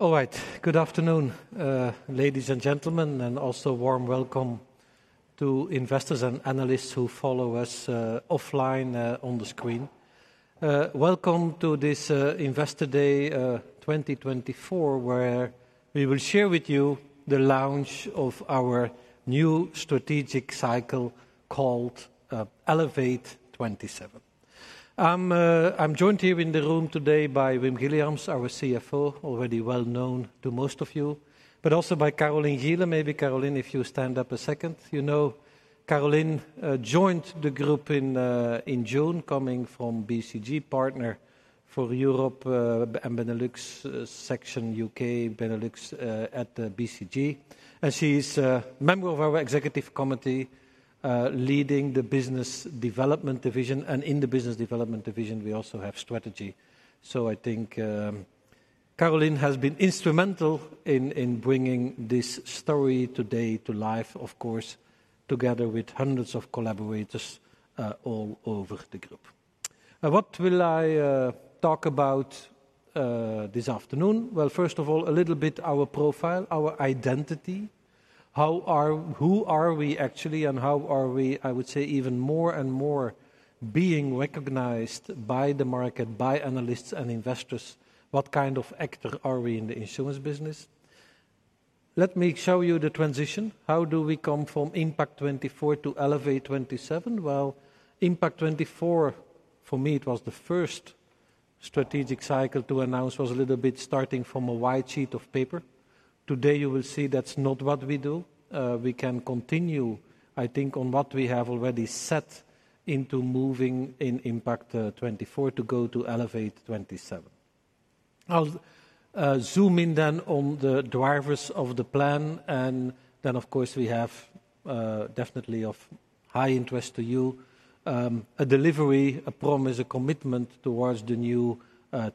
All right. Good afternoon, ladies and gentlemen, and also warm welcome to investors and analysts who follow us, offline, on the screen. Welcome to this, Investor Day, twenty twenty-four, where we will share with you the launch of our new strategic cycle called, Elevate27. I'm joined here in the room today by Wim Guilliams, our CFO, already well known to most of you, but also by Karolien Gielen. Maybe Karolien, if you stand up a second. You know, Karolien joined the group in June, coming from BCG partner for Europe and Benelux section, UK, Benelux at BCG. She's a member of our executive committee, leading the business development division, and in the business development division we also have strategy. I think, Karolien has been instrumental in bringing this story today to life, of course, together with hundreds of collaborators all over the group. What will I talk about this afternoon? First of all, a little bit our profile, our identity. How are... Who are we actually, and how are we, I would say, even more and more being recognized by the market, by analysts and investors? What kind of actor are we in the insurance business? Let me show you the transition. How do we come from Impact24 to Elevate27? Impact24, for me, it was the first strategic cycle to announce, was a little bit starting from a white sheet of paper. Today, you will see that's not what we do. We can continue, I think, on what we have already set into moving in Impact24 to go to Elevate27. I'll zoom in then on the drivers of the plan, and then, of course, we have definitely of high interest to you a delivery, a promise, a commitment towards the new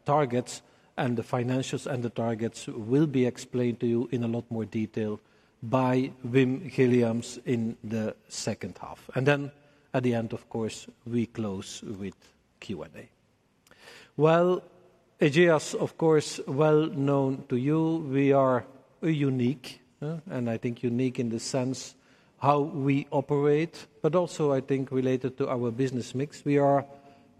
targets. The financials and the targets will be explained to you in a lot more detail by Wim Guilliams in the second half. Then at the end, of course, we close with Q&A. Ageas, of course, well known to you. We are unique and I think unique in the sense how we operate, but also I think related to our business mix.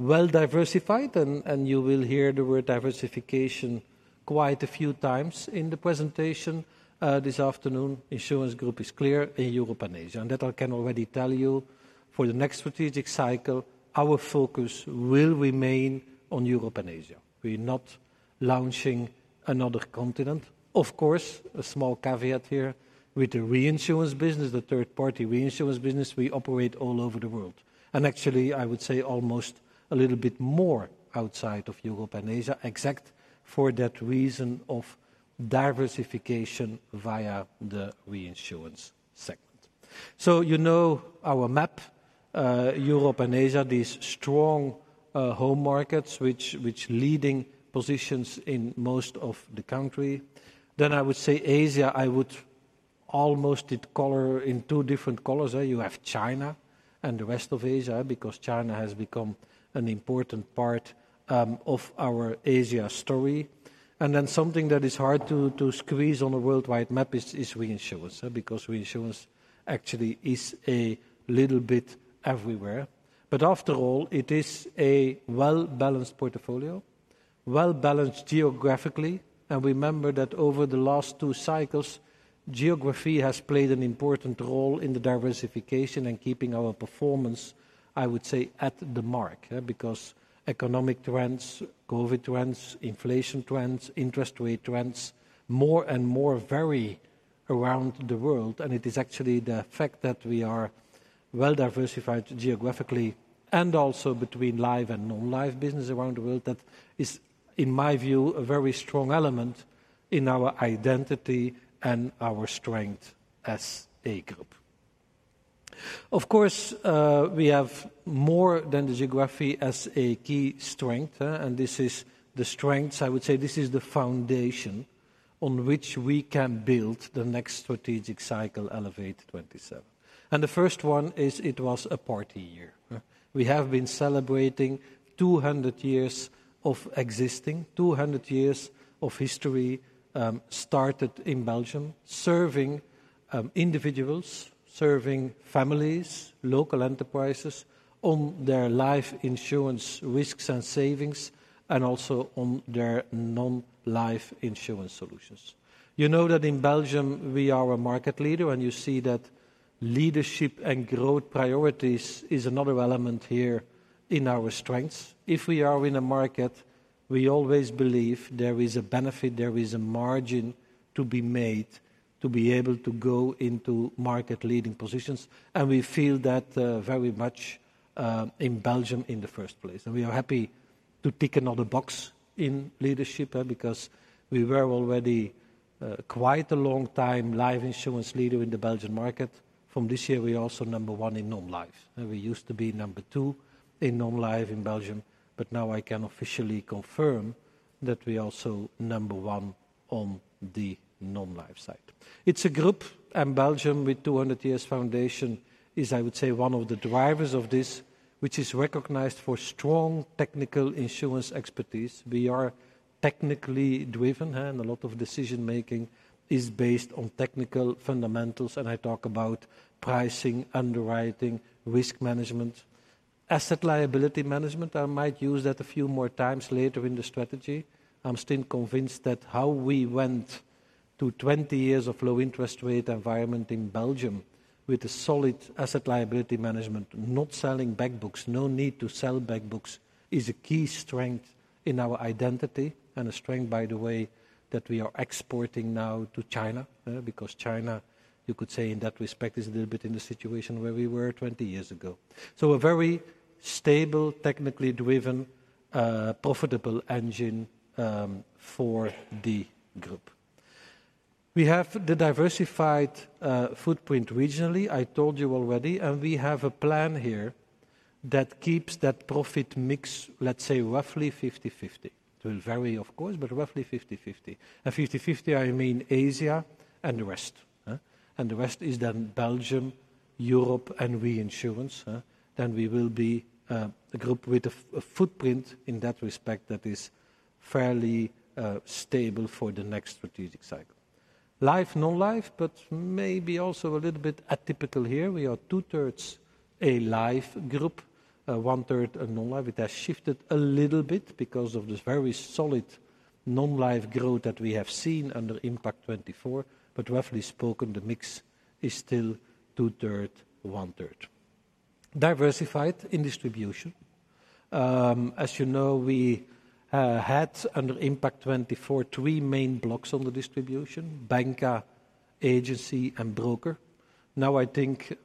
We are well-diversified, and you will hear the word diversification quite a few times in the presentation this afternoon. Insurance group is clear in Europe and Asia, and that I can already tell you, for the next strategic cycle, our focus will remain on Europe and Asia. We're not launching another continent. Of course, a small caveat here: with the reinsurance business, the third-party reinsurance business, we operate all over the world. And actually, I would say almost a little bit more outside of Europe and Asia, except for that reason of diversification via the reinsurance segment. So you know our map, Europe and Asia, these strong, home markets, which leading positions in most of the country. Then I would say Asia, I would almost color in two different colors. You have China and the rest of Asia, because China has become an important part, of our Asia story. Something that is hard to squeeze on a worldwide map is reinsurance, because reinsurance actually is a little bit everywhere. But after all, it is a well-balanced portfolio, well-balanced geographically. Remember that over the last two cycles, geography has played an important role in the diversification and keeping our performance, I would say, at the mark, because economic trends, COVID trends, inflation trends, interest rate trends, more and more vary around the world. It is actually the fact that we are well-diversified geographically and also between Life and Non-Life business around the world, that is, in my view, a very strong element in our identity and our strength as a group. Of course, we have more than the geography as a key strength, and this is the strengths. I would say this is the foundation on which we can build the next strategic cycle, Elevate27, and the first one is it was a party year. We have been celebrating two hundred years of existing, two hundred years of history, started in Belgium, serving individuals, serving families, local enterprises, on their life insurance risks and savings, and also on their Non-Life insurance solutions. You know that in Belgium, we are a market leader, and you see that leadership and growth priorities is another element here in our strengths. If we are in a market, we always believe there is a benefit, there is a margin to be made to be able to go into market-leading positions, and we feel that very much in Belgium in the first place. We are happy to tick another box in leadership, because we were already quite a long time life insurance leader in the Belgian market. From this year, we are also number one in Non-Life. We used to be number two in Non-Life in Belgium, but now I can officially confirm that we're also number one on the Non-Life side. It's a group, and Belgium, with two hundred years foundation, is, I would say, one of the drivers of this which is recognized for strong technical insurance expertise. We are technically driven, and a lot of decision-making is based on technical fundamentals, and I talk about pricing, underwriting, risk management. Asset liability management, I might use that a few more times later in the strategy. I'm still convinced that how we went to twenty years of low interest rate environment in Belgium with a solid asset liability management, not selling back books, no need to sell back books, is a key strength in our identity, and a strength, by the way, that we are exporting now to China, because China, you could say, in that respect, is a little bit in the situation where we were twenty years ago. So a very stable, technically driven, profitable engine, for the group. We have the diversified, footprint regionally, I told you already, and we have a plan here that keeps that profit mix, let's say, roughly 50/50. It will vary, of course, but roughly 50/50. And 50/50, I mean Asia and the West? And the West is then Belgium, Europe, and reinsurance. Then we will be a group with a footprint in that respect that is fairly stable for the next strategic cycle. Life, Non-Life, but maybe also a little bit atypical here. We are two-thirds a life group, one-third a Non-Life. It has shifted a little bit because of this very solid Non-Life growth that we have seen under Impact24, but roughly spoken, the mix is still two-third, one-third. Diversified in distribution. As you know, we had under Impact24 three main blocks on the distribution: banca, agency, and broker. Now, I think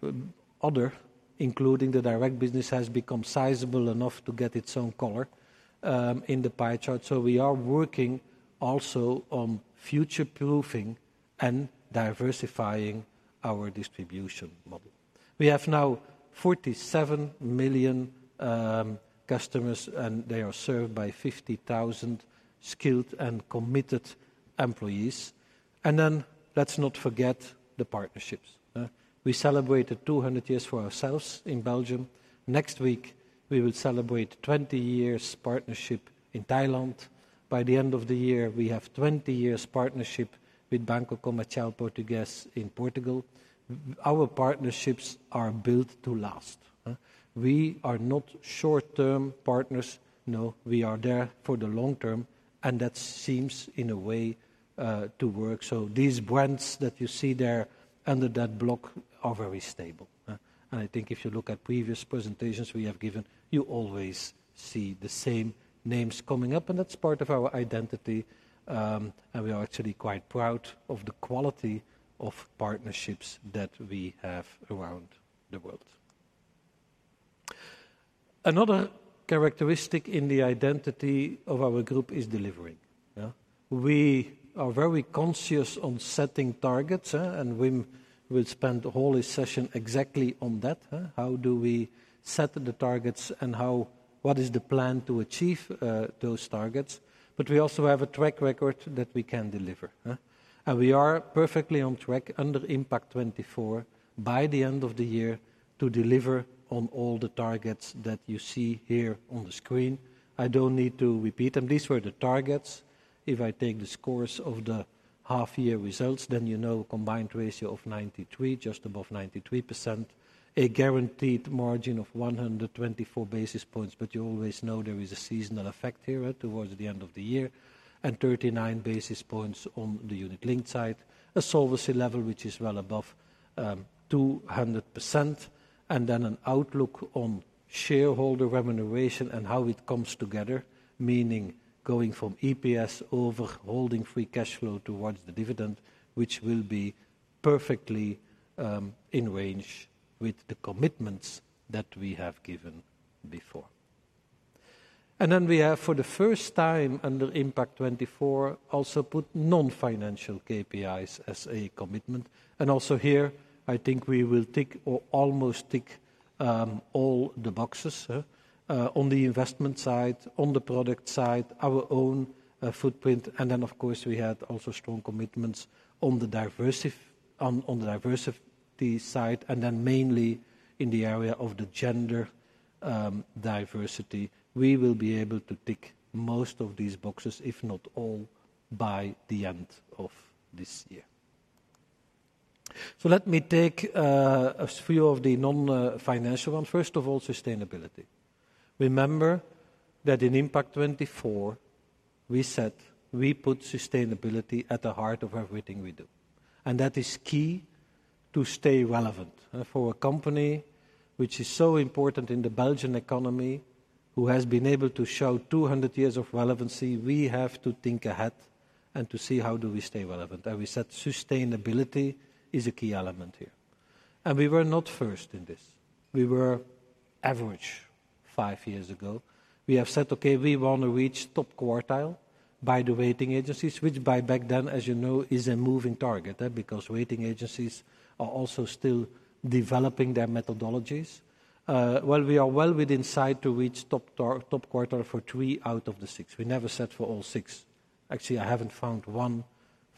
other, including the direct business, has become sizable enough to get its own color in the pie chart. So we are working also on future-proofing and diversifying our distribution model. We have now 47 million customers, and they are served by 50,000 skilled and committed employees. And then let's not forget the partnerships. We celebrated two hundred years for ourselves in Belgium. Next week, we will celebrate twenty years partnership in Thailand. By the end of the year, we have 20 partnership with Banco Comercial Português in Portugal. Our partnerships are built to last. We are not short-term partners. No, we are there for the long term, and that seems, in a way, to work. So these brands that you see there under that block are very stable. And I think if you look at previous presentations we have given, you always see the same names coming up, and that's part of our identity. And we are actually quite proud of the quality of partnerships that we have around the world. Another characteristic in the identity of our group is delivering, yeah. We are very conscious on setting targets, and Wim will spend the whole session exactly on that: how do we set the targets, and how what is the plan to achieve those targets? But we also have a track record that we can deliver, and we are perfectly on track under Impact24 by the end of the year to deliver on all the targets that you see here on the screen. I don't need to repeat them. These were the targets. If I take the scores of the half-year results, then you know combined ratio of 93, just above 93%, a guaranteed margin of 124 basis points, but you always know there is a seasonal effect here, towards the end of the year, and 39 basis points on the unit-linked side. A solvency level, which is well above 200%, and then an outlook on shareholder remuneration and how it comes together, meaning going from EPS over holding free cash flow towards the dividend, which will be perfectly in range with the commitments that we have given before. And then we have, for the first time under Impact24, also put non-financial KPIs as a commitment. And also here, I think we will tick or almost tick all the boxes on the investment side, on the product side, our own footprint, and then, of course, we had also strong commitments on the diversity side, and then mainly in the area of the gender diversity. We will be able to tick most of these boxes, if not all, by the end of this year. So let me take a few of the non-financial ones. First of all, sustainability. Remember that in Impact24, we said we put sustainability at the heart of everything we do, and that is key to stay relevant. For a company which is so important in the Belgian economy, who has been able to show two hundred years of relevancy, we have to think ahead and to see how do we stay relevant. And we said sustainability is a key element here. And we were not first in this. We were average five years ago. We have said, "Okay, we want to reach top quartile by the rating agencies," which by back then, as you know, is a moving target, because rating agencies are also still developing their methodologies. Well, we are well within sight to reach top quartile for three out of the six. We never set for all six. Actually, I haven't found one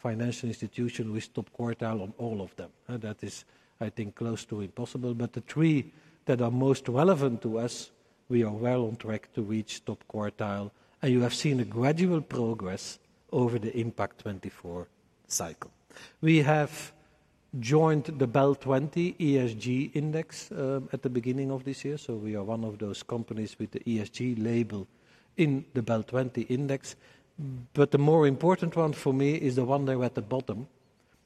financial institution with top quartile on all of them, that is, I think, close to impossible. But the three that are most relevant to us, we are well on track to reach top quartile, and you have seen a gradual progress over the Impact24 cycle. We have joined the BEL 20 ESG Index at the beginning of this year, so we are one of those companies with the ESG label in the BEL 20 Index. But the more important one for me is the one there at the bottom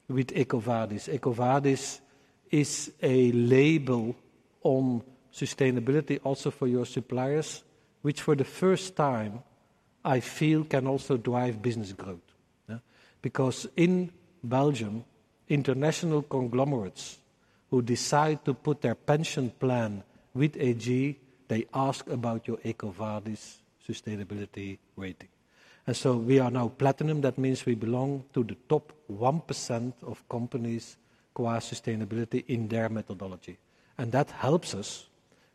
with EcoVadis. EcoVadis is a label on sustainability also for your suppliers, which for the first time, I feel can also drive business growth. Because in Belgium, international conglomerates who decide to put their pension plan with AG, they ask about your EcoVadis sustainability rating. And so we are now Platinum. That means we belong to the top 1% of companies qua sustainability in their methodology, and that helps us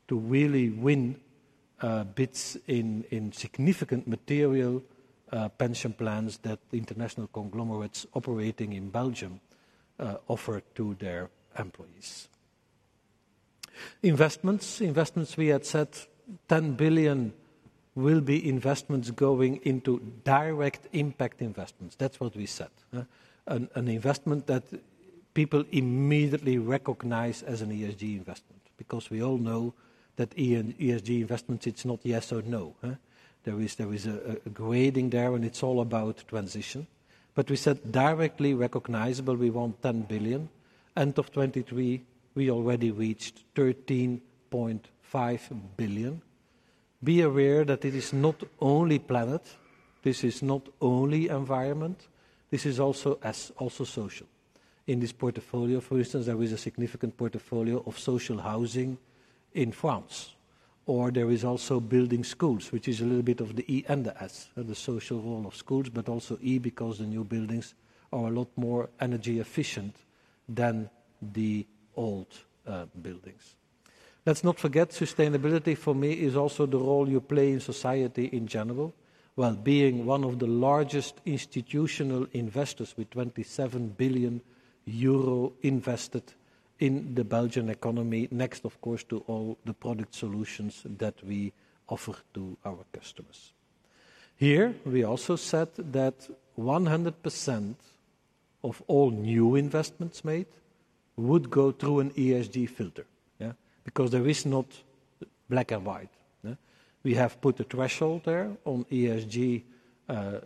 to really win bids in significant material pension plans that international conglomerates operating in Belgium offer to their employees. Investments. Investments we had said 10 billion will be investments going into direct Impact investments. That's what we said. An investment that people immediately recognize as an ESG investment, because we all know that ESG investments, it's not yes or no? There is a grading there, and it's all about transition. But we said directly recognizable, we want 10 billion. End of 2023, we already reached 13.5 billion. Be aware that it is not only planet, this is not only environment, this is also S, also social. In this portfolio, for instance, there is a significant portfolio of social housing in France, or there is also building schools, which is a little bit of the E and the S, the social role of schools, but also E because the new buildings are a lot more energy efficient than the old buildings. Let's not forget, sustainability for me is also the role you play in society in general, while being one of the largest institutional investors with 27 billion euro invested in the Belgian economy, next, of course, to all the product solutions that we offer to our customers. Here, we also said that 100% of all new investments made would go through an ESG filter, yeah. Because there is not black and white? We have put a threshold there on ESG,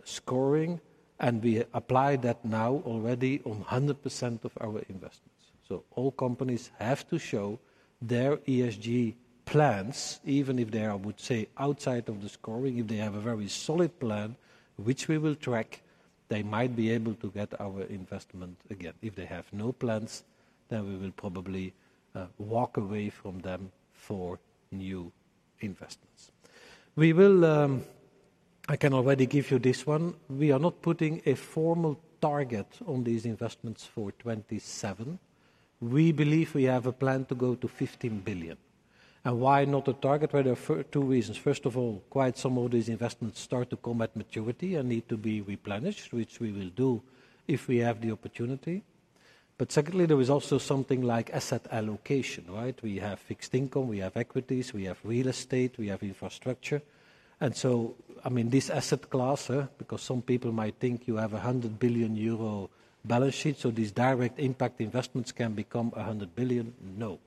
scoring, and we apply that now already on 100% of our investments. So all companies have to show their ESG plans, even if they are, I would say, outside of the scoring. If they have a very solid plan, which we will track, they might be able to get our investment again. If they have no plans, then we will probably walk away from them for new investments. I can already give you this one. We are not putting a formal target on these investments for 2027. We believe we have a plan to go to 15 billion. And why not a target? Well, there are two reasons. First of all, quite some of these investments start to come at maturity and need to be replenished, which we will do if we have the opportunity. But secondly, there is also something like asset allocation, right? We have fixed income, we have equities, we have real estate, we have infrastructure. And so, I mean, this asset class, because some people might think you have a 100 billion euro balance sheet, so these direct Impact investments can become a 100 billion. No,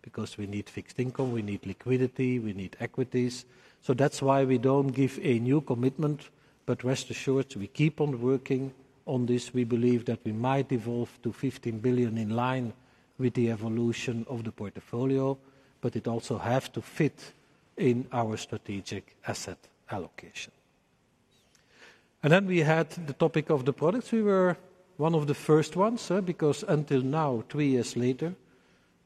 because we need fixed income, we need liquidity, we need equities. So that's why we don't give a new commitment, but rest assured, we keep on working on this. We believe that we might evolve to 15 billion in line with the evolution of the portfolio, but it also have to fit in our strategic asset allocation. And then we had the topic of the products. We were one of the first ones, because until now, three years later,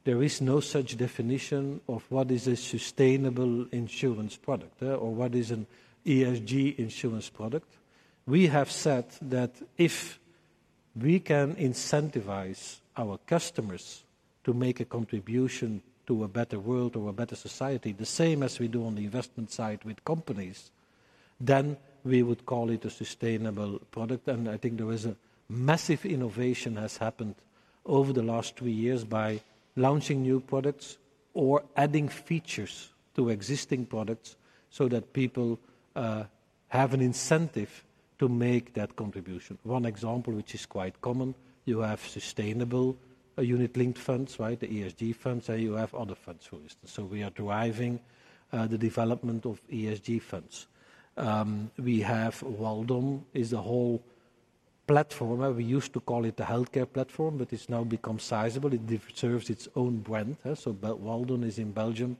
there is no such definition of what is a sustainable insurance product, or what is an ESG insurance product. We have said that if we can incentivize our customers to make a contribution to a better world or a better society, the same as we do on the investment side with companies, then we would call it a sustainable product. And I think there is a massive innovation has happened over the last three years by launching new products or adding features to existing products so that people, have an incentive to make that contribution. One example, which is quite common, you have sustainable, unit-linked funds, right? The ESG funds, and you have other funds, for instance. So we are driving, the development of ESG funds. We have Weldon is a whole platform. We used to call it the healthcare platform, but it's now become sizable. It deserves its own brand, so but Weldon is in Belgium,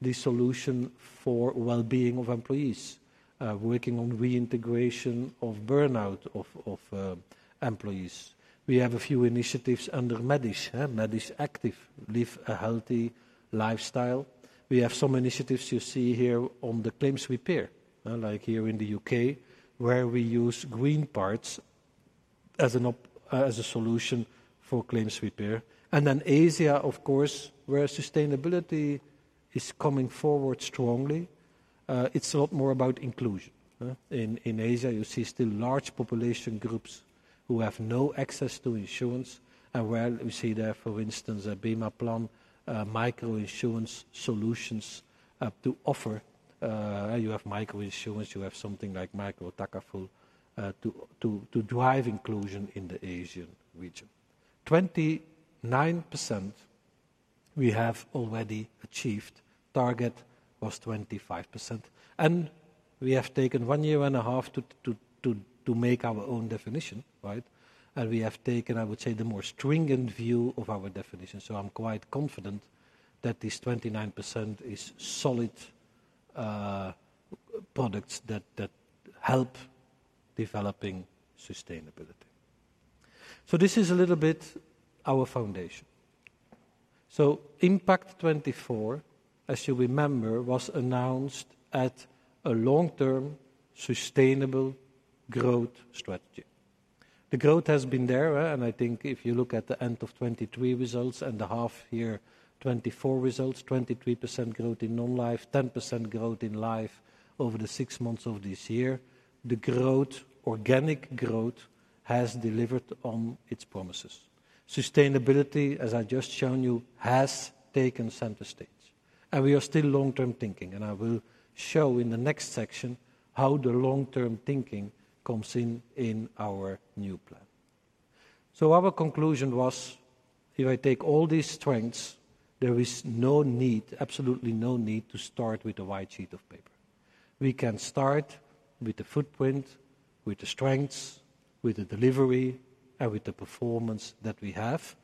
the solution for well-being of employees, working on reintegration of burnout of employees. We have a few initiatives under Médis. Médis Active, live a healthy lifestyle. We have some initiatives you see here on the claims repair, like here in the UK, where we use green parts as a solution for claims repair. And then Asia, of course, where sustainability is coming forward strongly, it's a lot more about inclusion. In Asia, you see still large population groups who have no access to insurance, and where we see there, for instance, a Bima plan, micro-insurance solutions, to offer. You have micro-insurance, you have something like micro-takaful, to drive inclusion in the Asian region. 29% we have already achieved. Target was 25%, and we have taken one year and a half to make our own definition, right? And we have taken, I would say, the more stringent view of our definition. So I'm quite confident that this 29% is solid, products that help developing sustainability. So this is a little bit our foundation. So Impact24, as you remember, was announced at a long-term, sustainable growth strategy. The growth has been there, and I think if you look at the end of 2023 results and the half year 2024 results, 23% growth in Non-Life, 10% growth in life over the six months of this year. The growth, organic growth, has delivered on its promises. Sustainability, as I've just shown you, has taken center stage, and we are still long-term thinking. I will show in the next section how the long-term thinking comes in in our new plan. Our conclusion was, if I take all these strengths, there is no need, absolutely no need, to start with a white sheet of paper. We can start with the footprint, with the strengths, with the delivery, and with the performance that we have.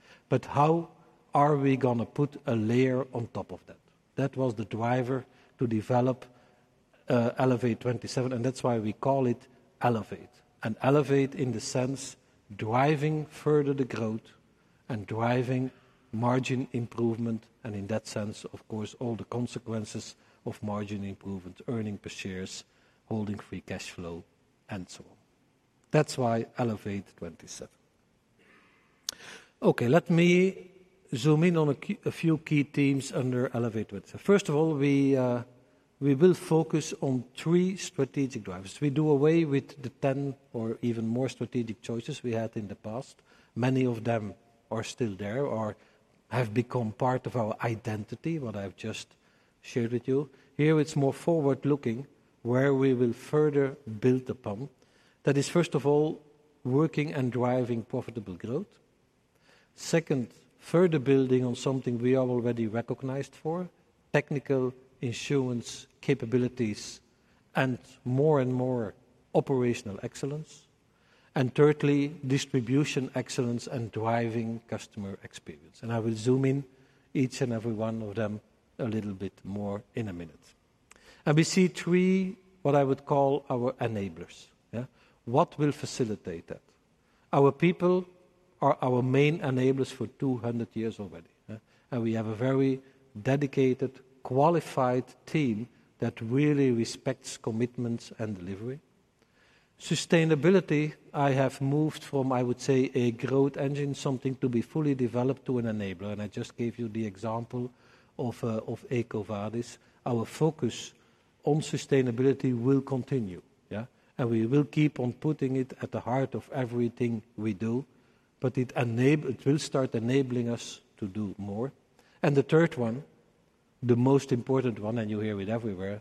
How are we gonna put a layer on top of that? That was the driver to develop Elevate27, and that's why we call it Elevate. Elevate in the sense, driving further the growth and driving margin improvement, and in that sense, of course, all the consequences of margin improvement, earnings per share, holding free cash flow, and so on. That's why Elevate27. Okay, let me zoom in on a few key themes under Elevate27. First of all, we will focus on three strategic drivers. We do away with the ten or even more strategic choices we had in the past. Many of them are still there or have become part of our identity, what I've just shared with you. Here, it's more forward-looking, where we will further build upon. That is, first of all, working and driving profitable growth. Second, further building on something we are already recognized for, technical insurance capabilities, and more and more operational excellence. And thirdly, distribution excellence and driving customer experience. And I will zoom in each and every one of them a little bit more in a minute. And we see three, what I would call our enablers. Yeah. What will facilitate that? Our people are our main enablers for two hundred years already, and we have a very dedicated, qualified team that really respects commitments and delivery. Sustainability, I have moved from, I would say, a growth engine, something to be fully developed, to an enabler, and I just gave you the example of EcoVadis. Our focus on sustainability will continue, yeah, and we will keep on putting it at the heart of everything we do, but it will start enabling us to do more. And the third one, the most important one, and you hear it everywhere,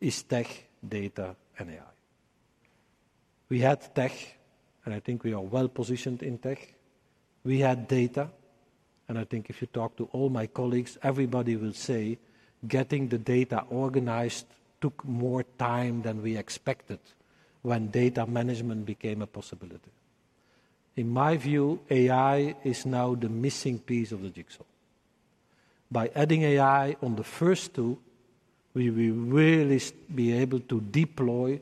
is tech, data, and AI. We had tech, and I think we are well-positioned in tech. We had data, and I think if you talk to all my colleagues, everybody will say, getting the data organized took more time than we expected when data management became a possibility. In my view, AI is now the missing piece of the jigsaw. By adding AI on the first two, we will really be able to deploy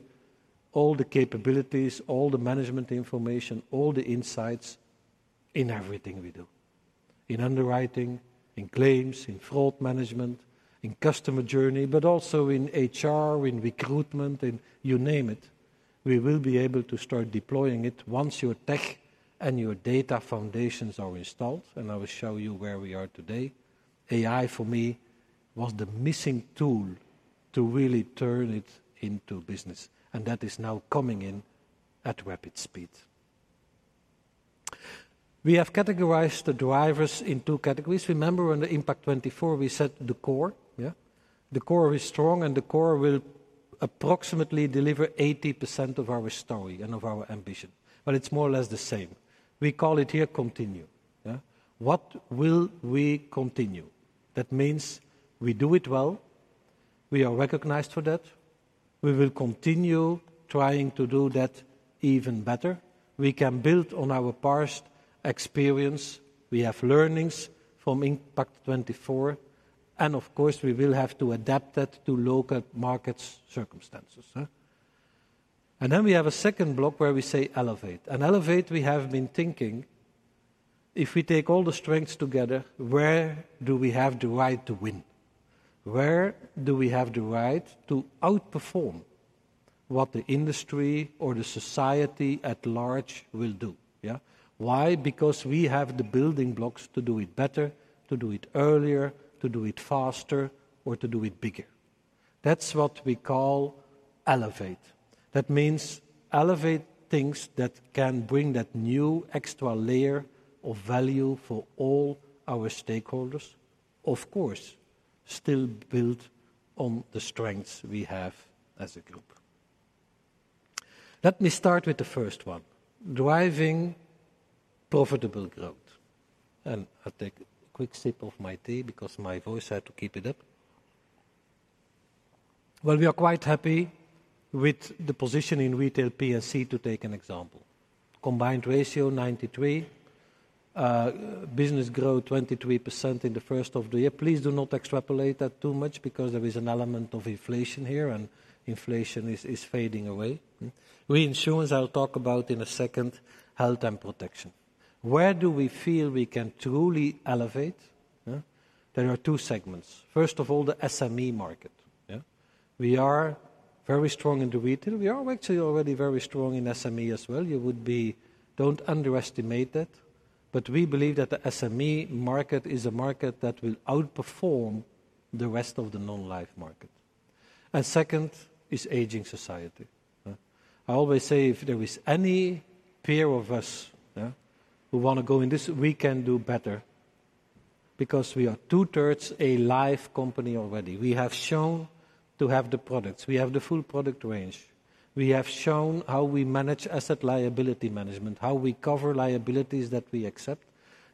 all the capabilities, all the management information, all the insights in everything we do, in underwriting, in claims, in fraud management, in customer journey, but also in HR, in recruitment, you name it. We will be able to start deploying it once your tech and your data foundations are installed, and I will show you where we are today. AI, for me, was the missing tool to really turn it into business, and that is now coming in at rapid speed. We have categorized the drivers in two categories. Remember, on the Impact24, we set the core, yeah? The core is strong, and the core will approximately deliver 80% of our story and of our ambition, but it's more or less the same. We call it here Continue. Yeah. What will we continue? That means we do it well. We are recognized for that. We will continue trying to do that even better. We can build on our past experience. We have learnings from Impact24, and of course, we will have to adapt that to local market circumstances, huh? And then we have a second block, where we say Elevate. And Elevate, we have been thinking... If we take all the strengths together, where do we have the right to win? Where do we have the right to outperform what the industry or the society at large will do, yeah? Why? Because we have the building blocks to do it better, to do it earlier, to do it faster, or to do it bigger. That's what we call Elevate. That means Elevate things that can bring that new extra layer of value for all our stakeholders. Of course, still build on the strengths we have as a group. Let me start with the first one: driving profitable growth. I'll take a quick sip of my tea because my voice, I have to keep it up. We are quite happy with the position in Retail P&C, to take an example, combined ratio, 93. Business growth, 23% in the first half of the year. Please do not extrapolate that too much, because there is an element of inflation here, and inflation is fading away. Reinsurance, I'll talk about in a second. Health and protection. Where do we feel we can truly Elevate, yeah? There are two segments. First of all, the SME market, yeah? We are very strong in the retail. We are actually already very strong in SME as well. You would be... Don't underestimate that, but we believe that the SME market is a market that will outperform the rest of the Non-Life market. And second is aging society, yeah? I always say, if there is any peer of us, yeah, who wanna go in this, we can do better because we are two-thirds a life company already. We have shown to have the products. We have the full product range. We have shown how we manage asset liability management, how we cover liabilities that we accept,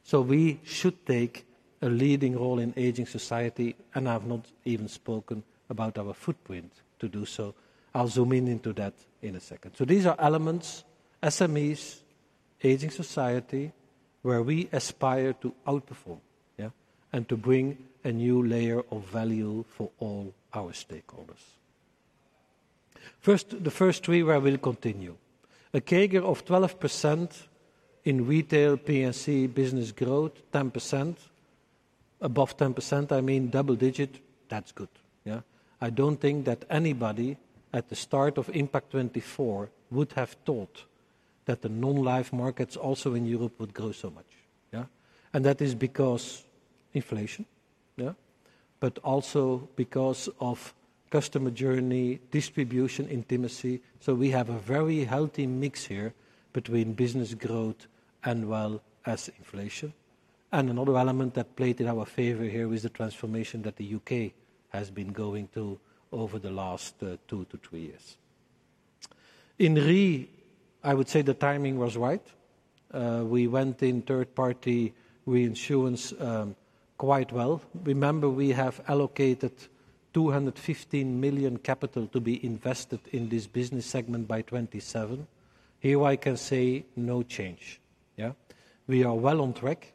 so we should take a leading role in aging society, and I've not even spoken about our footprint to do so. I'll zoom in into that in a second, so these are elements, SMEs, aging society, where we aspire to outperform, yeah, and to bring a new layer of value for all our stakeholders. First, the first three, where we'll continue. A CAGR of 12% in Retail P&C business growth, 10%. Above 10%, I mean, double-digit, that's good, yeah? I don't think that anybody at the start of Impact24 would have thought that the Non-Life markets also in Europe would grow so much, yeah? And that is because inflation, yeah, but also because of customer journey, distribution, intimacy, so we have a very healthy mix here between business growth as well as inflation. And another element that played in our favor here is the transformation that the UK has been going through over the last two to three years. In Re, I would say the timing was right. We went in third-party reinsurance, quite well. Remember, we have allocated 215 million capital to be invested in this business segment by 2027. Here, I can say no change, yeah? We are well on track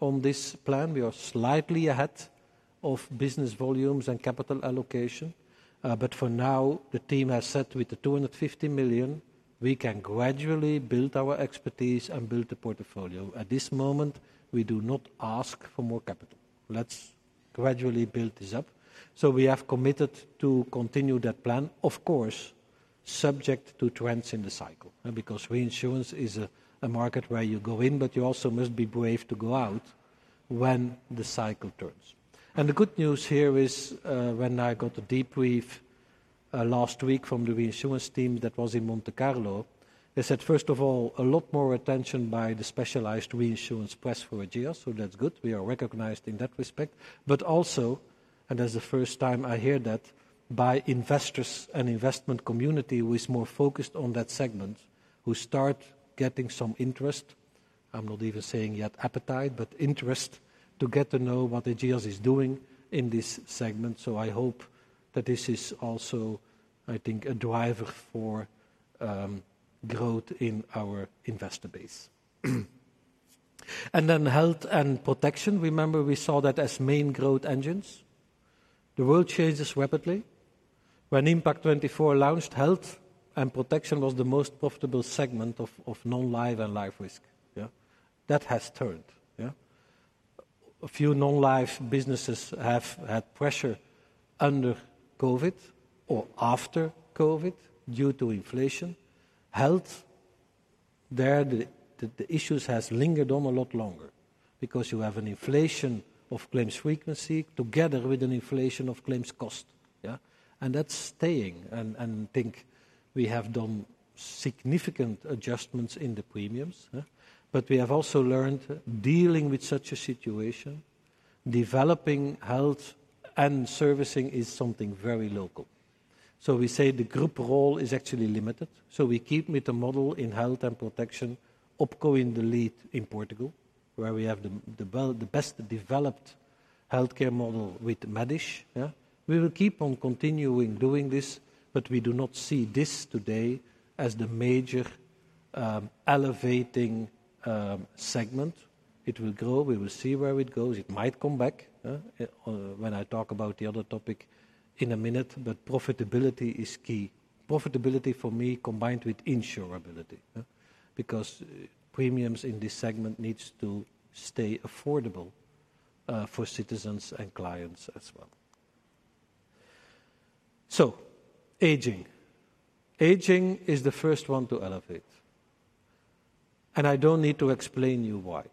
on this plan. We are slightly ahead of business volumes and capital allocation, but for now, the team has said with the 250 million, we can gradually build our expertise and build the portfolio. At this moment, we do not ask for more capital. Let's gradually build this up. So we have committed to continue that plan, of course, subject to trends in the cycle. And because reinsurance is a market where you go in, but you also must be brave to go out when the cycle turns. And the good news here is, when I got a debrief last week from the reinsurance team that was in Monte Carlo, they said, first of all, a lot more attention by the specialized reinsurance press for Ageas, so that's good. We are recognized in that respect. But also, and that's the first time I hear that, by investors and investment community who is more focused on that segment, who start getting some interest. I'm not even saying yet appetite, but interest to get to know what Ageas is doing in this segment. So I hope that this is also, I think, a driver for growth in our investor base. And then health and protection, remember, we saw that as main growth engines. The world changes rapidly. When Impact24 launched, health and protection was the most profitable segment of Non-Life and life risk, yeah? That has turned, yeah. A few Non-Life businesses have had pressure under COVID or after COVID due to inflation. Health, there, the issues has lingered on a lot longer because you have an inflation of claims frequency together with an inflation of claims cost, yeah? And that's staying. And I think we have done significant adjustments in the premiums, but we have also learned dealing with such a situation, developing health and servicing is something very local. So we say the group role is actually limited, so we keep with the model in health and protection, Ageas in the lead in Portugal, where we have, well, the best developed healthcare model with Médis, yeah? We will keep on continuing doing this, but we do not see this today as the major elevating segment. It will grow. We will see where it goes. It might come back when I talk about the other topic in a minute, but profitability is key. Profitability for me, combined with insurability, because premiums in this segment needs to stay affordable for citizens and clients as well. So aging. Aging is the first one to Elevate, and I don't need to explain you why.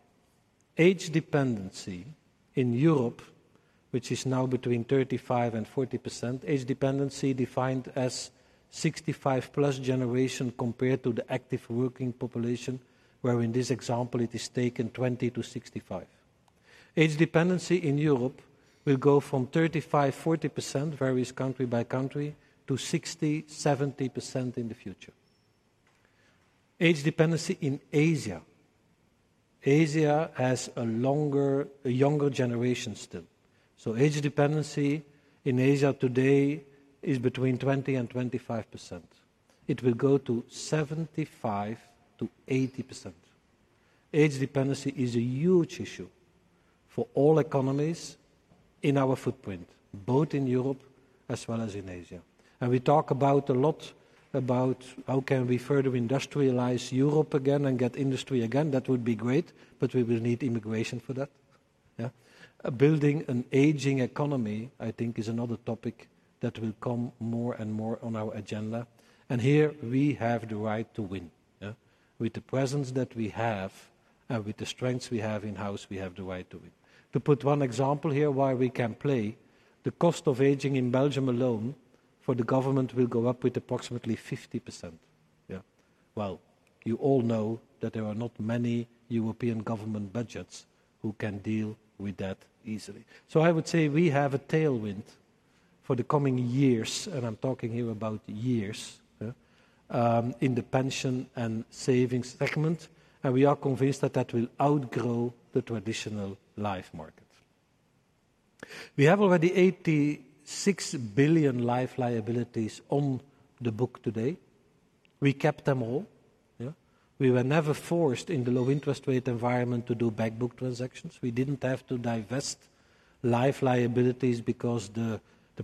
Age dependency in Europe, which is now between 35% and 40%, age dependency defined as 65+ generation compared to the active working population, where in this example it is taken twenty to 65. Age dependency in Europe will go from 35%-40%, varies country by country, to 60%-70% in the future. Age dependency in Asia. Asia has a longer, a younger generation still. So age dependency in Asia today is between 20% and 25%. It will go to 75%-80%. Age dependency is a huge issue for all economies in our footprint, both in Europe as well as in Asia. We talk a lot about how can we further industrialize Europe again and get industry again? That would be great, but we will need immigration for that. Yeah. Building an aging economy, I think, is another topic that will come more and more on our agenda, and here we have the right to win, yeah? With the presence that we have and with the strengths we have in-house, we have the right to win. To put one example here where we can play, the cost of aging in Belgium alone for the government will go up with approximately 50%. Yeah. You all know that there are not many European government budgets who can deal with that easily. So I would say we have a tailwind for the coming years, and I'm talking here about years, yeah, in the pension and savings segment, and we are convinced that that will outgrow the traditional life market. We have already 86 billion life liabilities on the book today. We kept them all. Yeah. We were never forced in the low interest rate environment to do back book transactions. We didn't have to divest life liabilities because the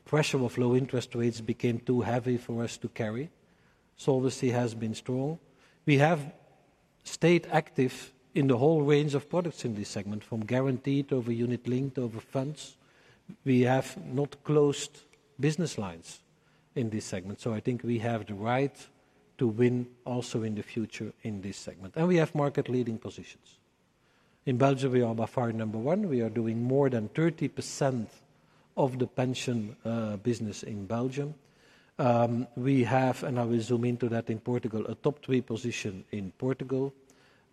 pressure of low interest rates became too heavy for us to carry, solvency has been strong. We have stayed active in the whole range of products in this segment, from guaranteed, over unit-linked, over funds. We have not closed business lines in this segment, so I think we have the right to win also in the future in this segment. And we have market-leading positions. In Belgium, we are by far number one. We are doing more than 30% of the pension business in Belgium. We have, and I will zoom into that in Portugal, a top three position in Portugal.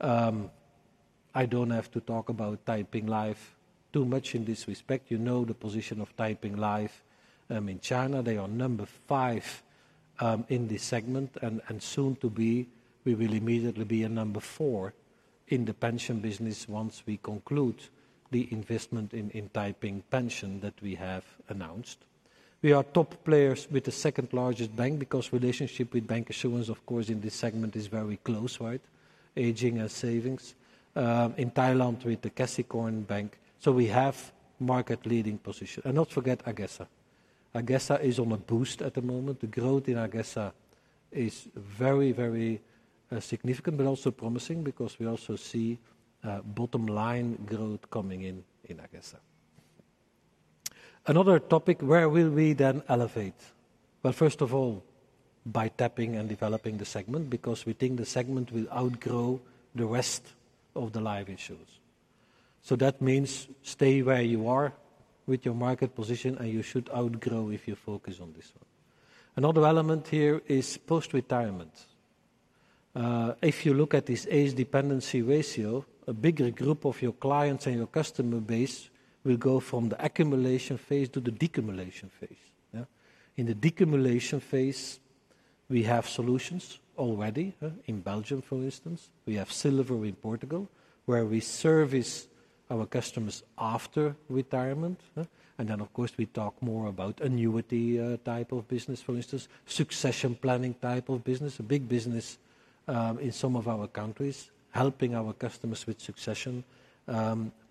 I don't have to talk about Taiping Life too much in this respect. You know the position of Taiping Life in China. They are number five in this segment, and soon to be, we will immediately be a number four in the pension business once we conclude the investment in Taiping Pension that we have announced. We are top players with the second-largest bank, because relationship with bancassurance, of course, in this segment is very close, right? Aging and savings. In Thailand, with the Kasikornbank. So we have market-leading position. And not forget AgeSA. AgeSA is on a boost at the moment. The growth in AgeSA is very, very significant, but also promising because we also see bottom line growth coming in in AgeSA. Another topic, where will we then Elevate? Well, first of all, by tapping and developing the segment, because we think the segment will outgrow the rest of the life issuers. So that means stay where you are with your market position, and you should outgrow if you focus on this one. Another element here is post-retirement. If you look at this age dependency ratio, a bigger group of your clients and your customer base will go from the accumulation phase to the decumulation phase. Yeah? In the decumulation phase, we have solutions already in Belgium, for instance. We have Silver in Portugal, where we service our customers after retirement. Of course, we talk more about annuity type of business, for instance, succession planning type of business, a big business in some of our countries, helping our customers with succession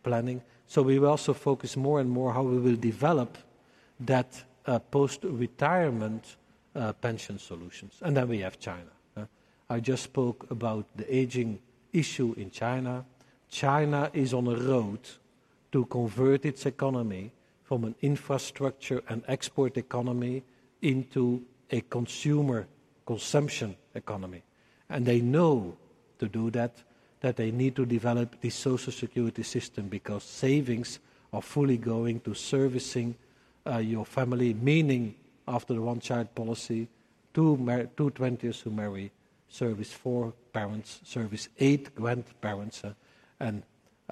planning. We will also focus more and more how we will develop that post-retirement pension solutions. We have China. I just spoke about the aging issue in China. China is on a road to convert its economy from an infrastructure and export economy into a consumer consumption economy. They know to do that, that they need to develop the Social Security system, because savings are fully going to servicing your family. Meaning, after the one-child policy, two twenties who marry serve four parents, serve eight grandparents. And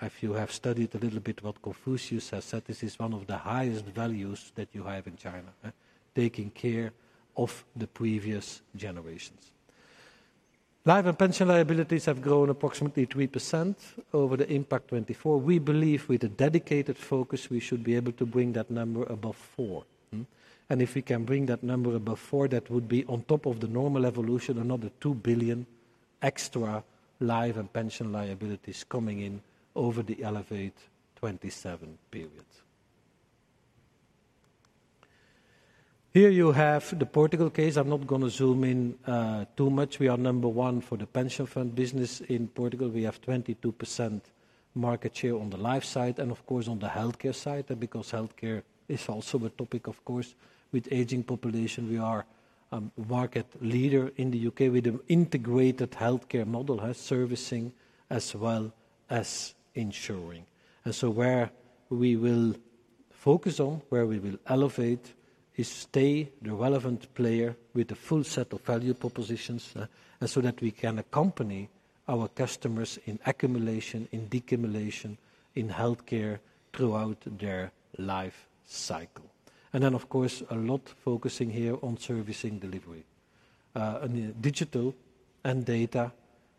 if you have studied a little bit what Confucius has said, this is one of the highest values that you have in China, taking care of the previous generations. Life and pension liabilities have grown approximately 3% over the Impact24. We believe with a dedicated focus, we should be able to bring that number above 4%. And if we can bring that number above 4%, that would be on top of the normal evolution, another 2 billion extra life and pension liabilities coming in over the Elevate27 period. Here you have the Portugal case. I'm not gonna zoom in, too much. We are number one for the pension fund business in Portugal. We have 22% market share on the life side and, of course, on the healthcare side. And because healthcare is also a topic, of course, with aging population, we are market leader in the UK with an integrated healthcare model, has servicing as well as insuring. And so where we will focus on, where we will Elevate, is stay the relevant player with a full set of value propositions, and so that we can accompany our customers in accumulation, in deaccumulation, in healthcare throughout their life cycle. And then, of course, a lot focusing here on servicing delivery. And digital and data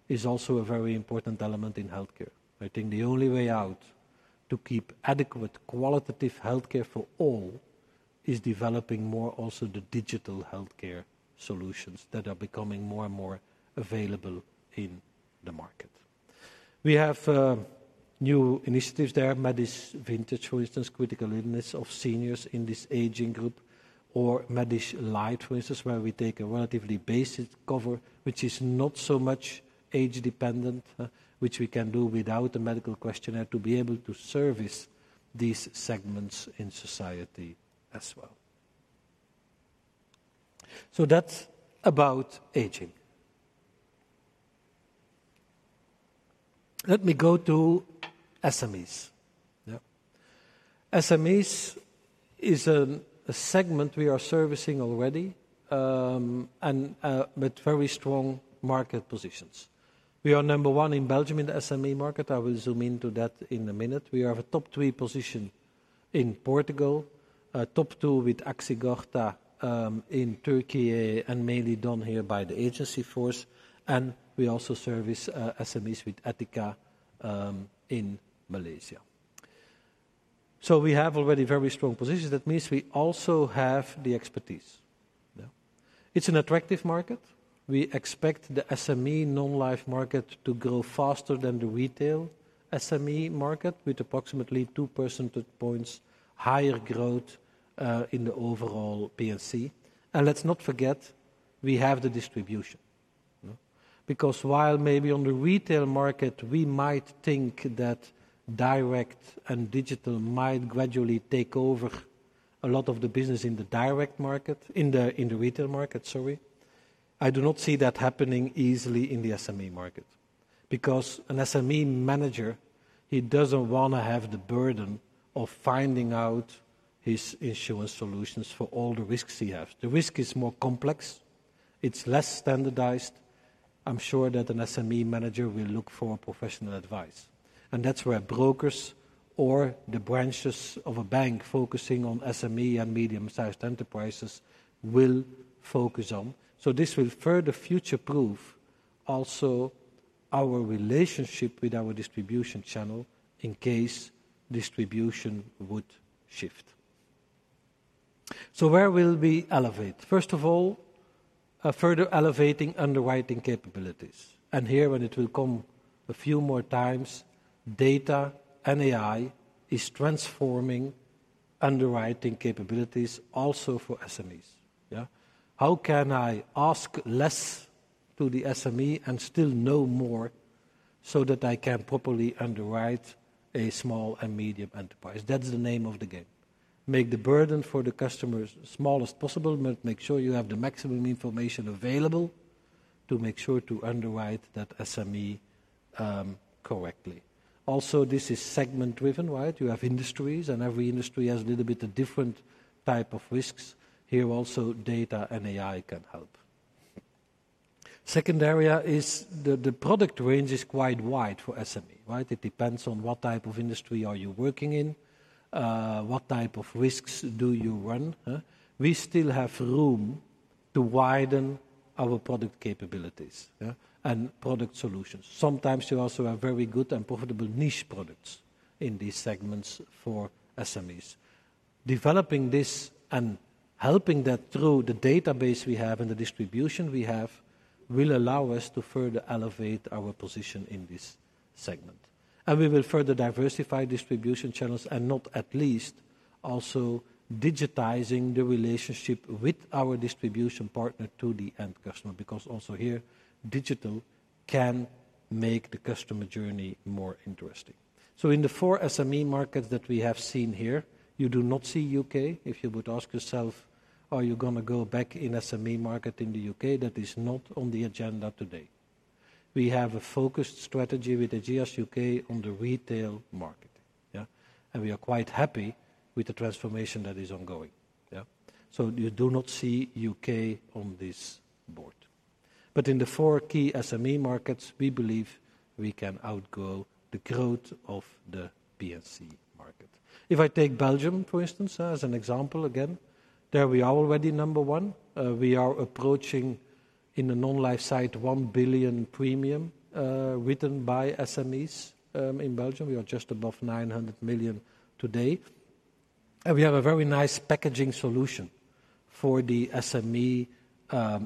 is also a very important element in healthcare. I think the only way out to keep adequate qualitative healthcare for all is developing more also the digital healthcare solutions that are becoming more and more available in the market. We have new initiatives there, Médis Vintage, for instance, critical illness of seniors in this aging group, or Médis Light, for instance, where we take a relatively basic cover, which is not so much age-dependent, which we can do without a medical questionnaire to be able to service these segments in society as well. So that's about aging. Let me go to SMEs. Yeah. SMEs is a segment we are servicing already, and with very strong market positions. We are number one in Belgium, in the SME market. I will zoom into that in a minute. We have a top three position in Portugal, top two with Aksigorta in Turkey, and mainly done here by the agency force, and we also service SMEs with Etiqa in Malaysia. So we have already very strong positions. That means we also have the expertise. Yeah. It's an attractive market. We expect the SME Non-Life market to grow faster than the retail SME market, with approximately two percentage points higher growth in the overall P&C, and let's not forget, we have the distribution. Yeah. Because while maybe on the retail market, we might think that direct and digital might gradually take over a lot of the business in the direct market—in the retail market, sorry, I do not see that happening easily in the SME market. Because an SME manager, he doesn't wanna have the burden of finding out his insurance solutions for all the risks he has. The risk is more complex. It's less standardized. I'm sure that an SME manager will look for professional advice, and that's where brokers or the branches of a bank focusing on SME and medium-sized enterprises will focus on. So this will further future-proof also our relationship with our distribution channel in case distribution would shift. So where will we Elevate? First of all, further elevating underwriting capabilities. And here, when it will come a few more times, data and AI is transforming underwriting capabilities also for SMEs. Yeah. How can I ask less to the SME and still know more, so that I can properly underwrite a small and medium enterprise? That's the name of the game. Make the burden for the customers as small as possible, but make sure you have the maximum information available to make sure to underwrite that SME, correctly. Also, this is segment-driven, right? You have industries, and every industry has a little bit of different type of risks. Here, also, data and AI can help. Second area is the product range is quite wide for SME, right? It depends on what type of industry are you working in, what type of risks do you run? We still have room to widen our product capabilities, yeah, and product solutions. Sometimes you also have very good and profitable niche products in these segments for SMEs. Developing this and helping that through the database we have and the distribution we have, will allow us to further Elevate our position in this segment. And we will further diversify distribution channels, and not least, also digitizing the relationship with our distribution partner to the end customer, because also here, digital can make the customer journey more interesting. So in the four SME markets that we have seen here, you do not see UK If you would ask yourself, are you gonna go back in SME market in the UK? That is not on the agenda today. We have a focused strategy with Ageas UK on the retail market. Yeah, and we are quite happy with the transformation that is ongoing. Yeah. So you do not see UK on this board. But in the four key SME markets, we believe we can outgrow the growth of the P&C market. If I take Belgium, for instance, as an example, again, there we are already number one. We are approaching, in the Non-Life side, 1 billion premium written by SMEs in Belgium. We are just above 900 million today. And we have a very nice packaging solution for the SME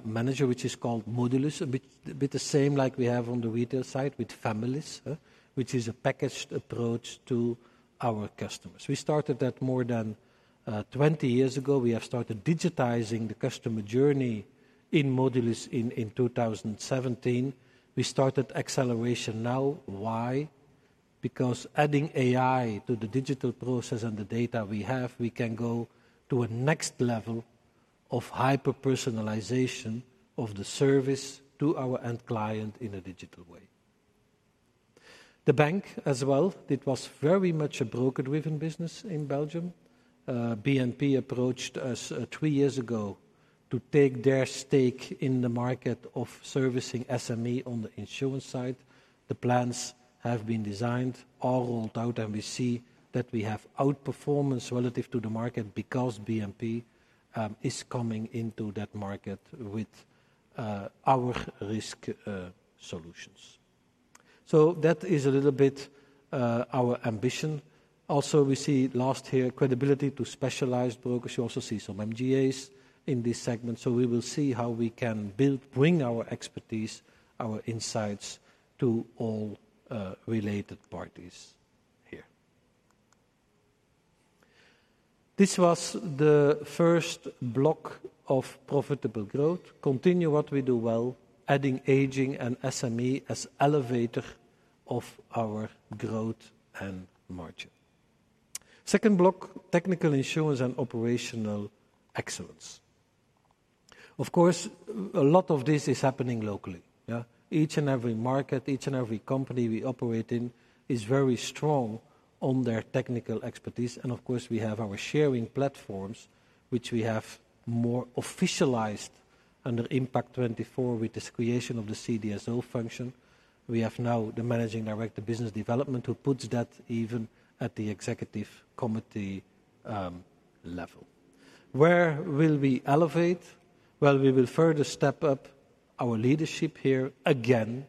manager, which is called Modulis. A bit the same like we have on the retail side with Familis, which is a packaged approach to our customers. We started that more than 20 years ago. We have started digitizing the customer journey in Modulis in 2017. We started acceleration now. Why? Because adding AI to the digital process and the data we have, we can go to a next level of hyper-personalization of the service to our end client in a digital way. The bank as well, it was very much a broker-driven business in Belgium. BNP approached us three years ago to take their stake in the market of servicing SME on the insurance side. The plans have been designed, all rolled out, and we see that we have outperformance relative to the market because BNP is coming into that market with our risk solutions. So that is a little bit our ambition. Also, we see last year, credibility to specialized brokers. You also see some MGAs in this segment. So we will see how we can bring our expertise, our insights, to all related parties here. This was the first block of profitable growth. Continue what we do well, adding Ageas and SME as levers of our growth and margin. Second block, technical insurance and operational excellence. Of course, a lot of this is happening locally, yeah? Each and every market, each and every company we operate in, is very strong on their technical expertise. And of course, we have our sharing platforms, which we have more officialized under Impact24 with this creation of the CDSO function. We have now the managing director, business development, who puts that even at the executive committee level. Where will we Elevate? Well, we will further step up our leadership here, again,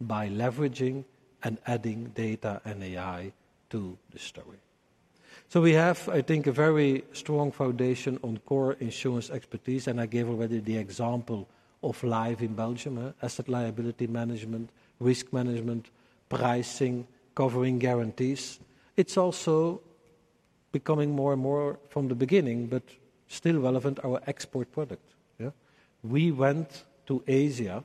by leveraging and adding data and AI to the story. We have, I think, a very strong foundation on core insurance expertise, and I gave already the example of Life in Belgium: asset liability management, risk management, pricing, covering guarantees. It's also becoming more and more from the beginning, but still relevant, our export product, yeah? We went to Asia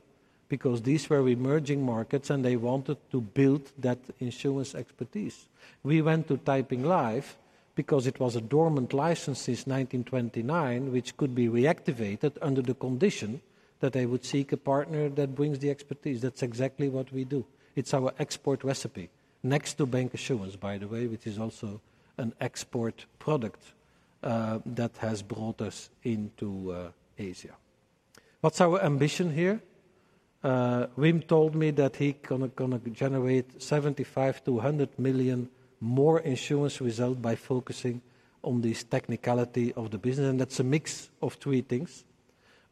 because these were emerging markets, and they wanted to build that insurance expertise. We went to Taiping Life because it was a dormant license since nineteen twenty-nine, which could be reactivated under the condition that they would seek a partner that brings the expertise. That's exactly what we do. It's our export recipe. Next to bank insurance, by the way, which is also an export product that has brought us into Asia. What's our ambition here? Wim told me that he gonna generate 75 million-100 million more insurance result by focusing on this technicality of the business, and that's a mix of three things: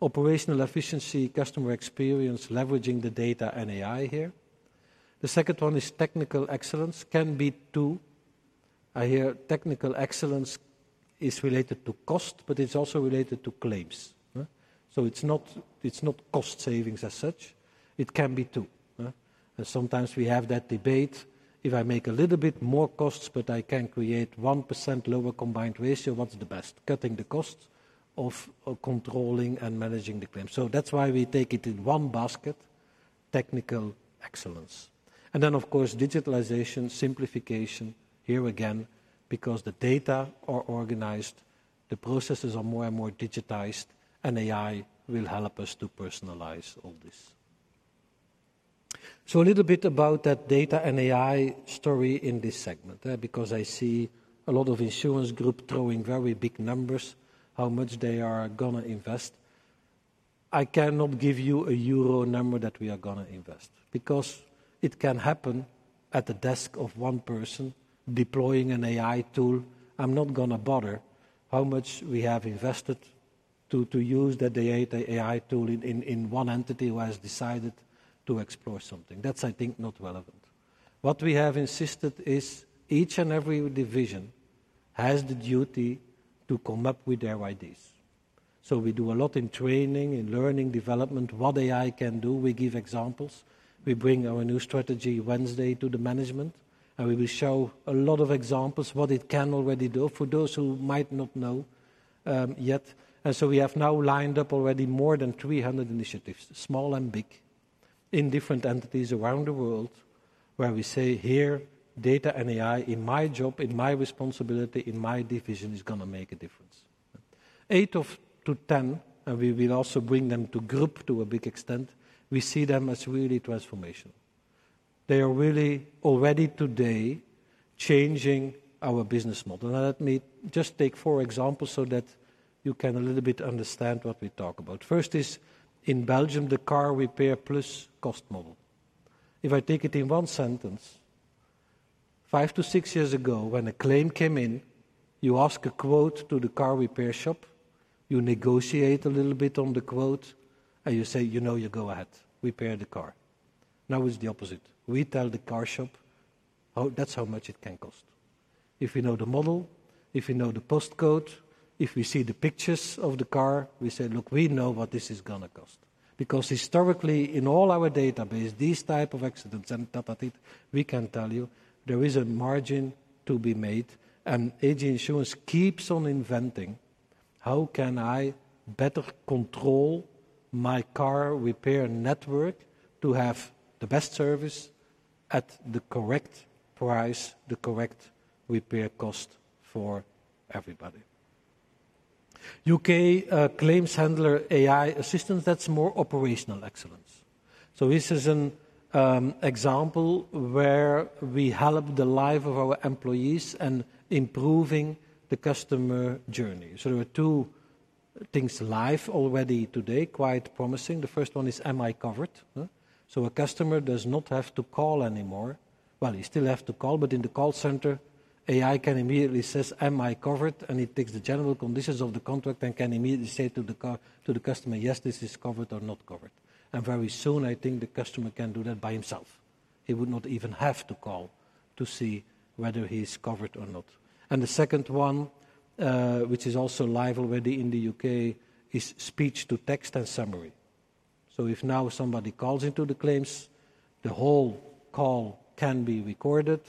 operational efficiency, customer experience, leveraging the data and AI here. The second one is technical excellence, can be too. I hear technical excellence is related to cost, but it's also related to claims. So it's not, it's not cost savings as such. It can be too. And sometimes we have that debate: if I make a little bit more costs, but I can create 1% lower combined ratio, what's the best, cutting the cost of controlling and managing the claim? So that's why we take it in one basket, technical excellence. Then, of course, digitalization, simplification, here again, because the data are organized, the processes are more and more digitized, and AI will help us to personalize all this. So a little bit about that data and AI story in this segment, because I see a lot of insurance group throwing very big numbers, how much they are gonna invest. I cannot give you a euro number that we are gonna invest, because it can happen at the desk of one person deploying an AI tool. I'm not gonna bother how much we have invested to use that AI tool in one entity who has decided to explore something. That's, I think, not relevant. What we have insisted is, each and every division has the duty to come up with their ideas. So we do a lot in training and learning development, what AI can do. We give examples. We bring our new strategy Wednesday to the management, and we will show a lot of examples what it can already do for those who might not know, yet. And so we have now lined up already more than three hundred initiatives, small and big, in different entities around the world, where we say, "Here, data and AI in my job, in my responsibility, in my division, is gonna make a difference." Eight out of ten, and we will also bring them to the group to a big extent, we see them as really transformational. They are really already today changing our business model. Now let me just take four examples so that you can a little bit understand what we talk about. First is in Belgium, the car repair plus cost model. If I take it in one sentence, five to six years ago, when a claim came in, you ask a quote to the car repair shop, you negotiate a little bit on the quote, and you say, "You know, you go ahead, repair the car." Now it's the opposite. We tell the car shop, "Oh, that's how much it can cost." If you know the model, if you know the post code, if we see the pictures of the car, we say, "Look, we know what this is gonna cost." Because historically, in all our database, these type of accidents, we can tell you there is a margin to be made, and AG Insurance keeps on inventing, how can I better control my car repair network to have the best service at the correct price, the correct repair cost for everybody? UK claims handler AI assistance, that's more operational excellence. This is an example where we help the life of our employees and improving the customer journey. There are two things live already today, quite promising. The first one is, am I covered? A customer does not have to call anymore. He still has to call, but in the call center, AI can immediately say, "Am I covered?" And it takes the general conditions of the contract and can immediately say to the customer, "Yes, this is covered or not covered." Very soon, I think the customer can do that by himself. He would not even have to call to see whether he's covered or not. The second one, which is also live already in the UK, is speech-to-text and summary. So if now somebody calls into the claims, the whole call can be recorded.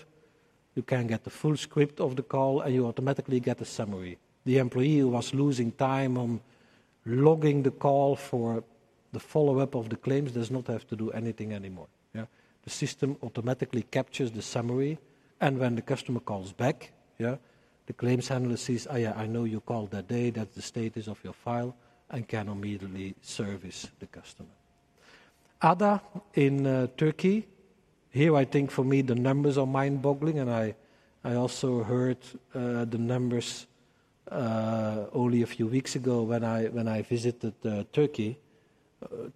You can get the full script of the call, and you automatically get a summary. The employee who was losing time on logging the call for the follow-up of the claims does not have to do anything anymore, yeah. The system automatically captures the summary, and when the customer calls back, yeah, the claims handler says, "Oh, yeah, I know you called that day. That's the status of your file," and can immediately service the customer. Ada in Turkey. Here, I think, for me, the numbers are mind-boggling, and I also heard the numbers only a few weeks ago when I visited Turkey.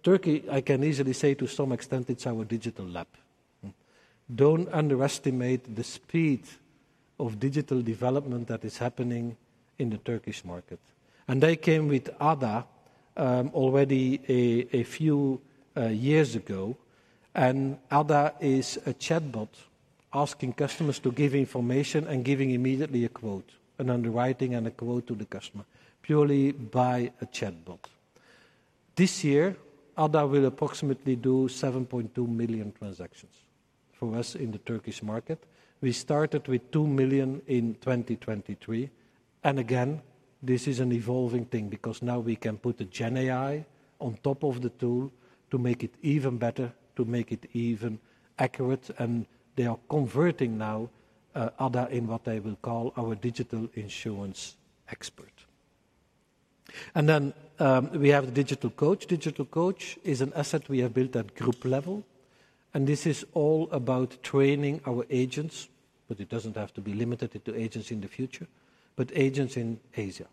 Turkey, I can easily say to some extent, it's our digital lab, hmm. Don't underestimate the speed of digital development that is happening in the Turkish market. They came with Ada already a few years ago, and Ada is a chatbot asking customers to give information and giving immediately a quote, an underwriting and a quote to the customer, purely by a chatbot. This year, Ada will approximately do 7.2 million transactions for us in the Turkish market. We started with 2 million in 2023, and again, this is an evolving thing because now we can put a GenAI on top of the tool to make it even better, to make it even accurate, and they are converting Ada now into what I will call our digital insurance expert. Then we have the Digital Coach. Digital Coach is an asset we have built at group level, and this is all about training our agents, but it doesn't have to be limited to agents in the future, but agents in Asia.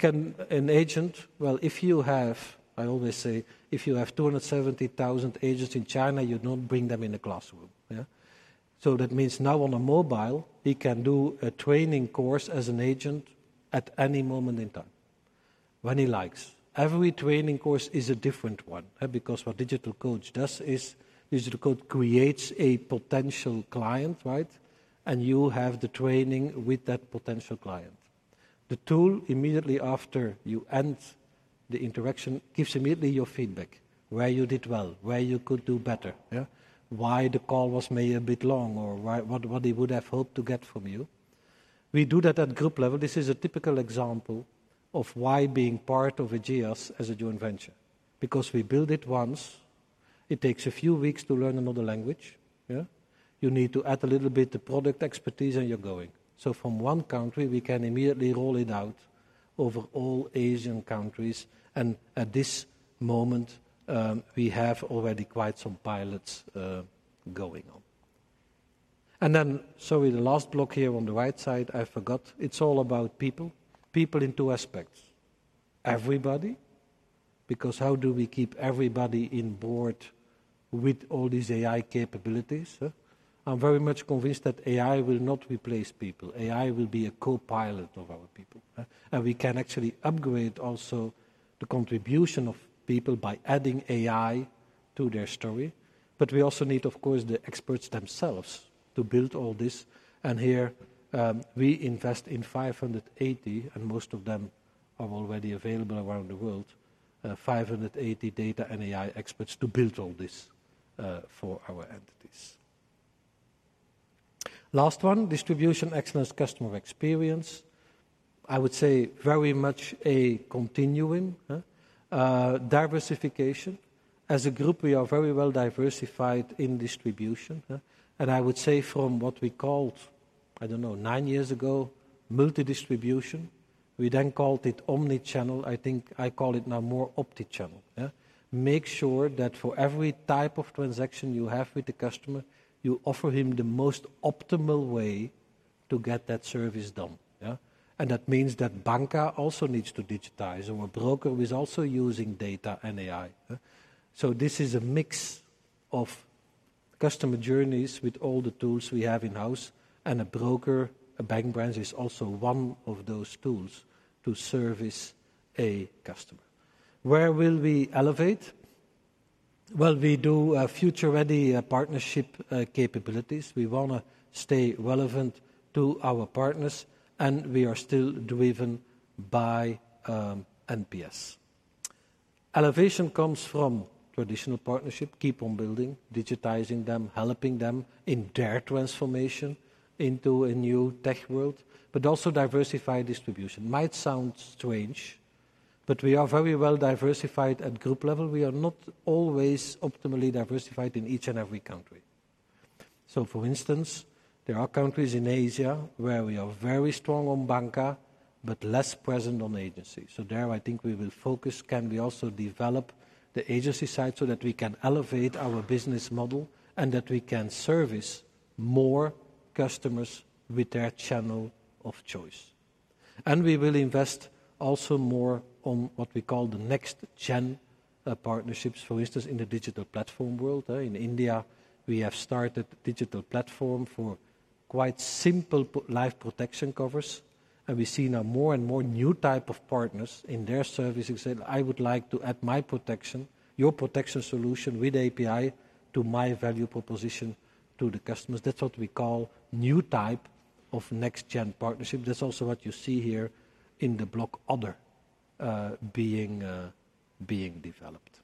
An agent, well, I always say, if you have two hundred and seventy thousand agents in China, you don't bring them in a classroom, yeah? So that means now on a mobile, he can do a training course as an agent at any moment in time, when he likes. Every training course is a different one, because what Digital Coach does is, Digital Coach creates a potential client, right? And you have the training with that potential client. The tool, immediately after you end the interaction, gives immediately your feedback, where you did well, where you could do better, yeah, why the call was maybe a bit long or why, what he would have hoped to get from you. We do that at group level. This is a typical example of why being part of Ageas as a joint venture. Because we build it once, it takes a few weeks to learn another language, yeah? You need to add a little bit the product expertise, and you're going. So from one country, we can immediately roll it out over all Asian countries, and at this moment, we have already quite some pilots going on. Then, so in the last block here on the right side, I forgot, it's all about people. People in two aspects. Everybody, because how do we keep everybody on board with all these AI capabilities, huh? I'm very much convinced that AI will not replace people. AI will be a co-pilot of our people, and we can actually upgrade also the contribution of people by adding AI to their story. But we also need, of course, the experts themselves to build all this, and here, we invest in 580, and most of them are already available around the world, 580 data and AI experts to build all this, for our entities. Last one, distribution excellence, customer experience. I would say very much a continuing diversification. As a group, we are very well-diversified in distribution, and I would say from what we called, I don't know, nine years ago, multi-distribution. We then called it omni-channel. I think I call it now more omni-channel, yeah. Make sure that for every type of transaction you have with the customer, you offer him the most optimal way to get that service done, yeah? And that means that banca also needs to digitize, and our broker is also using data and AI. So this is a mix of customer journeys with all the tools we have in-house, and a broker, a bank branch, is also one of those tools to service a customer. Where will we Elevate? Well, we do future-ready partnership capabilities. We wanna stay relevant to our partners, and we are still driven by NPS. Elevation comes from traditional partnership, keep on building, digitizing them, helping them in their transformation into a new tech world, but also diversify distribution. Might sound strange, but we are very well diversified at group level. We are not always optimally diversified in each and every country. So for instance, there are countries in Asia where we are very strong on banca, but less present on agency. So there, I think we will focus. Can we also develop the agency side so that we can Elevate our business model, and that we can service more customers with their channel of choice? And we will invest also more on what we call the next-gen partnerships. For instance, in the digital platform world, in India, we have started digital platform for quite simple life protection covers. And we've seen a more and more new type of partners in their services, saying, "I would like to add my protection, your protection solution with API to my value proposition to the customers." That's what we call new type of next-gen partnership. That's also what you see here in the block, Other, being developed.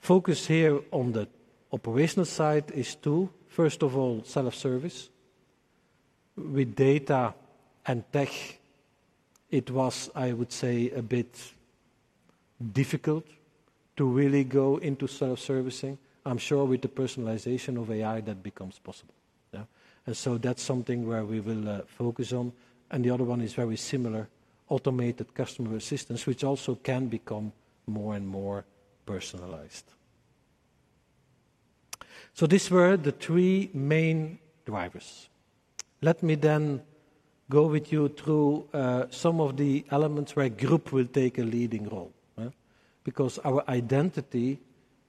Focus here on the operational side is to, first of all, self-service. With data and tech, it was, I would say, a bit difficult to really go into self-servicing. I'm sure with the personalization of AI, that becomes possible. Yeah. And so that's something where we will focus on. And the other one is very similar: automated customer assistance, which also can become more and more personalized. So these were the three main drivers. Let me then go with you through some of the elements where group will take a leading role, huh? Because our identity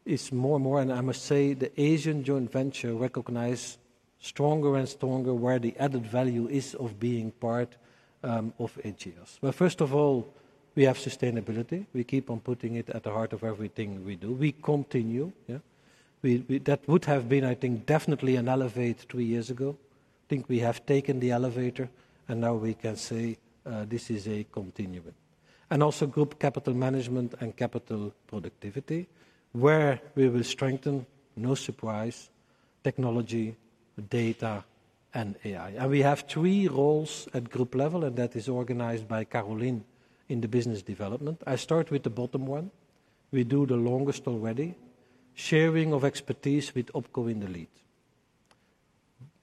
is more and more, and I must say, the Asian joint venture recognize stronger and stronger where the added value is of being part of Ageas. Well, first of all, we have sustainability. We keep on putting it at the heart of everything we do. We continue, yeah? That would have been, I think, definitely an Elevate three years ago. I think we have taken the elevator, and now we can say this is a continuum. And also group capital management and capital productivity, where we will strengthen, no surprise, technology, data, and AI. And we have three roles at group level, and that is organized by Karolien in the business development. I start with the bottom one. We do the longest already, sharing of expertise with OpCo in the lead.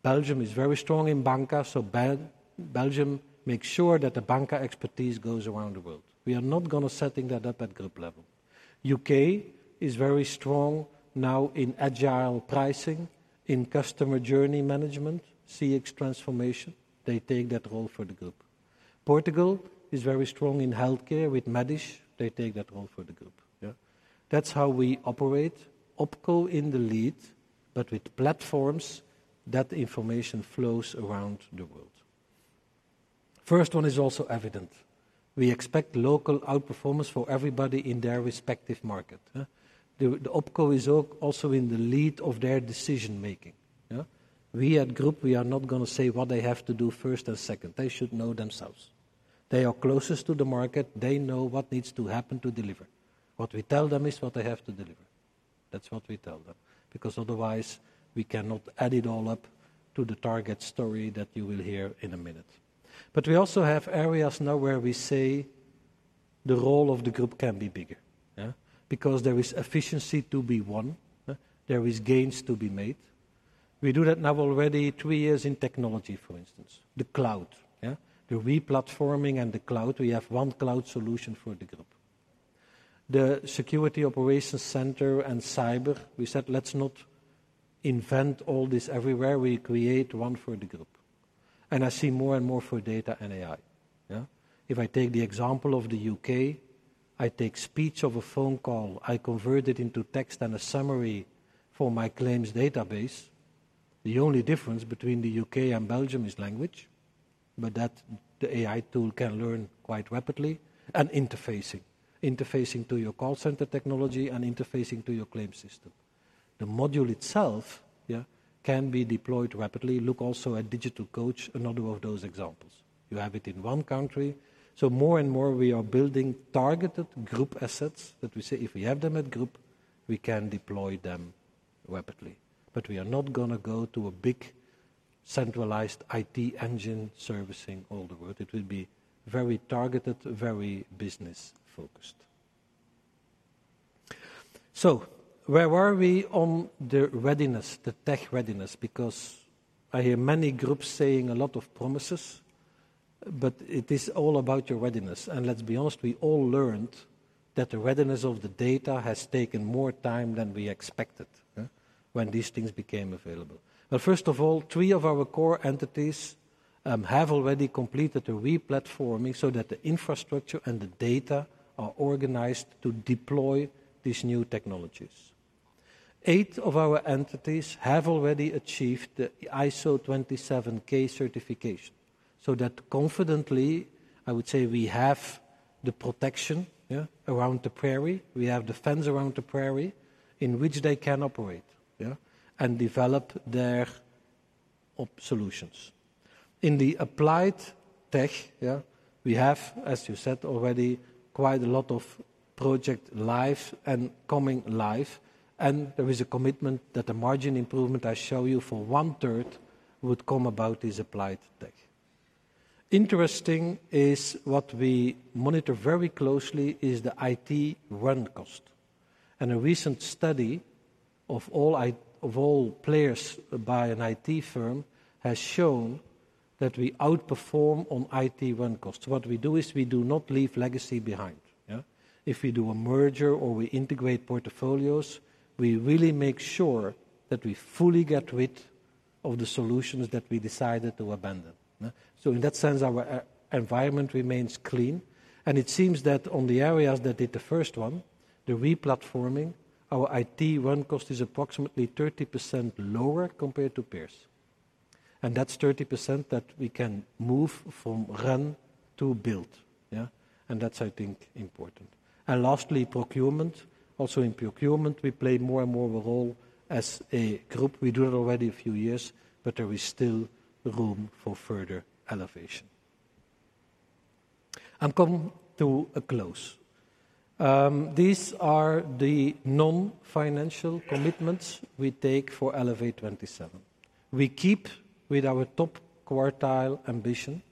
Belgium is very strong in bancassurance, so Belgium makes sure that the bancassurance expertise goes around the world. We are not gonna setting that up at group level. UK is very strong now in agile pricing, in customer journey management, CX transformation. They take that role for the group. Portugal is very strong in healthcare with Médis. They take that role for the group. Yeah. That's how we operate, OpCo in the lead, but with platforms, that information flows around the world. First one is also evident. We expect local outperformance for everybody in their respective market, huh? The OpCo is also in the lead of their decision-making. Yeah? We at group, we are not gonna say what they have to do first and second. They should know themselves. They are closest to the market. They know what needs to happen to deliver. What we tell them is what they have to deliver. That's what we tell them, because otherwise we cannot add it all up to the target story that you will hear in a minute. But we also have areas now where we say the role of the group can be bigger, yeah? Because there is efficiency to be won, huh? There is gains to be made. We do that now already three years in technology, for instance, the cloud. Yeah, the replatforming and the cloud, we have one cloud solution for the group. The security operations center and cyber, we said, "Let's not invent all this everywhere. We create one for the group." And I see more and more for data and AI. Yeah. If I take the example of the UK, I take speech of a phone call, I convert it into text and a summary for my claims database. The only difference between the UK and Belgium is language, but that, the AI tool can learn quite rapidly, and interfacing. Interfacing to your call center technology and interfacing to your claim system. The module itself, yeah, can be deployed rapidly. Look also at Digital Coach, another of those examples. You have it in one country. So more and more we are building targeted group assets that we say, "If we have them at group, we can deploy them rapidly." But we are not gonna go to a big centralized IT engine servicing all the world. It will be very targeted, very business-focused. So where were we on the readiness, the tech readiness? Because I hear many groups saying a lot of promises, but it is all about your readiness. And let's be honest, we all learned that the readiness of the data has taken more time than we expected, huh, when these things became available. But first of all, three of our core entities have already completed a replatforming, so that the infrastructure and the data are organized to deploy these new technologies. Eight of our entities have already achieved the ISO 27K certification, so that confidently, I would say we have the protection, yeah, around the prairie. We have the fence around the prairie in which they can operate, yeah, and develop their op solutions. In the applied tech, yeah, we have, as you said already, quite a lot of project live and coming live, and there is a commitment that the margin improvement I show you for one third would come about this applied tech. Interesting is what we monitor very closely is the IT run cost. A recent study of all players by an IT firm has shown that we outperform on IT run costs. What we do is we do not leave legacy behind, yeah? If we do a merger or we integrate portfolios, we really make sure that we fully get rid of the solutions that we decided to abandon, yeah. So in that sense, our environment remains clean, and it seems that on the areas that did the first one, the re-platforming, our IT run cost is approximately 30% lower compared to peers. And that's 30% that we can move from run to build, yeah? And that's, I think, important. And lastly, procurement. Also, in procurement, we play more and more of a role as a group. We do it already a few years, but there is still room for further elevation. I'm coming to a close. These are the non-financial commitments we take for Elevate27. We keep with our top quartile ambition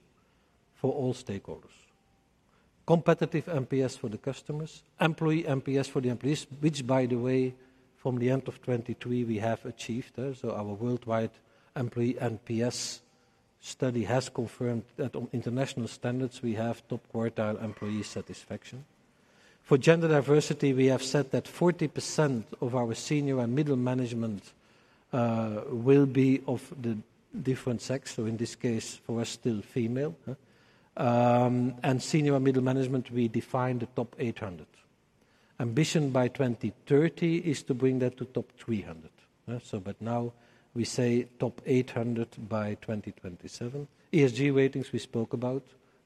for all stakeholders. Competitive NPS for the customers, employee NPS for the employees, which by the way, from the end of 2023, we have achieved. So our worldwide employee NPS study has confirmed that on international standards, we have top quartile employee satisfaction. For gender diversity, we have said that 40% of our senior and middle management will be of the different sex, so in this case, for us, still female, and senior and middle management, we define the top 800. Ambition by 2030 is to bring that to top 300, so but now we say top 800 by 2027. ESG ratings, we spoke about.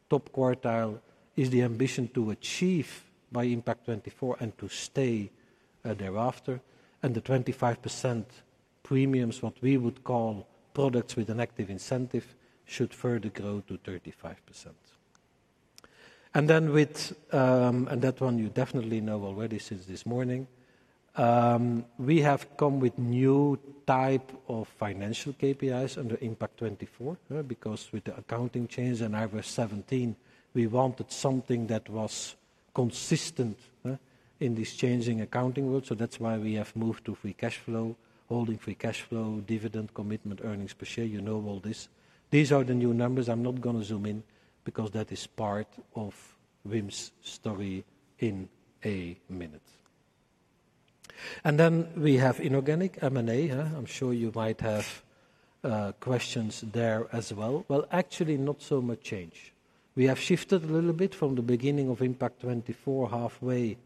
Top quartile is the ambition to achieve by Impact24 and to stay thereafter, and the 25% premiums, what we would call products with an active incentive, should further grow to 35%. And then with and that one you definitely know already since this morning, we have come with new type of financial KPIs under Impact24, because with the accounting change in IFRS 17, we wanted something that was consistent in this changing accounting world. So that's why we have moved to free cash flow, holding free cash flow, dividend commitment, earnings per share. You know all this. These are the new numbers. I'm not gonna zoom in because that is part of Wim's story in a minute. And then we have inorganic M&A, I'm sure you might have questions there as well. Well, actually, not so much change. We have shifted a little bit from the beginning of Impact24 halfway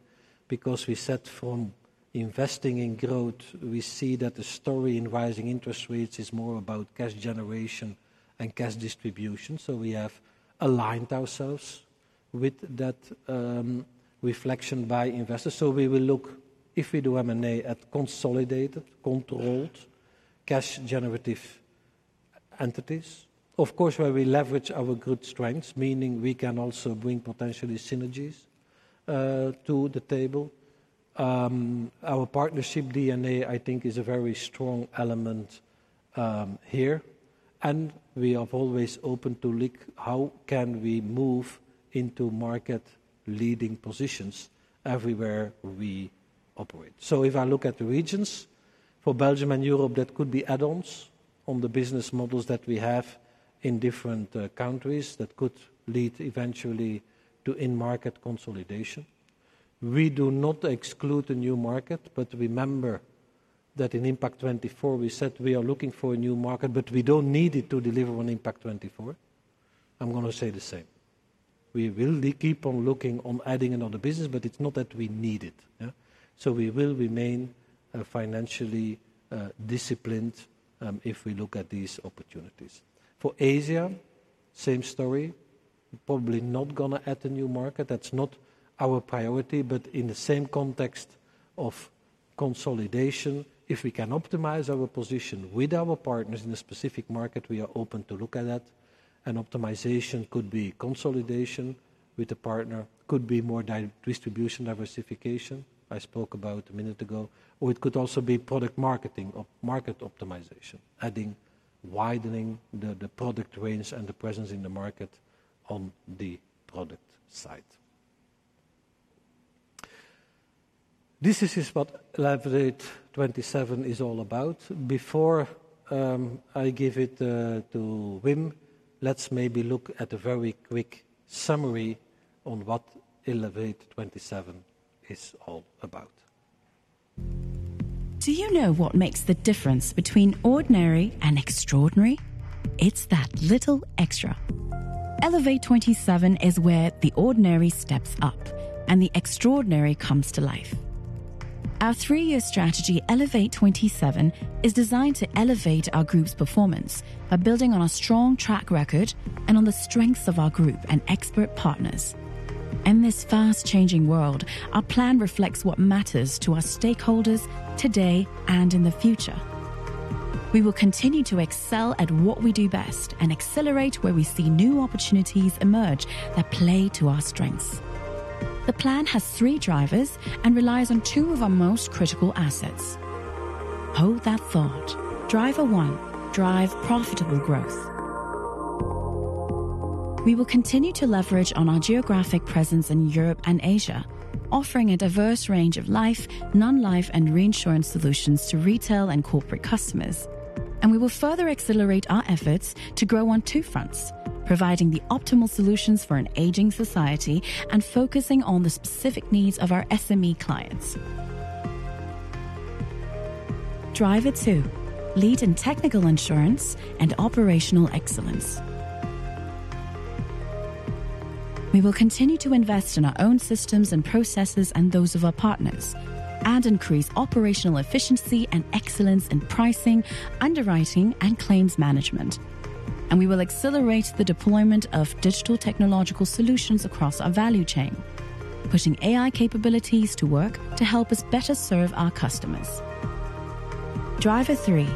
because we said from investing in growth, we see that the story in rising interest rates is more about cash generation and cash distribution. So we have aligned ourselves with that, reflection by investors. So we will look, if we do M&A, at consolidated, controlled, cash-generative entities. Of course, where we leverage our good strengths, meaning we can also bring potentially synergies, to the table. Our partnership DNA, I think, is a very strong element, here, and we have always open to look how can we move into market-leading positions everywhere we operate. So if I look at the regions, for Belgium and Europe, that could be add-ons on the business models that we have in different, countries that could lead eventually to in-market consolidation. We do not exclude a new market, but remember that in Impact24, we said we are looking for a new market, but we don't need it to deliver on Impact24. I'm gonna say the same. We will keep on looking on adding another business, but it's not that we need it, yeah? So we will remain financially disciplined if we look at these opportunities. For Asia, same story. Probably not gonna add a new market. That's not our priority, but in the same context of consolidation, if we can optimize our position with our partners in a specific market, we are open to look at that. Optimization could be consolidation with a partner, could be more distribution diversification, I spoke about a minute ago, or it could also be product marketing or market optimization, adding, widening the product range and the presence in the market on the product side. This is just what Elevate27 is all about. Before I give it to Wim, let's maybe look at a very quick summary on what Elevate27 is all about. Do you know what makes the difference between ordinary and extraordinary? It's that little extra.... Elevate27 is where the ordinary steps up and the extraordinary comes to life. Our three-year strategy, Elevate27, is designed to Elevate our group's performance by building on a strong track record and on the strengths of our group and expert partners. In this fast-changing world, our plan reflects what matters to our stakeholders today and in the future. We will continue to excel at what we do best and accelerate where we see new opportunities emerge that play to our strengths. The plan has three drivers and relies on two of our most critical assets. Hold that thought. Driver one: Drive profitable growth. We will continue to leverage on our geographic presence in Europe and Asia, offering a diverse range of life, Non-Life, and reinsurance solutions to retail and corporate customers. And we will further accelerate our efforts to grow on two fronts, providing the optimal solutions for an aging society and focusing on the specific needs of our SME clients. Driver two: Lead in technical insurance and operational excellence. We will continue to invest in our own systems and processes and those of our partners, and increase operational efficiency and excellence in pricing, underwriting, and claims management. And we will accelerate the deployment of digital technological solutions across our value chain, pushing AI capabilities to work to help us better serve our customers. Driver three: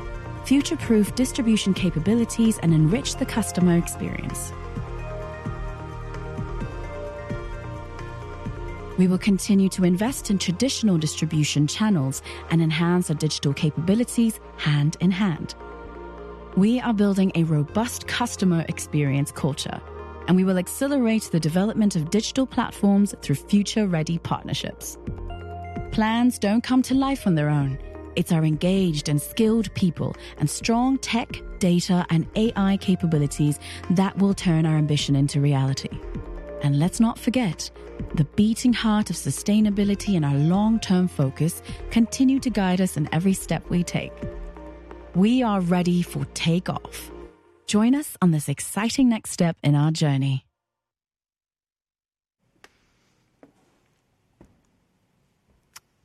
Future-proof distribution capabilities and enrich the customer experience. We will continue to invest in traditional distribution channels and enhance our digital capabilities hand in hand. We are building a robust customer experience culture, and we will accelerate the development of digital platforms through future-ready partnerships. Plans don't come to life on their own. It's our engaged and skilled people and strong tech, data, and AI capabilities that will turn our ambition into reality, and let's not forget, the beating heart of sustainability and our long-term focus continue to guide us in every step we take. We are ready for takeoff. Join us on this exciting next step in our journey.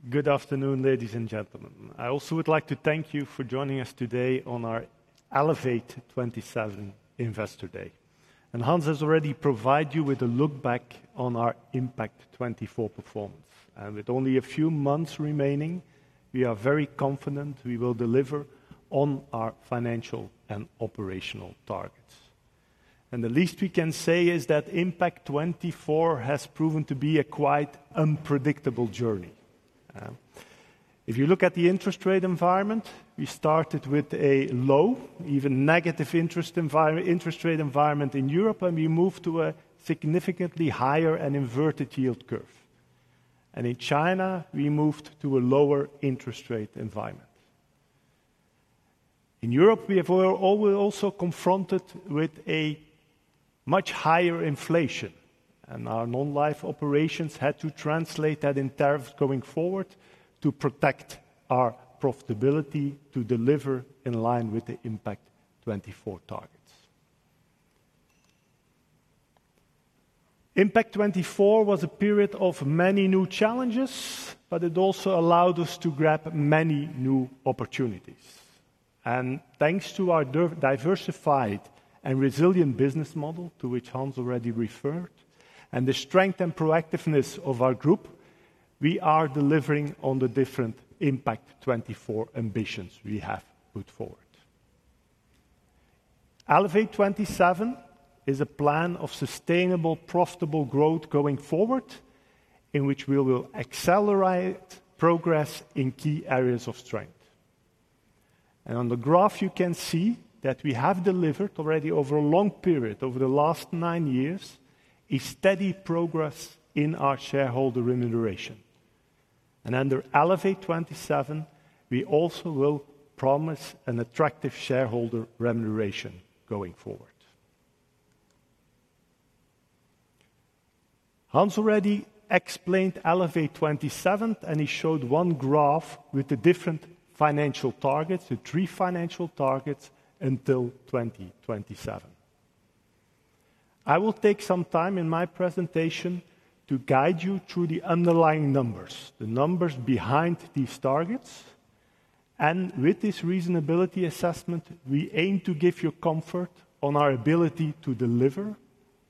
Good afternoon, ladies and gentlemen. I also would like to thank you for joining us today on our Elevate27 Investor Day. Hans has already provide you with a look back on our Impact24 performance. With only a few months remaining, we are very confident we will deliver on our financial and operational targets. The least we can say is that Impact24 has proven to be a quite unpredictable journey. If you look at the interest rate environment, we started with a low, even negative interest rate environment in Europe, and we moved to a significantly higher and inverted yield curve. In China, we moved to a lower interest rate environment. In Europe, we have... We were also confronted with a much higher inflation, and our Non-Life operations had to translate that in tariffs going forward to protect our profitability to deliver in line with the Impact24 targets. Impact24 was a period of many new challenges, but it also allowed us to grab many new opportunities, and thanks to our diversified and resilient business model, to which Hans already referred, and the strength and proactiveness of our group, we are delivering on the different Impact24 ambitions we have put forward. Elevate27 is a plan of sustainable, profitable growth going forward, in which we will accelerate progress in key areas of strength, and on the graph, you can see that we have delivered already over a long period, over the last nine years, a steady progress in our shareholder remuneration. Under Elevate27, we also will promise an attractive shareholder remuneration going forward. Hans already explained Elevate27, and he showed one graph with the different financial targets, the three financial targets until 2027. I will take some time in my presentation to guide you through the underlying numbers, the numbers behind these targets. With this reasonability assessment, we aim to give you comfort on our ability to deliver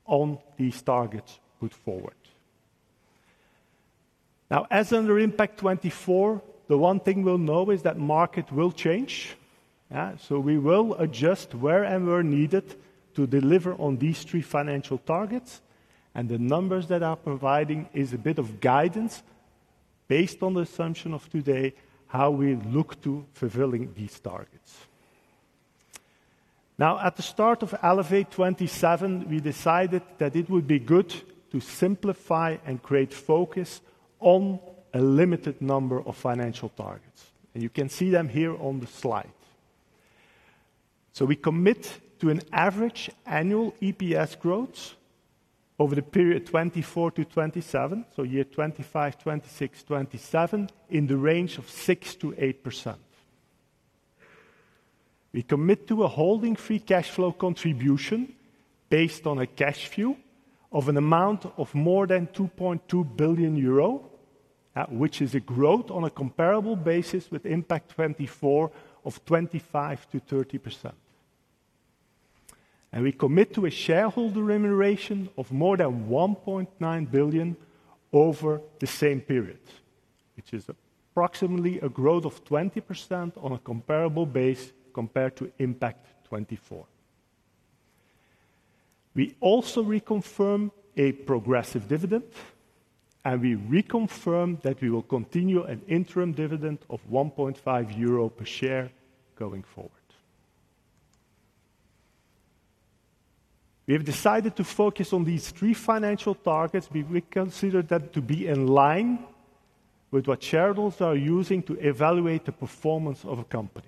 on these targets put forward. Now, as under Impact24, the one thing we'll know is that market will change. So we will adjust wherever needed to deliver on these three financial targets, and the numbers that are providing is a bit of guidance based on the assumption of today, how we look to fulfilling these targets. Now, at the start of Elevate27, we decided that it would be good to simplify and create focus on a limited number of financial targets, and you can see them here on the slide. So we commit to an average annual EPS growth over the period 2024-2027, so year 2025, 2026, 2027, in the range of 6%-8%. We commit to a holding free cash flow contribution based on a cash view of an amount of more than 2.2 billion euro, which is a growth on a comparable basis with Impact24 of 25%-30%. And we commit to a shareholder remuneration of more than 1.9 billion over the same period, which is approximately a growth of 20% on a comparable base compared to Impact24. We also reconfirm a progressive dividend, and we reconfirm that we will continue an interim dividend of 1.5 euro per share going forward. We have decided to focus on these three financial targets. We consider them to be in line with what shareholders are using to evaluate the performance of a company.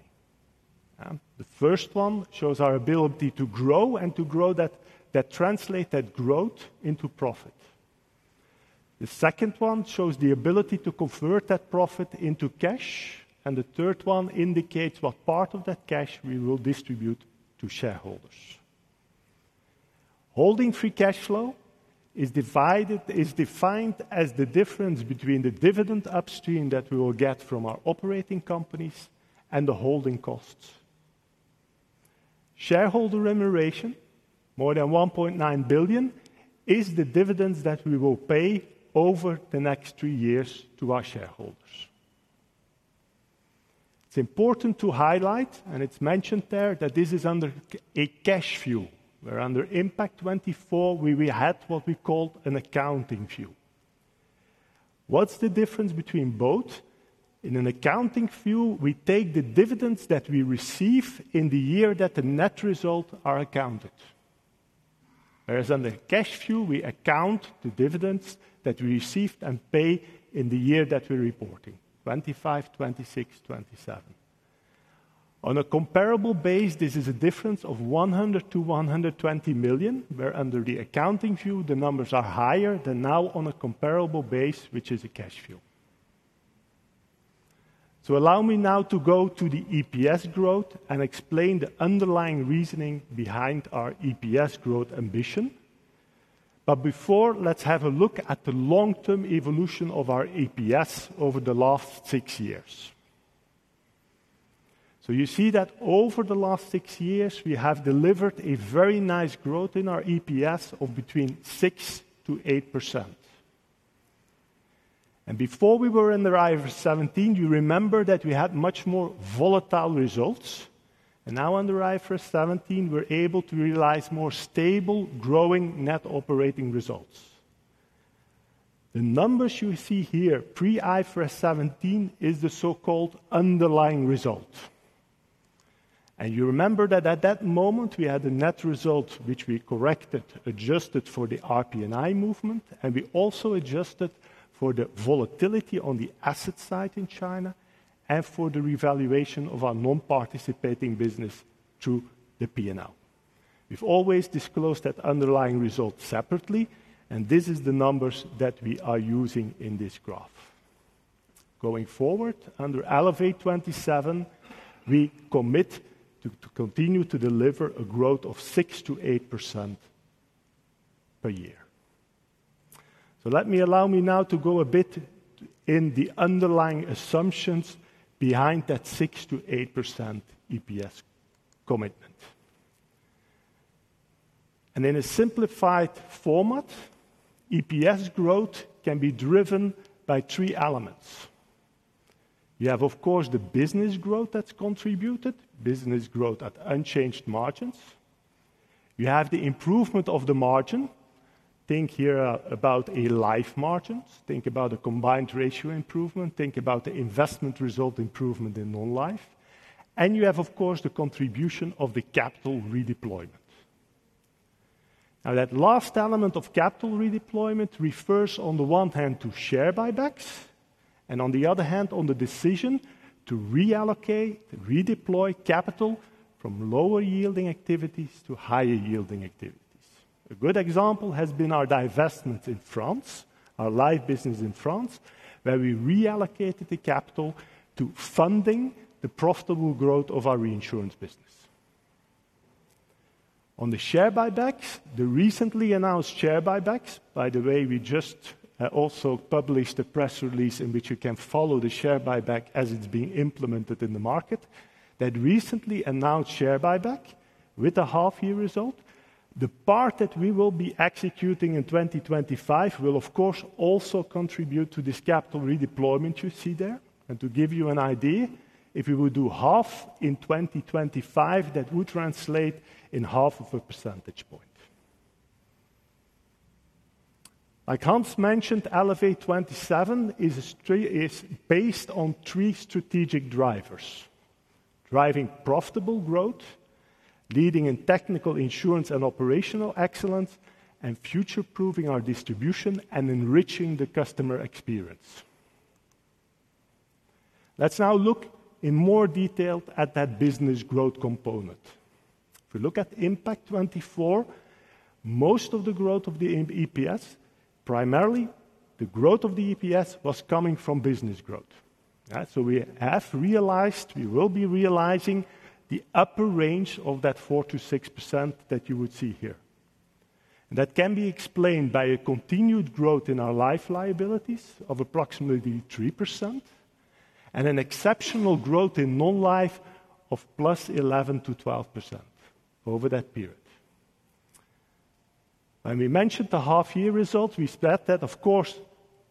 The first one shows our ability to grow and to translate that growth into profit. The second one shows the ability to convert that profit into cash, and the third one indicates what part of that cash we will distribute to shareholders. Holding free cash flow is defined as the difference between the dividend upstream that we will get from our operating companies and the holding costs. Shareholder remuneration, more than 1.9 billion, is the dividends that we will pay over the next three years to our shareholders. It's important to highlight, and it's mentioned there, that this is under a cash view, where under Impact24, we had what we called an accounting view. What's the difference between both? In an accounting view, we take the dividends that we receive in the year that the net result are accounted. Whereas under a cash view, we account the dividends that we received and pay in the year that we're reporting, 2025, 2026, 2027. On a comparable base, this is a difference of 100 million-120 million, where under the accounting view, the numbers are higher than now on a comparable base, which is a cash view. So allow me now to go to the EPS growth and explain the underlying reasoning behind our EPS growth ambition. But before, let's have a look at the long-term evolution of our EPS over the last six years. So you see that over the last six years, we have delivered a very nice growth in our EPS of between 6%-8%. And before we were under IFRS 17, you remember that we had much more volatile results, and now under IFRS 17, we're able to realize more stable, growing Net Operating Results. The numbers you see here, pre-IFRS 17, is the so-called underlying result. And you remember that at that moment, we had a net result, which we corrected, adjusted for the RPN(i) movement, and we also adjusted for the volatility on the asset side in China and for the revaluation of our non-participating business through the P&L. We've always disclosed that underlying result separately, and this is the numbers that we are using in this graph. Going forward, under Elevate27, we commit to continue to deliver a growth of 6%-8% per year. So let me... Allow me now to go a bit in the underlying assumptions behind that 6%-8% EPS commitment. And in a simplified format, EPS growth can be driven by three elements. You have, of course, the business growth that's contributed, business growth at unchanged margins. You have the improvement of the margin. Think here about a life margins. Think about a combined ratio improvement. Think about the investment result improvement in Non-Life. And you have, of course, the contribution of the capital redeployment. Now, that last element of capital redeployment refers, on the one hand, to share buybacks, and on the other hand, on the decision to reallocate, redeploy capital from lower-yielding activities to higher-yielding activities. A good example has been our divestment in France, our life business in France, where we reallocated the capital to funding the profitable growth of our reinsurance business. On the share buybacks, the recently announced share buybacks, by the way, we just also published a press release in which you can follow the share buyback as it's being implemented in the market. That recently announced share buyback with a half-year result, the part that we will be executing in 2025 will, of course, also contribute to this capital redeployment you see there. And to give you an idea, if we would do half in twenty twenty-five, that would translate in half of a percentage point. Like Hans mentioned, Elevate27 is three, is based on three strategic drivers: driving profitable growth, leading in technical, insurance, and operational excellence, and future-proofing our distribution and enriching the customer experience. Let's now look in more detail at that business growth component. If we look at Impact24, most of the growth of the EPS, primarily the growth of the EPS, was coming from business growth. Yeah, so we have realized, we will be realizing the upper range of that 4%-6% that you would see here. That can be explained by a continued growth in our life liabilities of approximately 3%, and an exceptional growth in Non-Life of +11%-12% over that period. When we mentioned the half-year results, we said that of course,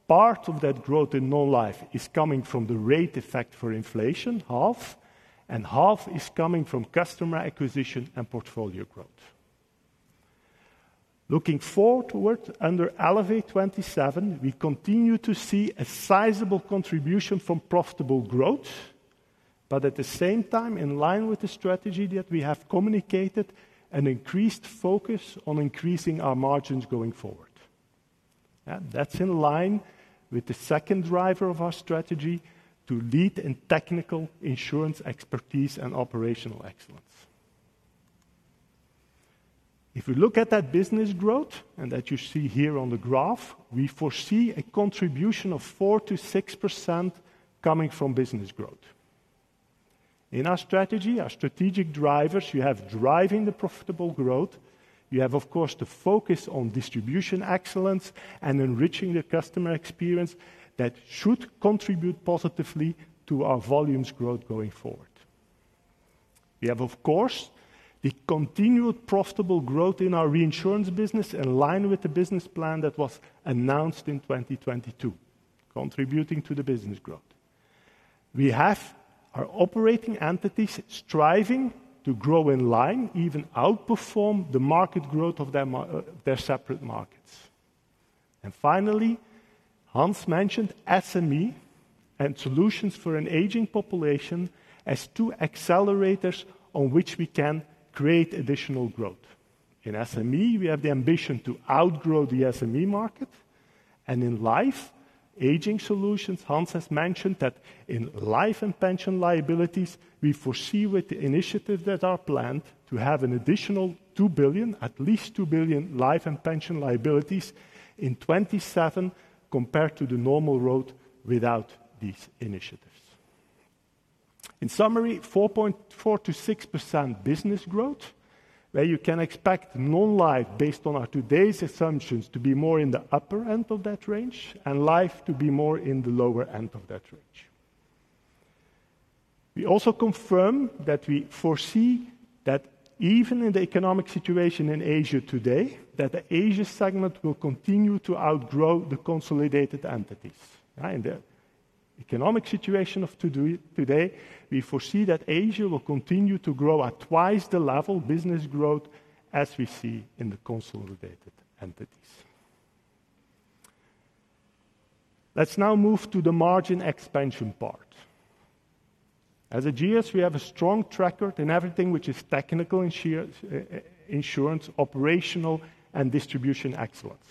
part of that growth in Non-Life is coming from the rate effect for inflation, half, and half is coming from customer acquisition and portfolio growth. Looking forward toward under Elevate27, we continue to see a sizable contribution from profitable growth, but at the same time, in line with the strategy that we have communicated, an increased focus on increasing our margins going forward. That's in line with the second driver of our strategy to lead in technical insurance expertise and operational excellence. If we look at that business growth, and that you see here on the graph, we foresee a contribution of 4%-6% coming from business growth. In our strategy, our strategic drivers, you have driving the profitable growth. You have, of course, the focus on distribution excellence and enriching the customer experience that should contribute positively to our volumes growth going forward. We have, of course, the continued profitable growth in our reinsurance business in line with the business plan that was announced in 2022, contributing to the business growth. We have our operating entities striving to grow in line, even outperform the market growth of their separate markets, and finally, Hans mentioned SME and solutions for an aging population as two accelerators on which we can create additional growth. In SME, we have the ambition to outgrow the SME market, and in life, aging solutions, Hans has mentioned that in life and pension liabilities, we foresee with the initiatives that are planned to have an additional 2 billion, at least 2 billion, life and pension liabilities in 2027, compared to the normal road without these initiatives. In summary, 4%-6% business growth, where you can expect Non-Life, based on our today's assumptions, to be more in the upper end of that range and life to be more in the lower end of that range. We also confirm that we foresee that even in the economic situation in Asia today, that the Asia segment will continue to outgrow the consolidated entities. In the economic situation of today, we foresee that Asia will continue to grow at twice the level business growth as we see in the consolidated entities. Let's now move to the margin expansion part. As Ageas, we have a strong record in everything which is technical insurance, operational, and distribution excellence.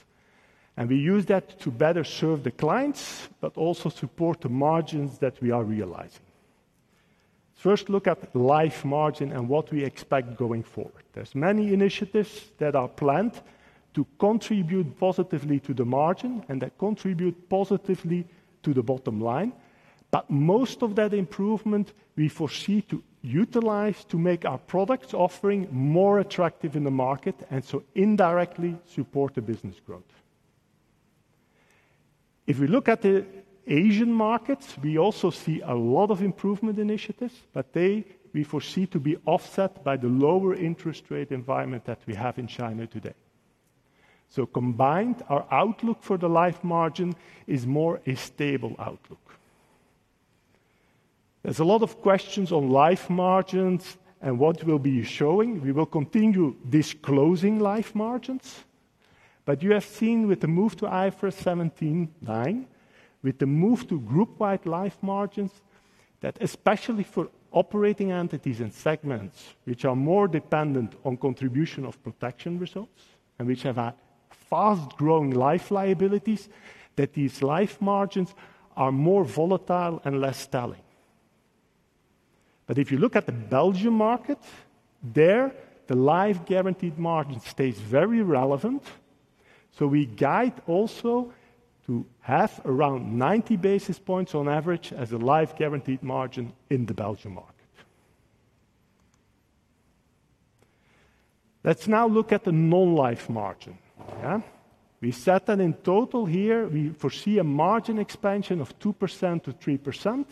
And we use that to better serve the clients, but also support the margins that we are realizing. First, look at life margin and what we expect going forward. There's many initiatives that are planned to contribute positively to the margin and that contribute positively to the bottom line, but most of that improvement, we foresee to utilize to make our product offering more attractive in the market, and so indirectly support the business growth. If we look at the Asian markets, we also see a lot of improvement initiatives, but they, we foresee to be offset by the lower interest rate environment that we have in China today. So combined, our outlook for the life margin is more a stable outlook. There's a lot of questions on life margins and what we'll be showing. We will continue disclosing life margins, but you have seen with the move to IFRS 17, with the move to group-wide life margins, that especially for operating entities and segments, which are more dependent on contribution of protection results and which have a fast-growing life liabilities, that these life margins are more volatile and less telling. But if you look at the Belgium market, there, the life guaranteed margin stays very relevant. So we guide also to have around ninety basis points on average as a life guaranteed margin in the Belgium market. Let's now look at the Non-Life margin. Yeah? We said that in total here, we foresee a margin expansion of 2%-3%.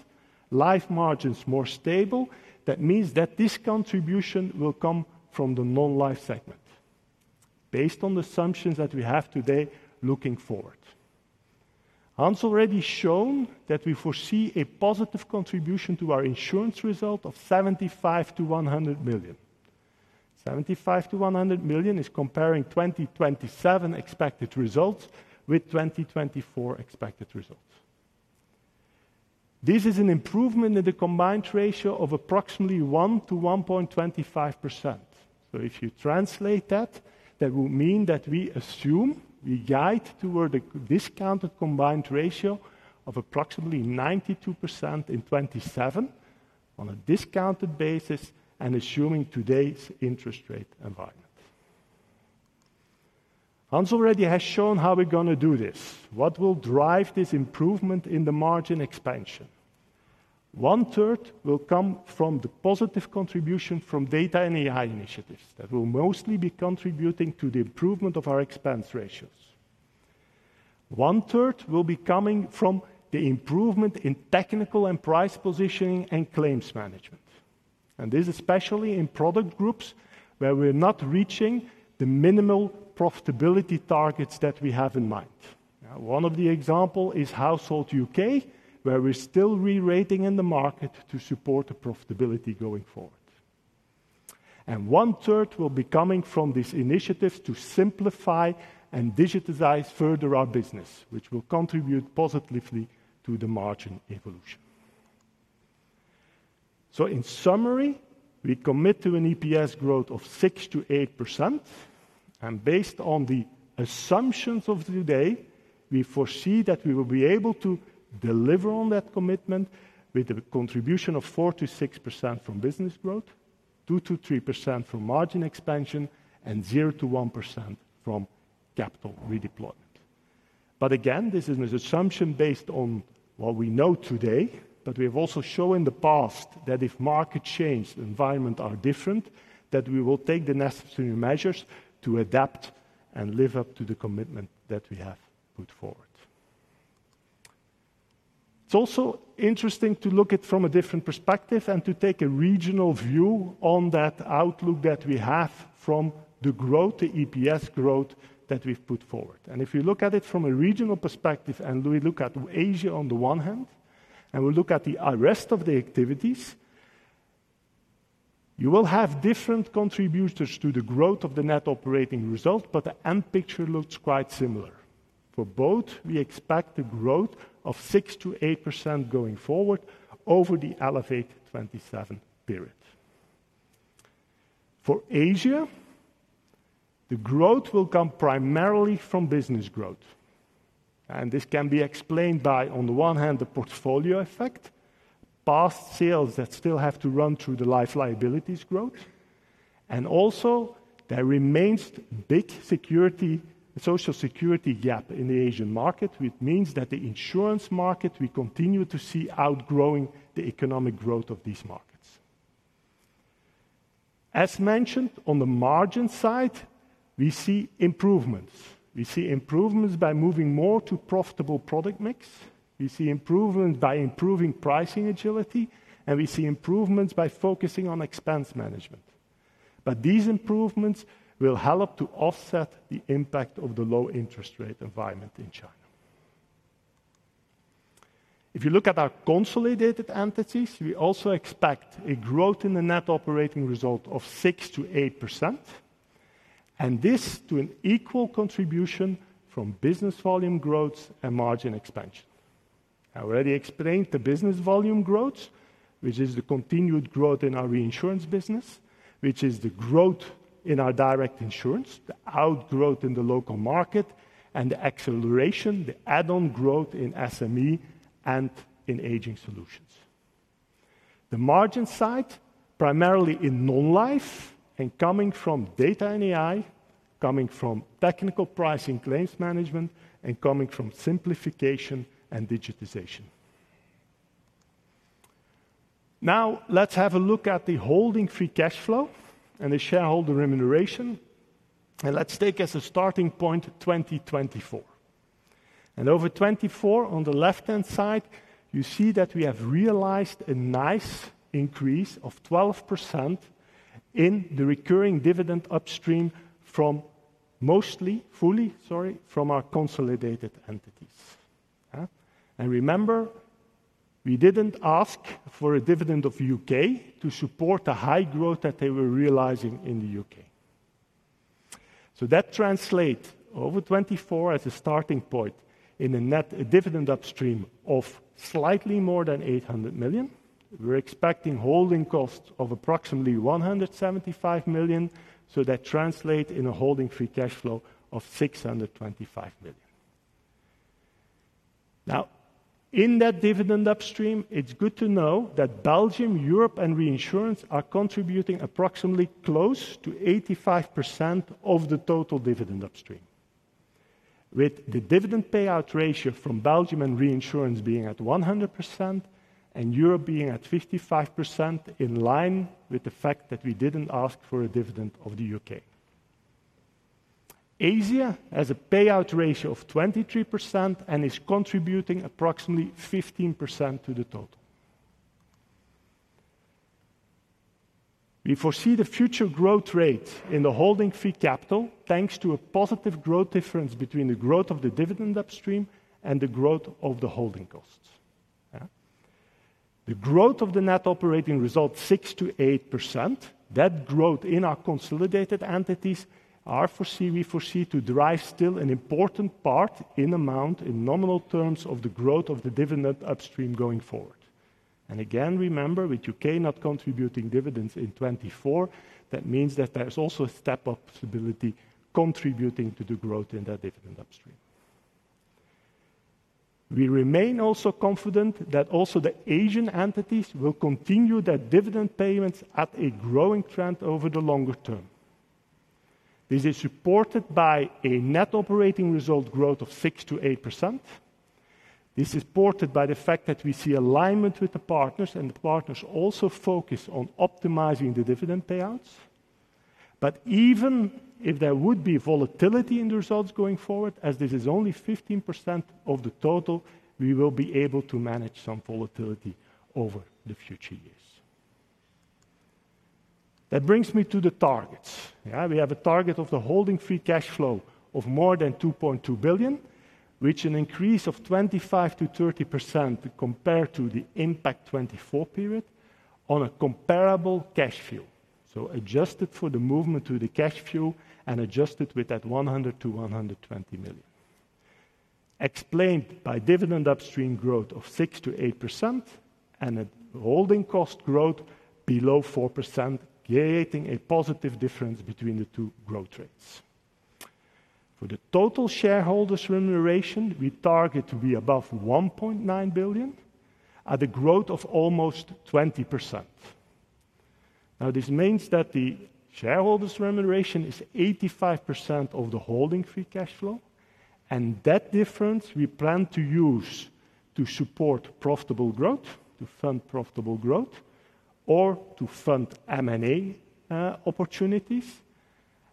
Life margin is more stable. That means that this contribution will come from the Non-Life segment, based on the assumptions that we have today looking forward. Hans already shown that we foresee a positive contribution to our insurance result of 75 million-100 million. 75 million-100 million is comparing 2027 expected results with 2024 expected results. This is an improvement in the combined ratio of approximately 1%-1.25%. So if you translate that, that will mean that we assume we guide toward a discounted combined ratio of approximately 92% in 2027 on a discounted basis and assuming today's interest rate environment. Hans already has shown how we're gonna do this. What will drive this improvement in the margin expansion? One third will come from the positive contribution from data and AI initiatives that will mostly be contributing to the improvement of our expense ratios. One third will be coming from the improvement in technical and price positioning and claims management, and this is especially in product groups where we're not reaching the minimal profitability targets that we have in mind. One of the example is Household UK, where we're still re-rating in the market to support the profitability going forward. One third will be coming from these initiatives to simplify and digitize further our business, which will contribute positively to the margin evolution. In summary, we commit to an EPS growth of 6%-8%, and based on the assumptions of today, we foresee that we will be able to deliver on that commitment with a contribution of 4%-6% from business growth, 2%-3% from margin expansion, and 0%-1% from capital redeployment. Again, this is an assumption based on what we know today, but we have also shown in the past that if market change environment are different, that we will take the necessary measures to adapt and live up to the commitment that we have put forward. It's also interesting to look at from a different perspective and to take a regional view on that outlook that we have from the growth, the EPS growth, that we've put forward, and if you look at it from a regional perspective, and we look at Asia on the one hand, and we look at the rest of the activities, you will have different contributors to the growth of the Net Operating Result, but the end picture looks quite similar. For both, we expect a growth of 6%-8% going forward over the Elevate27 period. For Asia, the growth will come primarily from business growth, and this can be explained by, on the one hand, the portfolio effect, past sales that still have to run through the life liabilities growth, and also there remains a big social security gap in the Asian market, which means that the insurance market we continue to see outgrowing the economic growth of these markets. As mentioned, on the margin side, we see improvements. We see improvements by moving more to profitable product mix, we see improvement by improving pricing agility, and we see improvements by focusing on expense management. But these improvements will help to offset the Impact of the low interest rate environment in China. If you look at our consolidated entities, we also expect a growth in the Net Operating Result of 6%-8%, and this to an equal contribution from business volume growth and margin expansion. I already explained the business volume growth, which is the continued growth in our reinsurance business, which is the growth in our direct insurance, the outgrowth in the local market, and the acceleration, the add-on growth in SME and in aging solutions. The margin side, primarily in Non-Life and coming from data and AI, coming from technical pricing, claims management, and coming from simplification and digitization. Now, let's have a look at the holding free cash flow and the shareholder remuneration, and let's take as a starting point, 2024. Over 2024, on the left-hand side, you see that we have realized a nice increase of 12% in the recurring dividend upstream from fully, sorry, from our consolidated entities. And remember, we didn't ask for a dividend of UK to support the high growth that they were realizing in the UK. That translates over 2024 as a starting point in a net dividend upstream of slightly more than 800 million. We're expecting holding costs of approximately 175 million, so that translates in a holding free cash flow of 625 million. Now, in that dividend upstream, it's good to know that Belgium, Europe, and reinsurance are contributing approximately close to 85% of the total dividend upstream. With the dividend payout ratio from Belgium and reinsurance being at 100% and Europe being at 55%, in line with the fact that we didn't ask for a dividend of the UK. Asia has a payout ratio of 23% and is contributing approximately 15% to the total. We foresee the future growth rate in the holding free cash flow, thanks to a positive growth difference between the growth of the dividend upstream and the growth of the holding costs. The growth of the Net Operating Result, 6%-8%. That growth in our consolidated entities we foresee to derive still an important part in amount, in nominal terms, of the growth of the dividend upstream going forward. And again, remember, with UK not contributing dividends in 2024, that means that there's also a step-up possibility contributing to the growth in that dividend upstream. We remain also confident that also the Asian entities will continue their dividend payments at a growing trend over the longer term. This is supported by a Net Operating Result growth of 6%-8%. This is supported by the fact that we see alignment with the partners, and the partners also focus on optimizing the dividend payouts. But even if there would be volatility in the results going forward, as this is only 15% of the total, we will be able to manage some volatility over the future years. That brings me to the targets. Yeah, we have a target of the holding free cash flow of more than 2.2 billion, which an increase of 25%-30% compared to the Impact24 period on a comparable cash view. So adjusted for the movement to the cash view and adjusted with that 100 million-120 million. Explained by dividend upstream growth of 6%-8% and a holding cost growth below 4%, creating a positive difference between the two growth rates. For the total shareholders' remuneration, we target to be above 1.9 billion at a growth of almost 20%. Now, this means that the shareholders' remuneration is 85% of the holding free cash flow, and that difference we plan to use to support profitable growth, to fund profitable growth, or to fund M&A opportunities.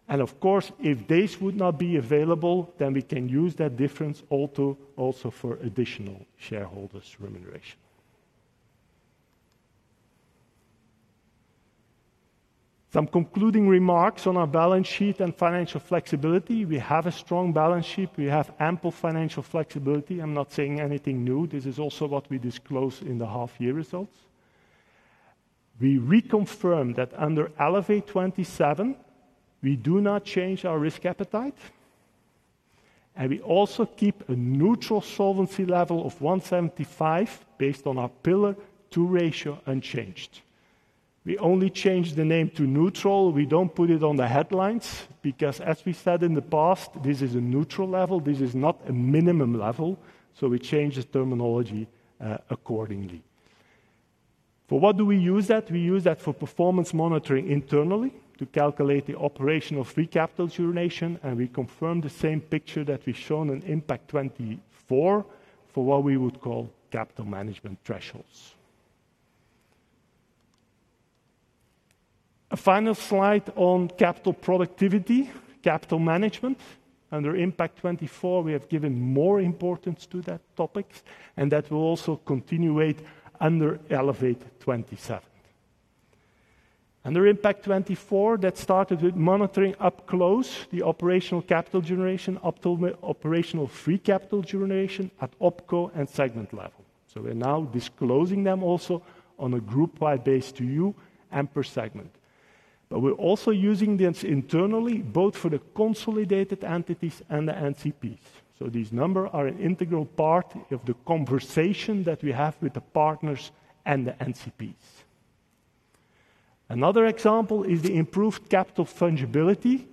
Of course, if this would not be available, then we can use that difference also for additional shareholders' remuneration. Some concluding remarks on our balance sheet and financial flexibility. We have a strong balance sheet. We have ample financial flexibility. I'm not saying anything new. This is also what we disclose in the half-year results. We reconfirm that under Elevate27, we do not change our risk appetite, and we also keep a neutral solvency level of one seventy-five, based on our Pillar Two ratio unchanged. We only change the name to neutral. We don't put it on the headlines, because as we said in the past, this is a neutral level. This is not a minimum level, so we change the terminology accordingly. For what do we use that? We use that for performance monitoring internally, to calculate the operational free capital generation, and we confirm the same picture that we've shown in Impact24 for what we would call capital management thresholds. A final slide on capital productivity, capital management. Under Impact24, we have given more importance to that topic, and that will also continue under Elevate27. Under Impact24, that started with monitoring closely the operational capital generation up to operational free capital generation at OpCo and segment level. So we're now disclosing them also on a group-wide basis to you and per segment. But we're also using this internally, both for the consolidated entities and the NCPs. So these numbers are an integral part of the conversation that we have with the partners and the NCPs. Another example is the improved capital fungibility,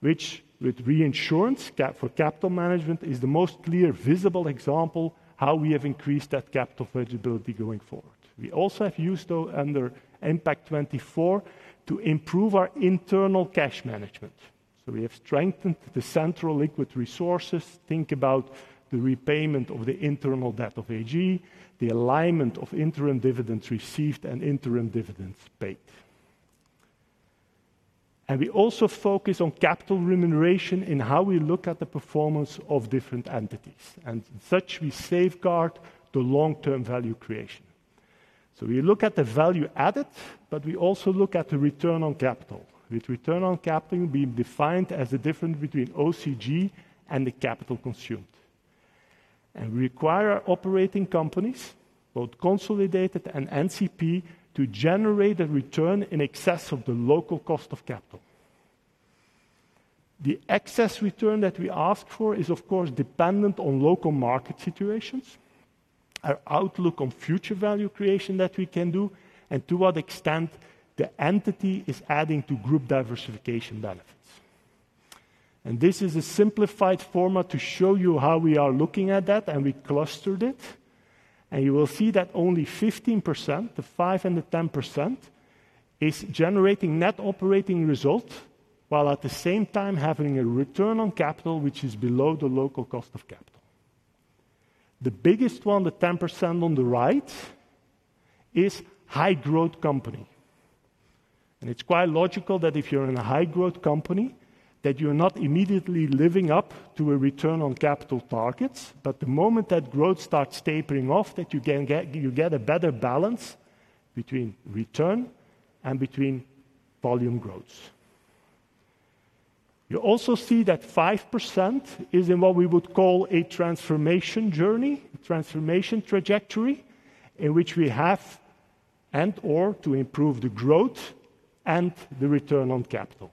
which, with reinsurance cap for capital management, is the most clear, visible example how we have increased that capital fungibility going forward. We also have used, though, under Impact24, to improve our internal cash management. So we have strengthened the central liquid resources. Think about the repayment of the internal debt of AG, the alignment of interim dividends received, and interim dividends paid. And we also focus on capital remuneration in how we look at the performance of different entities, and as such, we safeguard the long-term value creation. So we look at the value added, but we also look at the return on capital, with return on capital being defined as the difference between OCG and the capital consumed. And we require our operating companies, both consolidated and NCP, to generate a return in excess of the local cost of capital. The excess return that we ask for is, of course, dependent on local market situations, our outlook on future value creation that we can do, and to what extent the entity is adding to group diversification benefits. And this is a simplified format to show you how we are looking at that, and we clustered it. And you will see that only 15%, the 5% and the 10%, is generating Net Operating Result, while at the same time having a return on capital, which is below the local cost of capital. The biggest one, the 10% on the right, is high-growth company. And it's quite logical that if you're in a high-growth company, that you're not immediately living up to a return on capital targets. But the moment that growth starts tapering off, that you can get you get a better balance between return and between volume growth. You also see that 5% is in what we would call a transformation journey, transformation trajectory, in which we have and/or to improve the growth and the return on capital.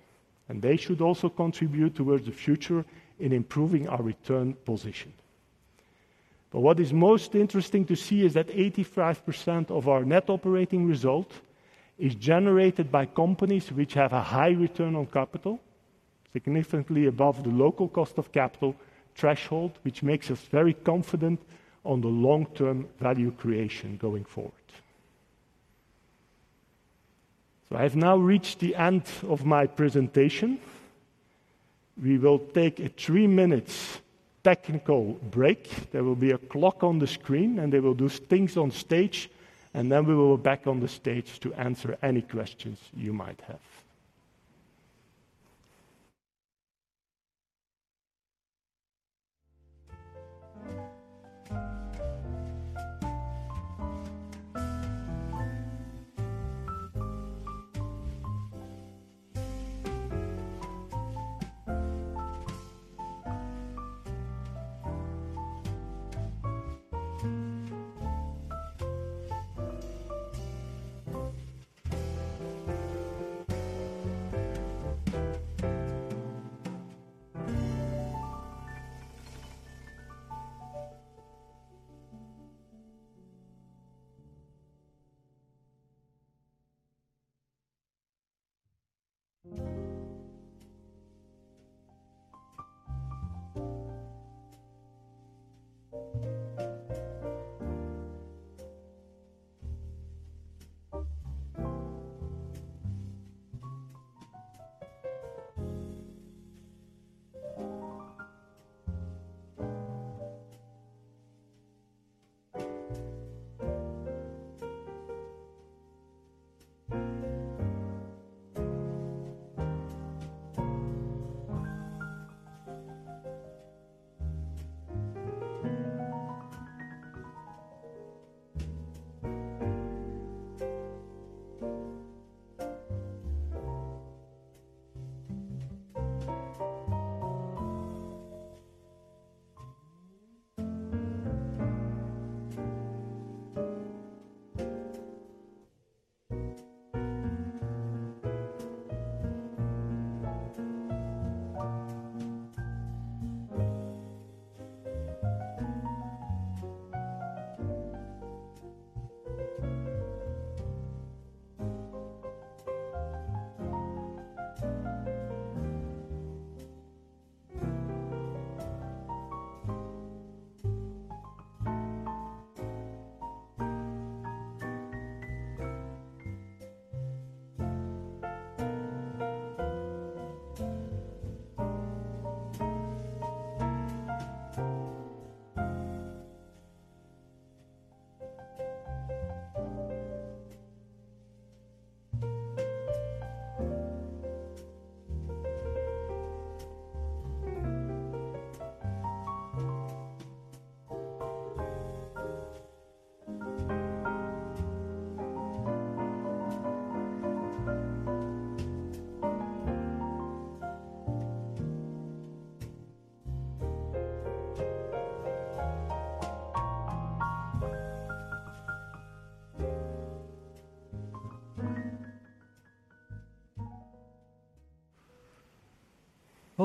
And they should also contribute towards the future in improving our return position. But what is most interesting to see is that 85% of our Net Operating Result is generated by companies which have a high return on capital... significantly above the local cost of capital threshold, which makes us very confident on the long-term value creation going forward. So I have now reached the end of my presentation. We will take a three minutes technical break. There will be a clock on the screen, and they will do things on stage, and then we will be back on the stage to answer any questions you might have.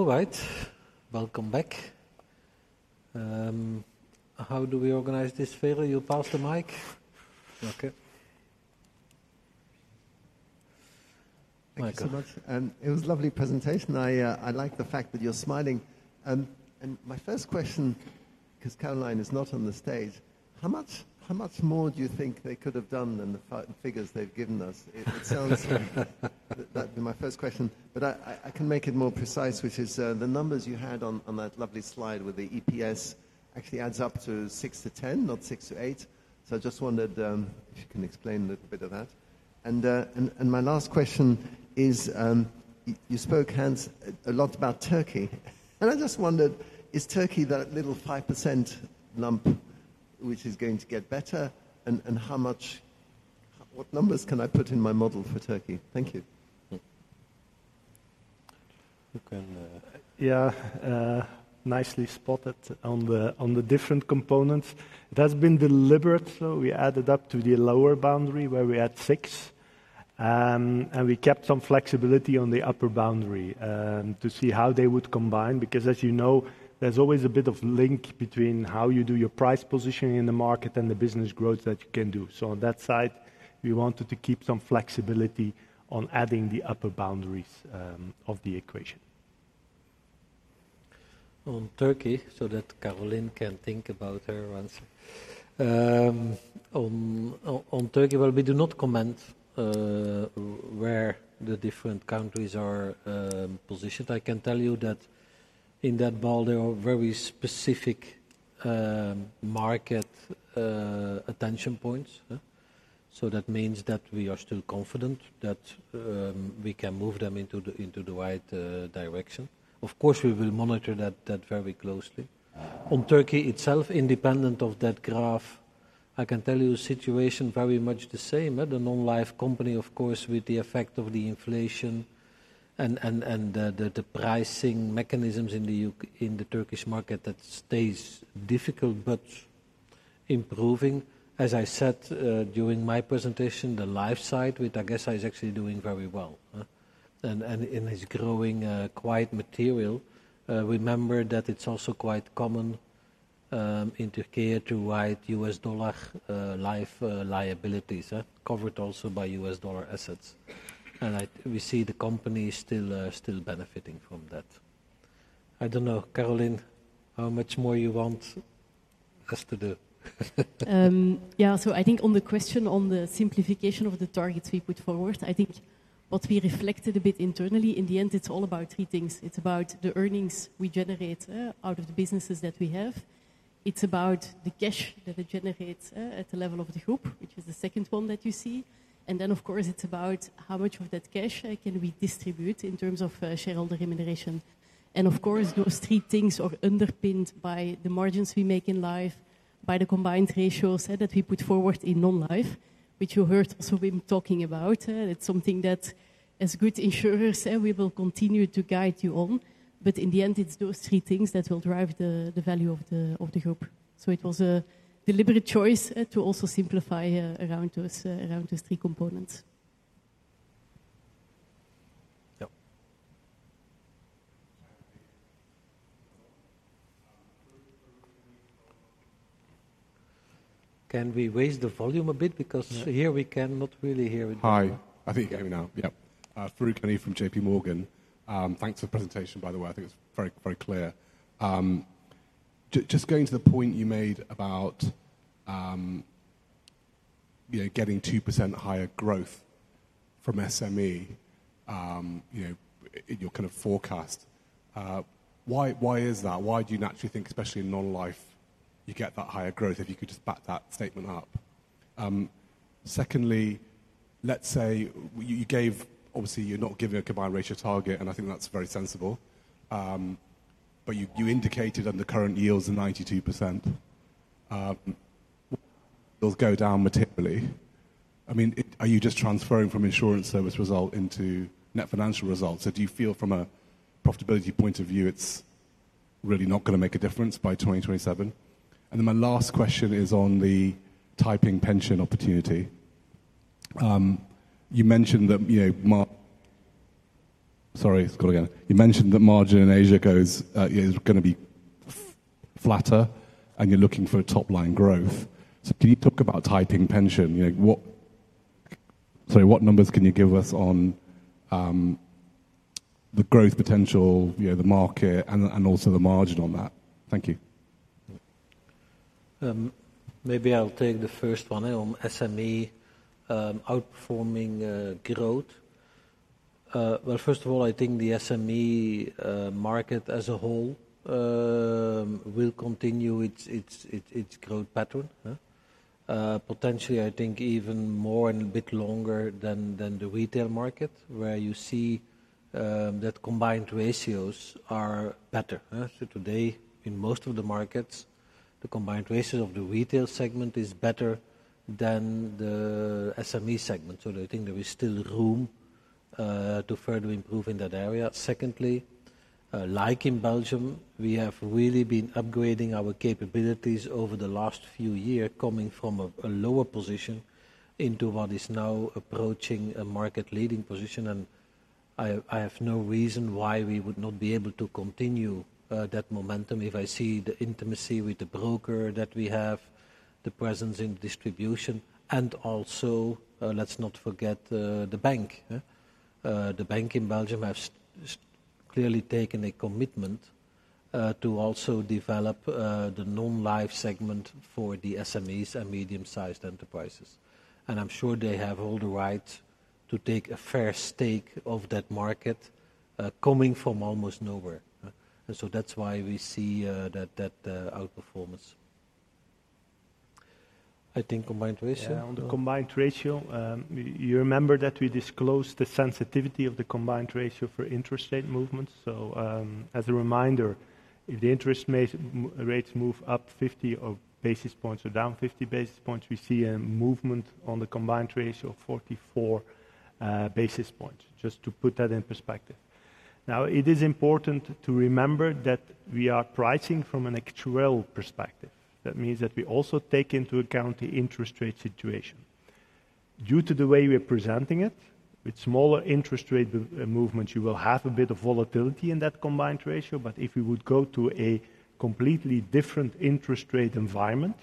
All right. Welcome back. How do we organize this, Filip? You pass the mic? Okay. Michael. Thank you so much, and it was a lovely presentation. I like the fact that you're smiling. And my first question, 'cause Karolien is not on the stage: how much more do you think they could have done than the figures they've given us? It sounds like that'd be my first question, but I can make it more precise, which is, the numbers you had on that lovely slide with the EPS actually adds up to 6%-10%, not 6%-8%. So I just wondered, if you can explain a little bit of that. And my last question is, you spoke, Hans, a lot about Turkey, and I just wondered, is Turkey that little 5% lump, which is going to get better? What numbers can I put in my model for Turkey? Thank you. You can nicely spotted on the different components. It has been deliberate, so we added up to the lower boundary, where we had six. And we kept some flexibility on the upper boundary to see how they would combine, because as you know, there's always a bit of link between how you do your price positioning in the market and the business growth that you can do. So on that side, we wanted to keep some flexibility on adding the upper boundaries of the equation. On Turkey, so that Karolien can think about her answer. On Turkey, well, we do not comment where the different countries are positioned. I can tell you that in that ball, there are very specific market attention points, huh? So that means that we are still confident that we can move them into the right direction. Of course, we will monitor that very closely. Uh- On Turkey itself, independent of that graph, I can tell you the situation very much the same. The Non-Life company, of course, with the effect of the inflation and the pricing mechanisms in the Turkish market, that stays difficult but improving. As I said, during my presentation, the life side, which AgeSA is actually doing very well, huh? It is growing quite materially. Remember that it's also quite common in Turkey to write U.S. dollar life liabilities covered also by U.S. dollar assets. We see the company still benefiting from that. I don't know, Karolien, how much more you want us to do? Yeah, so I think on the question on the simplification of the targets we put forward, I think what we reflected a bit internally, in the end, it's all about three things. It's about the earnings we generate out of the businesses that we have. It's about the cash that it generates at the level of the group, which is the second one that you see. And then, of course, it's about how much of that cash can we distribute in terms of shareholder remuneration. And of course, those three things are underpinned by the margins we make in Life, by the combined ratio, so that we put forward in Non-Life, which you heard also Wim talking about, it's something that as good insurers we will continue to guide you on. But in the end, it's those three things that will drive the value of the group. So it was a deliberate choice to also simplify around those three components. Yeah. Can we raise the volume a bit? Because- Yeah. -here we cannot really hear it. Hi. I think you hear me now. Yep. Farooq Hanif from J.P. Morgan. Thanks for the presentation, by the way. I think it's very, very clear. Just going to the point you made about, you know, getting 2% higher growth from SME, you know, in your kind of forecast. Why is that? Why do you naturally think, especially in Non-Life, you get that higher growth, if you could just back that statement up. Secondly, let's say you gave. Obviously, you're not giving a combined ratio target, and I think that's very sensible. But you indicated on the current year's of 92%, those go down materially. I mean, are you just transferring from insurance service result into net financial results, or do you feel from a profitability point of view, it's really not gonna make a difference by 2027? And then my last question is on the Taiping Pension opportunity. You mentioned that, you know, margin in Asia is gonna be flatter, and you're looking for a top-line growth. So can you talk about Taiping Pension? You know, what numbers can you give us on the growth potential, you know, the market and also the margin on that? Thank you. Maybe I'll take the first one on SME outperforming growth. Well, first of all, I think the SME market as a whole will continue its growth pattern. Potentially, I think even more and a bit longer than the retail market, where you see that combined ratios are better. So today, in most of the markets, the combined ratio of the retail segment is better than the SME segment. So I think there is still room to further improve in that area. Secondly, like in Belgium, we have really been upgrading our capabilities over the last few years, coming from a lower position into what is now approaching a market-leading position, and I have no reason why we would not be able to continue that momentum. If I see the intimacy with the broker that we have, the presence in distribution, and also, let's not forget, the bank. The bank in Belgium has clearly taken a commitment to also develop the Non-Life segment for the SMEs and medium-sized enterprises. And I'm sure they have all the right to take a fair stake of that market, coming from almost nowhere. And so that's why we see that outperformance. I think combined ratio. Yeah, on the combined ratio, you remember that we disclosed the sensitivity of the combined ratio for interest rate movements. So, as a reminder, if the interest rates move up fifty basis points or down fifty basis points, we see a movement on the combined ratio of 44 basis points, just to put that in perspective. Now, it is important to remember that we are pricing from an actual perspective. That means that we also take into account the interest rate situation. Due to the way we are presenting it, with smaller interest rate movements, you will have a bit of volatility in that combined ratio. But if we would go to a completely different interest rate environment,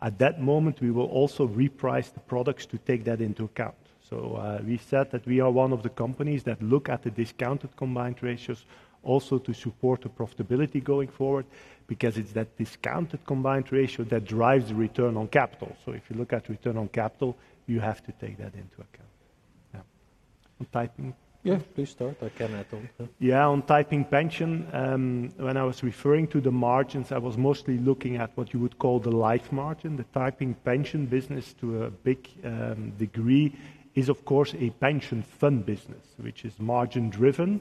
at that moment, we will also reprice the products to take that into account. So, we said that we are one of the companies that look at the discounted combined ratios also to support the profitability going forward, because it's that discounted combined ratio that drives return on capital. So if you look at return on capital, you have to take that into account. Yeah. On Taiping? Yeah, please start. I can add on. Yeah, on Taiping Pension, when I was referring to the margins, I was mostly looking at what you would call the life margin. The Taiping Pension business, to a big degree, is of course a pension fund business, which is margin-driven,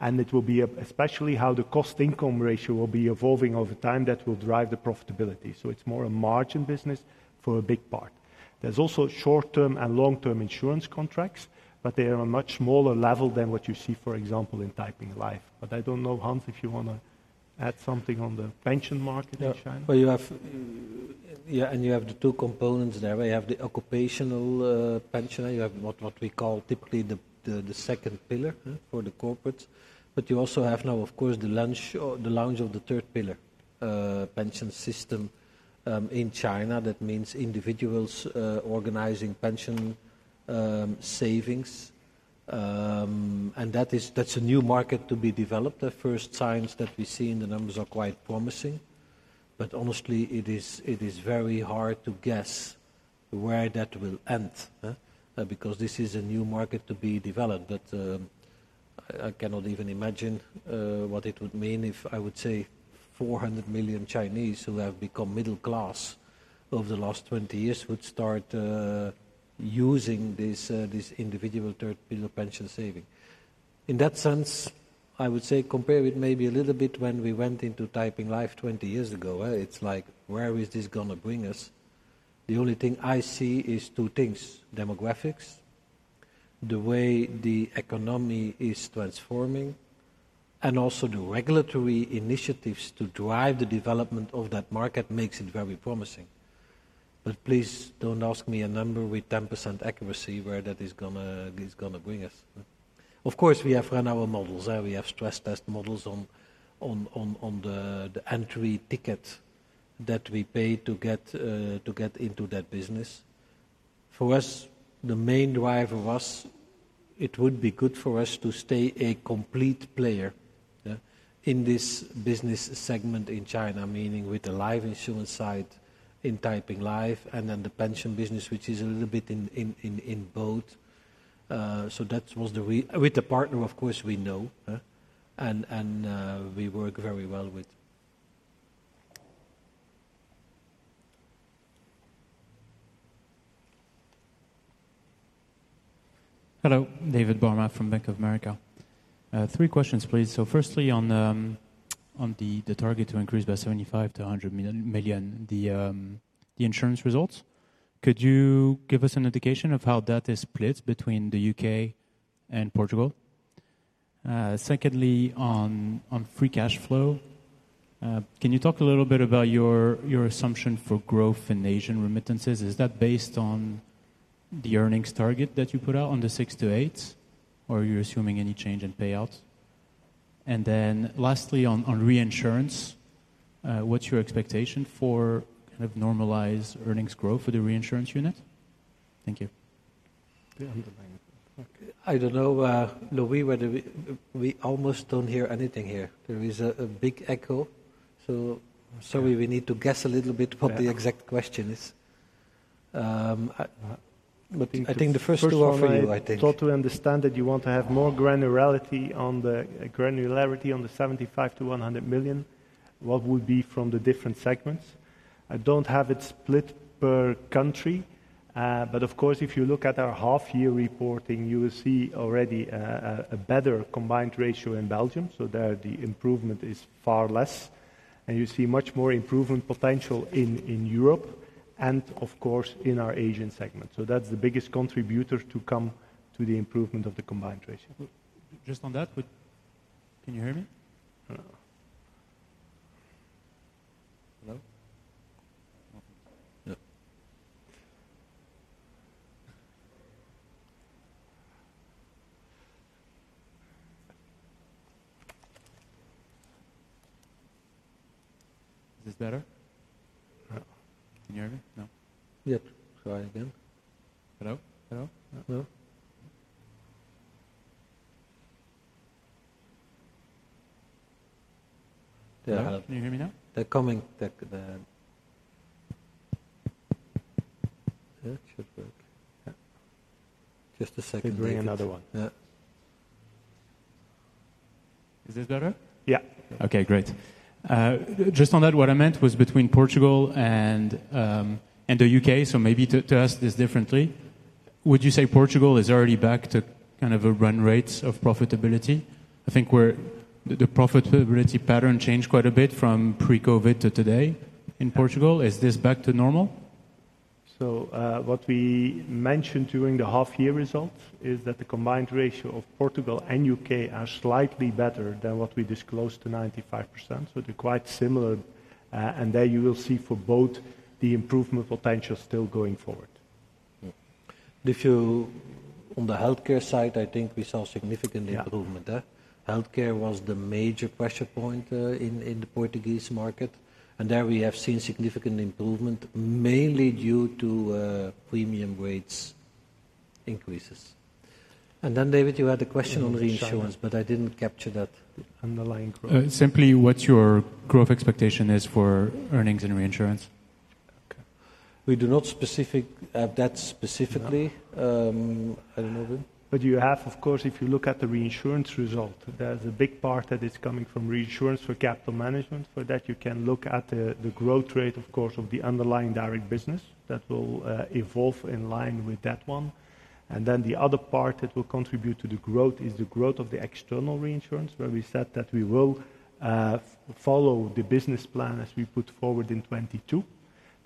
and it will be especially how the cost-income ratio will be evolving over time that will drive the profitability. So it's more a margin business for a big part. There's also short-term and long-term insurance contracts, but they are a much smaller level than what you see, for example, in Taiping Life. But I don't know, Hans, if you wanna add something on the pension market in China? Yeah. Well, you have the two components there, where you have the occupational pension. You have what we call typically the second pillar for the corporates. But you also have now, of course, the launch of the third pillar pension system in China. That means individuals organizing pension savings. And that's a new market to be developed. The first signs that we see in the numbers are quite promising. But honestly, it is very hard to guess where that will end because this is a new market to be developed. But I cannot even imagine what it would mean if I would say four hundred million Chinese who have become middle class over the last 20 years would start using this individual third pillar pension saving. In that sense, I would say compare it maybe a little bit when we went into Taiping Life 20 years ago. Well, it's like: Where is this gonna bring us? The only thing I see is two things: demographics, the way the economy is transforming, and also the regulatory initiatives to drive the development of that market makes it very promising. But please, don't ask me a number with 10% accuracy where that is gonna bring us. Of course, we have run our models. We have stress test models on the entry ticket that we pay to get into that business. For us, the main driver was it would be good for us to stay a complete player, yeah, in this business segment in China, meaning with the life insurance side in Taiping Life, and then the pension business, which is a little bit in both. So that was the reason with the partner, of course, we know, and we work very well with. Hello, David Barma from Bank of America. Three questions, please. So firstly, on the target to increase by 75 million-100 million, the insurance results, could you give us an indication of how that is split between the UK and Portugal? Secondly, on free cash flow, can you talk a little bit about your assumption for growth in Asian remittances? Is that based on the earnings target that you put out on the 6%-8%, or are you assuming any change in payouts? And then lastly, on reinsurance, what's your expectation for kind of normalized earnings growth for the reinsurance unit? Thank you. I don't know, Wim, whether we almost don't hear anything here. There is a big echo, so sorry, we need to guess a little bit- Yeah... what the exact question is. But I think the first two are for you, I think. I thought to understand that you want to have more granularity on the 75 million-100 million, what would be from the different segments. I don't have it split per country, but of course, if you look at our half-year reporting, you will see already a better combined ratio in Belgium, so there, the improvement is far less, and you see much more improvement potential in Europe and, of course, in our Asian segment, so that's the biggest contributor to come to the improvement of the combined ratio. Just on that, but... Can you hear me? No. Hello? No. Is this better? No. Can you hear me? No. Yes. Try again. Hello? Hello. No. Yeah, can you hear me now? They're coming. That should work. Yeah. Just a second. They bring another one. Yeah. Is this better? Yeah. Okay, great. Just on that, what I meant was between Portugal and, and the UK. So maybe to ask this differently, would you say Portugal is already back to kind of a run rates of profitability? I think where the profitability pattern changed quite a bit from pre-COVID to today in Portugal. Is this back to normal? What we mentioned during the half-year results is that the combined ratio of Portugal and UK are slightly better than what we disclosed to 95%, so they're quite similar, and there you will see for both the improvement potential still going forward. Mm-hmm. On the healthcare side, I think we saw significant- Yeah... improvement? Healthcare was the major pressure point in the Portuguese market, and there we have seen significant improvement, mainly due to premium rates increases. And then, David, you had a question on reinsurance- Yeah, on China.... but I didn't capture that. Underlying growth. Simply, what's your growth expectation is for earnings and reinsurance? Okay. We do not have that specifically. No. I don't know, Wim. But you have, of course, if you look at the reinsurance result, there's a big part that is coming from reinsurance for capital management. For that, you can look at the growth rate, of course, of the underlying direct business. That will evolve in line with that one. And then the other part that will contribute to the growth is the growth of the external reinsurance, where we said that we will follow the business plan as we put forward in 2022.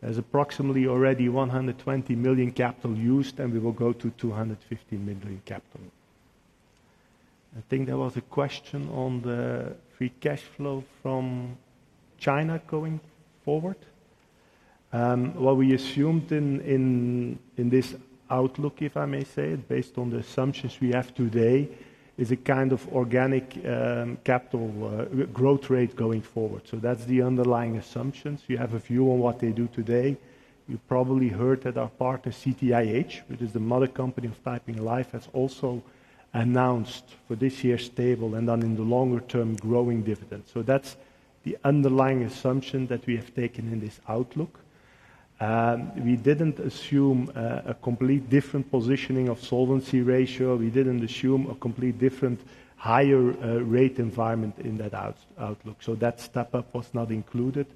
There's approximately already 120 million capital used, and we will go to 250 million capital. I think there was a question on the free cash flow from China going forward?... What we assumed in this outlook, if I may say it, based on the assumptions we have today, is a kind of organic capital growth rate going forward. So that's the underlying assumptions. You have a view on what they do today. You probably heard that our partner, CTIH, which is the mother company of Taiping Life, has also announced for this year, stable and then in the longer term, growing dividends. So that's the underlying assumption that we have taken in this outlook. We didn't assume a complete different positioning of solvency ratio. We didn't assume a complete different higher rate environment in that outlook. So that step-up was not included.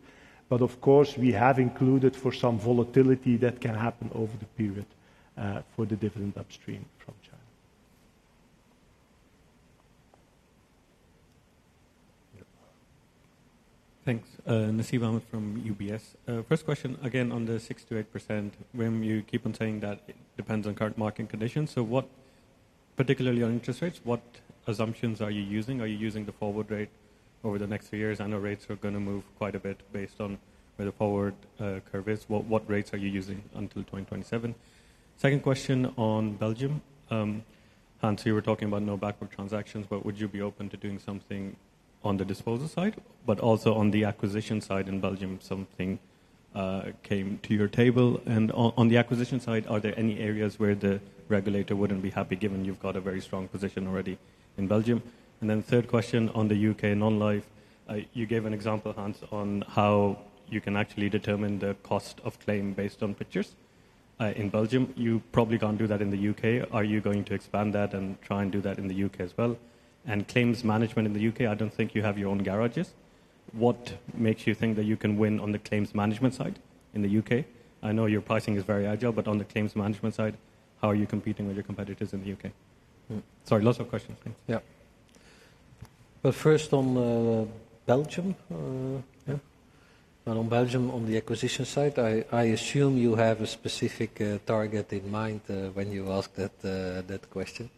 But of course, we have included for some volatility that can happen over the period, for the different upstream from China. Thanks. Nasib Ahmed from UBS. First question, again, on the 6%-8%, when you keep on saying that it depends on current market conditions. So what, particularly on interest rates, what assumptions are you using? Are you using the forward rate over the next few years? I know rates are going to move quite a bit based on where the forward curve is. What rates are you using until 2027? Second question on Belgium. Hans, you were talking about no backward transactions, but would you be open to doing something on the disposal side, but also on the acquisition side in Belgium, if something came to your table? And on the acquisition side, are there any areas where the regulator wouldn't be happy, given you've got a very strong position already in Belgium? And then third question on the UK Non-Life. You gave an example, Hans, on how you can actually determine the cost of claim based on pictures, in Belgium. You probably can't do that in the UK Are you going to expand that and try and do that in the UK as well? And claims management in the UK, I don't think you have your own garages. What makes you think that you can win on the claims management side in the UK? I know your pricing is very agile, but on the claims management side, how are you competing with your competitors in the UK? Sorry, lots of questions. Yeah. But first, on Belgium. Yeah. Well, on Belgium, on the acquisition side, I assume you have a specific target in mind when you ask that question.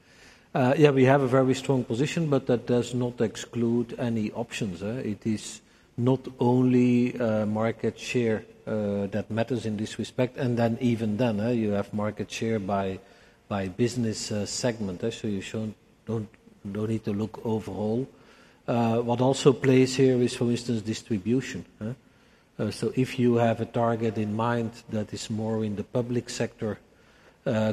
Yeah, we have a very strong position, but that does not exclude any options. It is not only market share that matters in this respect, and then even then, you have market share by business segment. Actually, you don't need to look overall. What also plays here is, for instance, distribution. So if you have a target in mind that is more in the public sector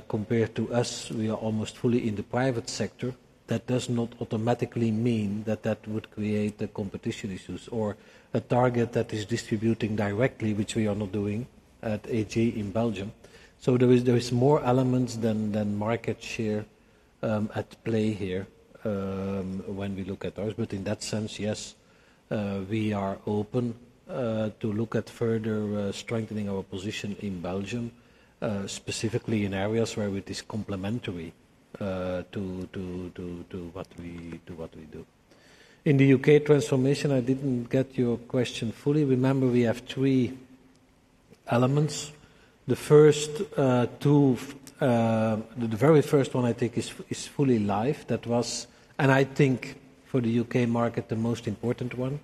compared to us, we are almost fully in the private sector. That does not automatically mean that that would create competition issues or a target that is distributing directly, which we are not doing at AG in Belgium. So there is more elements than market share at play here when we look at ours. But in that sense, yes, we are open to look at further strengthening our position in Belgium, specifically in areas where it is complementary to what we do. In the UK transformation, I didn't get your question fully. Remember, we have three elements. The first two. The very first one, I think, is fully live. That was, and I think for the UK market, the most important one,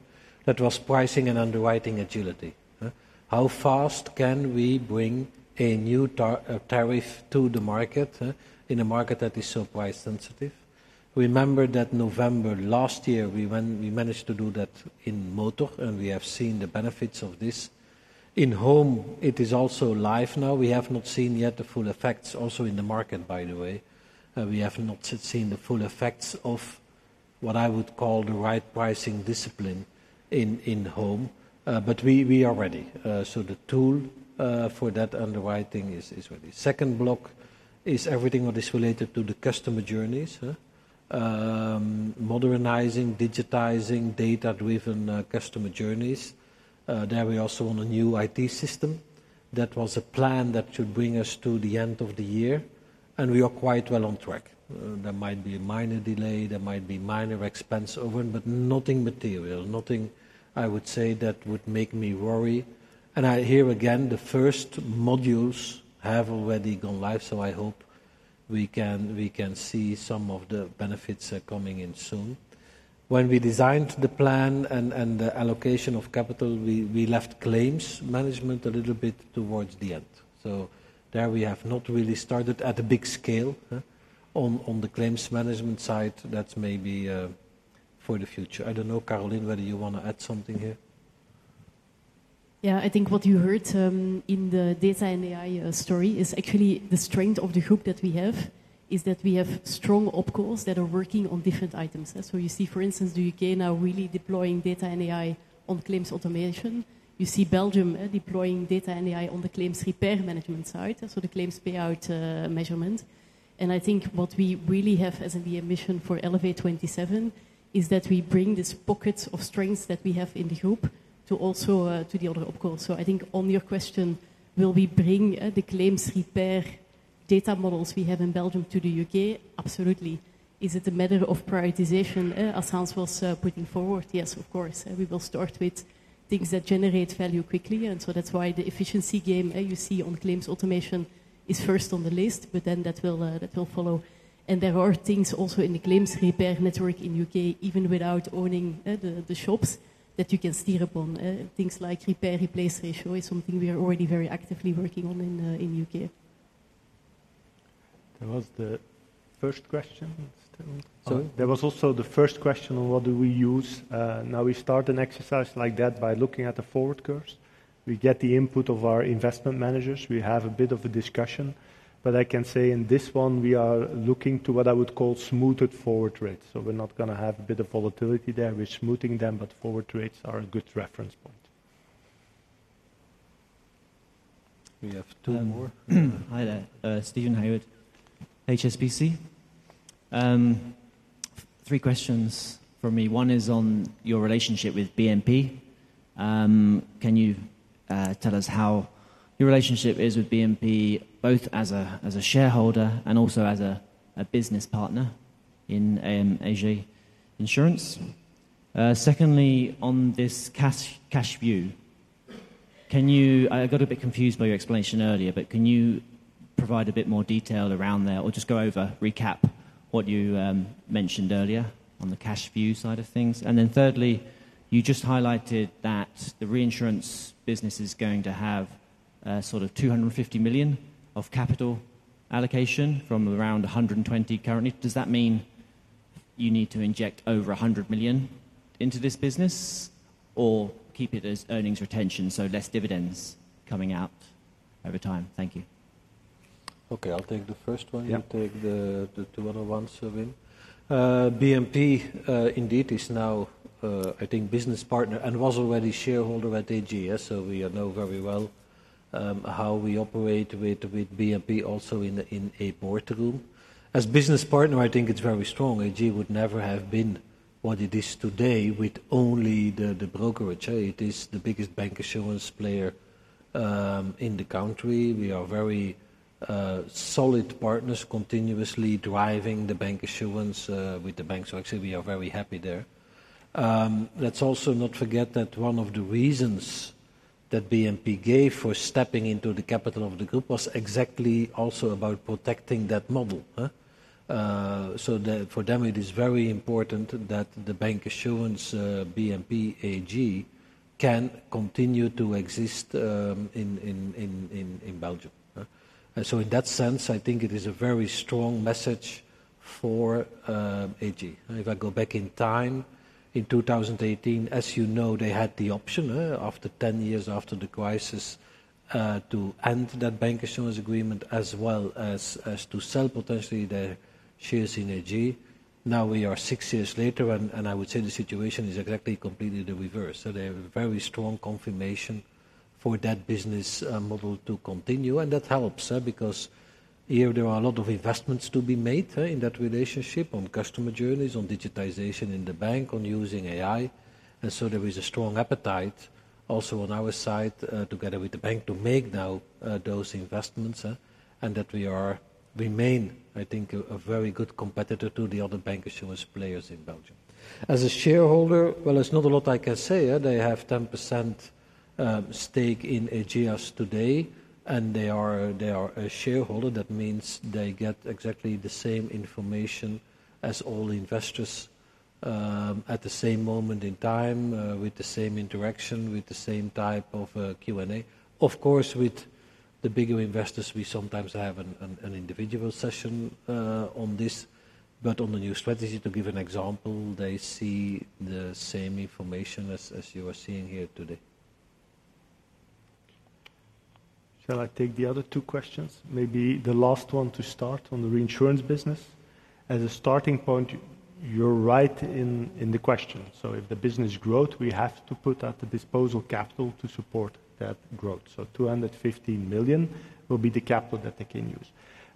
that was pricing and underwriting agility. How fast can we bring a new tariff to the market, in a market that is so price sensitive? Remember that November last year, we managed to do that in motor, and we have seen the benefits of this. In home, it is also live now. We have not seen yet the full effects also in the market, by the way. We have not seen the full effects of what I would call the right pricing discipline in home, but we are ready. So the tool for that underwriting is ready. Second block is everything what is related to the customer journeys. Modernizing, digitizing, data-driven customer journeys. There, we also want a new IT system. That was a plan that should bring us to the end of the year, and we are quite well on track. There might be a minor delay, there might be minor expense over it, but nothing material, nothing, I would say, that would make me worry. And I hear again, the first modules have already gone live, so I hope we can see some of the benefits coming in soon. When we designed the plan and the allocation of capital, we left claims management a little bit towards the end. So there we have not really started at a big scale on the claims management side. That's maybe for the future. I don't know, Karolien, whether you want to add something here. Yeah, I think what you heard in the data and AI story is actually the strength of the group that we have, is that we have strong OpCos that are working on different items. So you see, for instance, the UK now really deploying data and AI on claims automation. You see Belgium deploying data and AI on the claims repair management side, so the claims payout measurement. And I think what we really have as the ambition for Elevate27, is that we bring this pockets of strengths that we have in the group to also to the other OpCos. So I think on your question, will we bring the claims repair data models we have in Belgium to the UK? Absolutely. Is it a matter of prioritization as Hans was putting forward? Yes, of course. We will start with things that generate value quickly, and so that's why the efficiency game, you see on claims automation is first on the list, but then that will follow, and there are things also in the claims repair network in UK, even without owning the shops, that you can steer upon. Things like repair-replace ratio is something we are already very actively working on in UK.... There was the first question? Sorry. There was also the first question on what do we use. Now we start an exercise like that by looking at the forward curves. We get the input of our investment managers. We have a bit of a discussion, but I can say in this one, we are looking to what I would call smoothed forward rates. So we're not going to have a bit of volatility there. We're smoothing them, but forward rates are a good reference point. We have two more. Hi there. Steven Haywood, HSBC. Three questions from me. One is on your relationship with BNP. Can you tell us how your relationship is with BNP, both as a shareholder and also as a business partner in AG Insurance? Secondly, on this cash view, can you. I got a bit confused by your explanation earlier, but can you provide a bit more detail around there, or just go over, recap, what you mentioned earlier on the cash view side of things? And then thirdly, you just highlighted that the reinsurance business is going to have sort of 250 million of capital allocation from around 120 million currently. Does that mean you need to inject over 100 million into this business, or keep it as earnings retention, so less dividends coming out over time? Thank you. Okay, I'll take the first one- Yeah... you take the two other ones, Wim. BNP, indeed, is now, I think, business partner and was already shareholder at AG, so we know very well how we operate with BNP also in a boardroom. As business partner, I think it's very strong. AG would never have been what it is today with only the brokerage. It is the biggest bancassurance player in the country. We are very solid partners, continuously driving the bancassurance with the bank. So actually, we are very happy there. Let's also not forget that one of the reasons that BNP gave for stepping into the capital of the group was exactly also about protecting that model. So, for them, it is very important that the bancassurance BNP AG can continue to exist in Belgium. So in that sense, I think it is a very strong message for AG. If I go back in time, in 2018, as you know, they had the option after ten years after the crisis to end that bancassurance agreement, as well as to sell potentially their shares in AG. Now, we are six years later, and I would say the situation is exactly completely the reverse. So they have a very strong confirmation for that business model to continue, and that helps because here there are a lot of investments to be made in that relationship, on customer journeys, on digitization in the bank, on using AI. There is a strong appetite also on our side, together with the bank, to make now those investments, and that we remain, I think, a very good competitor to the other bancassurance players in Belgium. As a shareholder, well, there's not a lot I can say, yeah. They have 10% stake in AG as today, and they are a shareholder. That means they get exactly the same information as all investors at the same moment in time, with the same interaction, with the same type of Q&A. Of course, with the bigger investors, we sometimes have an individual session on this, but on the new strategy, to give an example, they see the same information as you are seeing here today. Shall I take the other two questions? Maybe the last one to start on the reinsurance business. As a starting point, you're right in the question. So if the business growth, we have to put at the disposal capital to support that growth. So 250 million will be the capital that they can use.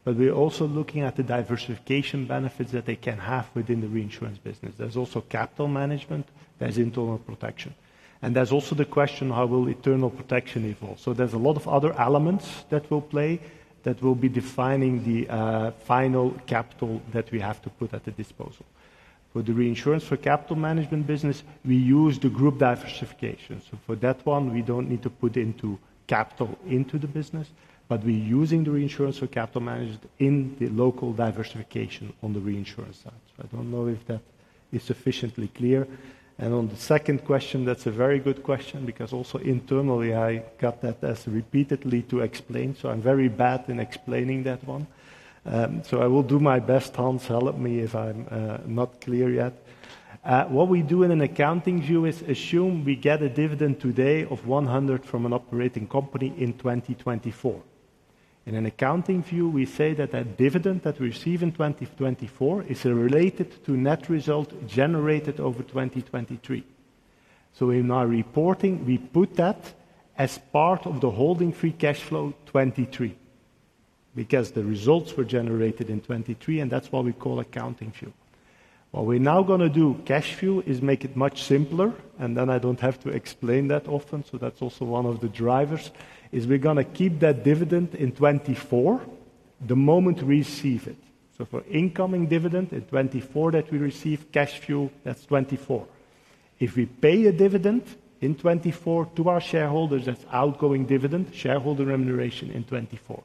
But we're also looking at the diversification benefits that they can have within the reinsurance business. There's also capital management, there's internal protection, and there's also the question: how will internal protection evolve? So there's a lot of other elements that will play, that will be defining the final capital that we have to put at the disposal. For the reinsurance, for capital management business, we use the group diversification. For that one, we don't need to put capital into the business, but we're using the reinsurance for capital management in the local diversification on the reinsurance side. I don't know if that is sufficiently clear. On the second question, that's a very good question because also internally, I got that asked repeatedly to explain, so I'm very bad in explaining that one. I will do my best. Hans, help me if I'm not clear yet. What we do in an accounting view is assume we get a dividend today of 100 from an operating company in 2024. In an accounting view, we say that that dividend that we receive in 2024 is related to net result generated over 2023. So in our reporting, we put that as part of the Holding Free Cash Flow 2023, because the results were generated in 2023, and that's what we call accounting view. What we're now going to do, cash view, is make it much simpler, and then I don't have to explain that often. So that's also one of the drivers, is we're going to keep that dividend in 2024, the moment we receive it. So for incoming dividend in 2024 that we receive, cash view, that's 2024. If we pay a dividend in 2024 to our shareholders, that's outgoing dividend, shareholder remuneration in 2024.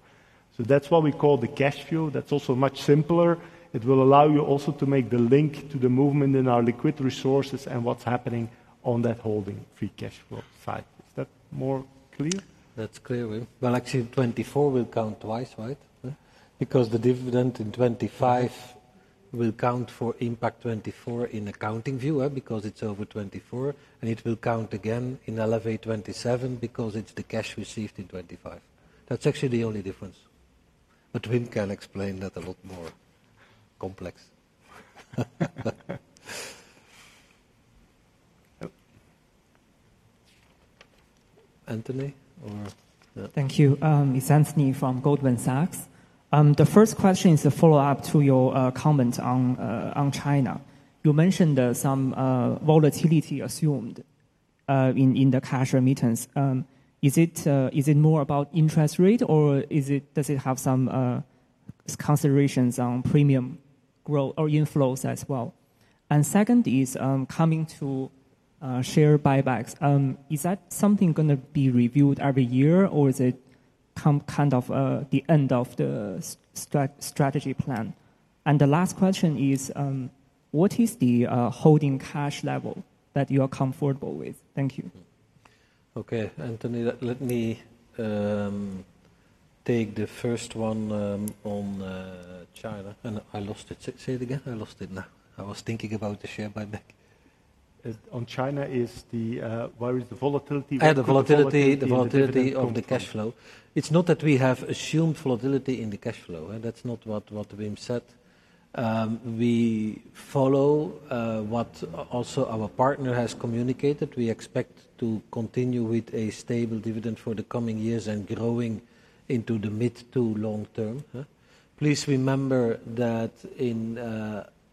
So that's what we call the cash view. That's also much simpler. It will allow you also to make the link to the movement in our liquid resources and what's happening on that Holding Free Cash Flow side. Is that more clear? That's clear, yeah. Well, actually, 2024 will count twice, right? Because the dividend in 2025 will count for Impact24 in accounting view, because it's over 2024, and it will count again in Elevate27, because it's the cash received in 2025. That's actually the only difference. But Wim can explain that a lot more complex. Anthony, or- Thank you. It's Anthony from Goldman Sachs. The first question is a follow-up to your comment on China. You mentioned some volatility assumed in the cash remittance. Is it more about interest rate, or is it-- does it have some considerations on premium growth or inflows as well? And second is coming to share buybacks. Is that something going to be reviewed every year, or is it come kind of the end of the strategy plan? And the last question is what is the holding cash level that you are comfortable with? Thank you. Okay, Anthony, let me take the first one on China. And I lost it. Say it again? I lost it now. I was thinking about the share buyback. On China, where is the volatility? The volatility, the volatility of the cash flow. It's not that we have assumed volatility in the cash flow, that's not what Wim said. We follow what also our partner has communicated. We expect to continue with a stable dividend for the coming years and growing into the mid to long term. Please remember that in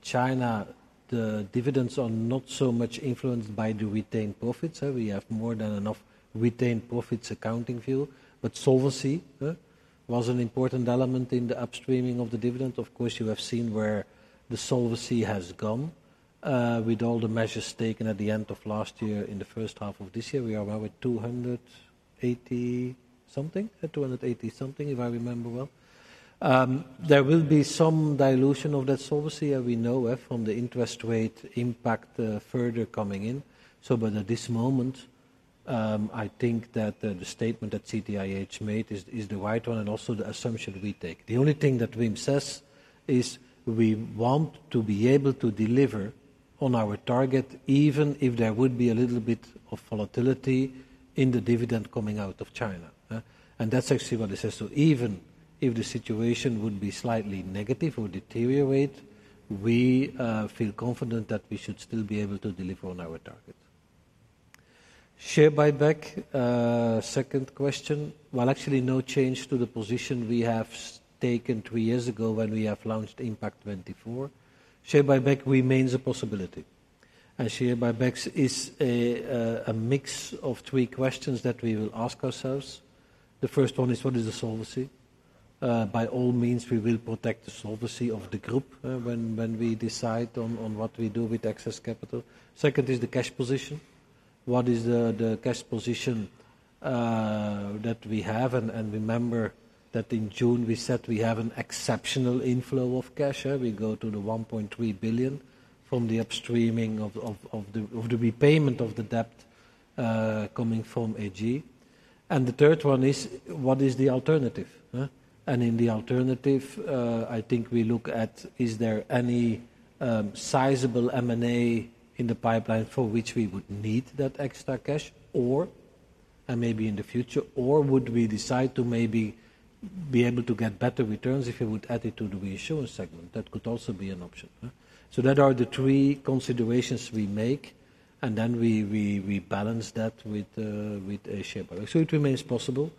China, the dividends are not so much influenced by the retained profits. So we have more than enough retained profits accounting view. But solvency was an important element in the upstreaming of the dividend. Of course, you have seen where the solvency has gone, with all the measures taken at the end of last year, in the first half of this year, we are well with two hundred eighty something. Two hundred eighty something, if I remember well. There will be some dilution of that solvency, as we know it, from the interest rate Impact, further coming in. So, but at this moment, I think that the statement that CTIH made is the right one and also the assumption we take. The only thing that Wim says is, "We want to be able to deliver on our target, even if there would be a little bit of volatility in the dividend coming out of China." And that's actually what he says. So even if the situation would be slightly negative or deteriorate, we feel confident that we should still be able to deliver on our target. Share buyback, second question. Well, actually, no change to the position we have taken three years ago when we have launched Impact24. Share buyback remains a possibility, and share buybacks is a mix of three questions that we will ask ourselves. The first one is: What is the solvency? By all means, we will protect the solvency of the group when we decide on what we do with excess capital. Second is the cash position. What is the cash position that we have? And remember that in June, we said we have an exceptional inflow of cash; we go to 1.3 billion from the upstreaming of the repayment of the debt coming from AG. And the third one is: What is the alternative, huh? In the alternative, I think we look at, is there any sizable M&A in the pipeline for which we would need that extra cash, or, and maybe in the future, or would we decide to maybe be able to get better returns if you would add it to the reinsurance segment? That could also be an option, huh? That are the three considerations we make, and then we balance that with a share buyback. So it remains possible.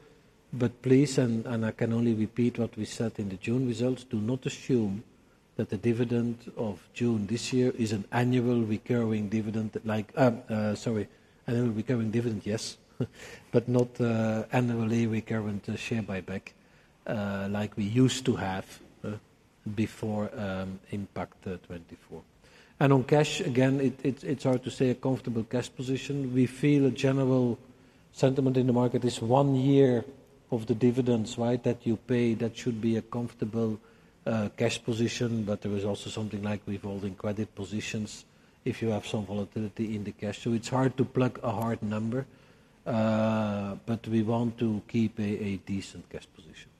But please, and I can only repeat what we said in the June results, do not assume that the dividend of June this year is an annual recurring dividend, like, sorry, annual recurring dividend, yes, but not annually recurring share buyback, like we used to have, before Impact24. On cash, again, it's hard to say a comfortable cash position. We feel a general sentiment in the market is one year of the dividends, right? That you pay, that should be a comfortable cash position, but there is also something like revolving credit positions if you have some volatility in the cash. So it's hard to plug a hard number, but we want to keep a decent cash position.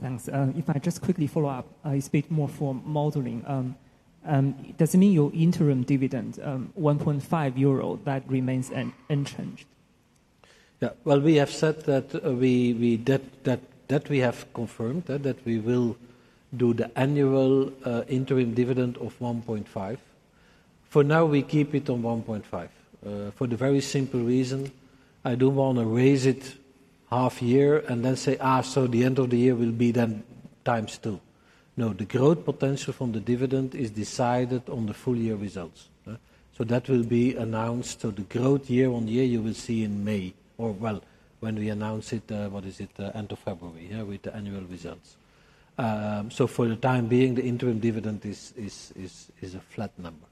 Thanks. If I just quickly follow up, it's a bit more for modeling. Does it mean your interim dividend, 1.5 euro, that remains unchanged? Yeah. Well, we have said that we have confirmed that we will do the annual interim dividend of 1.5. For now, we keep it on 1.5 for the very simple reason, I don't want to raise it half year and then say, "Ah, so the end of the year will be then times two." No, the growth potential from the dividend is decided on the full year results, so that will be announced. So the growth year on year, you will see in May, or well, when we announce it, what is it? End of February, yeah, with the annual results. So for the time being, the interim dividend is a flat number.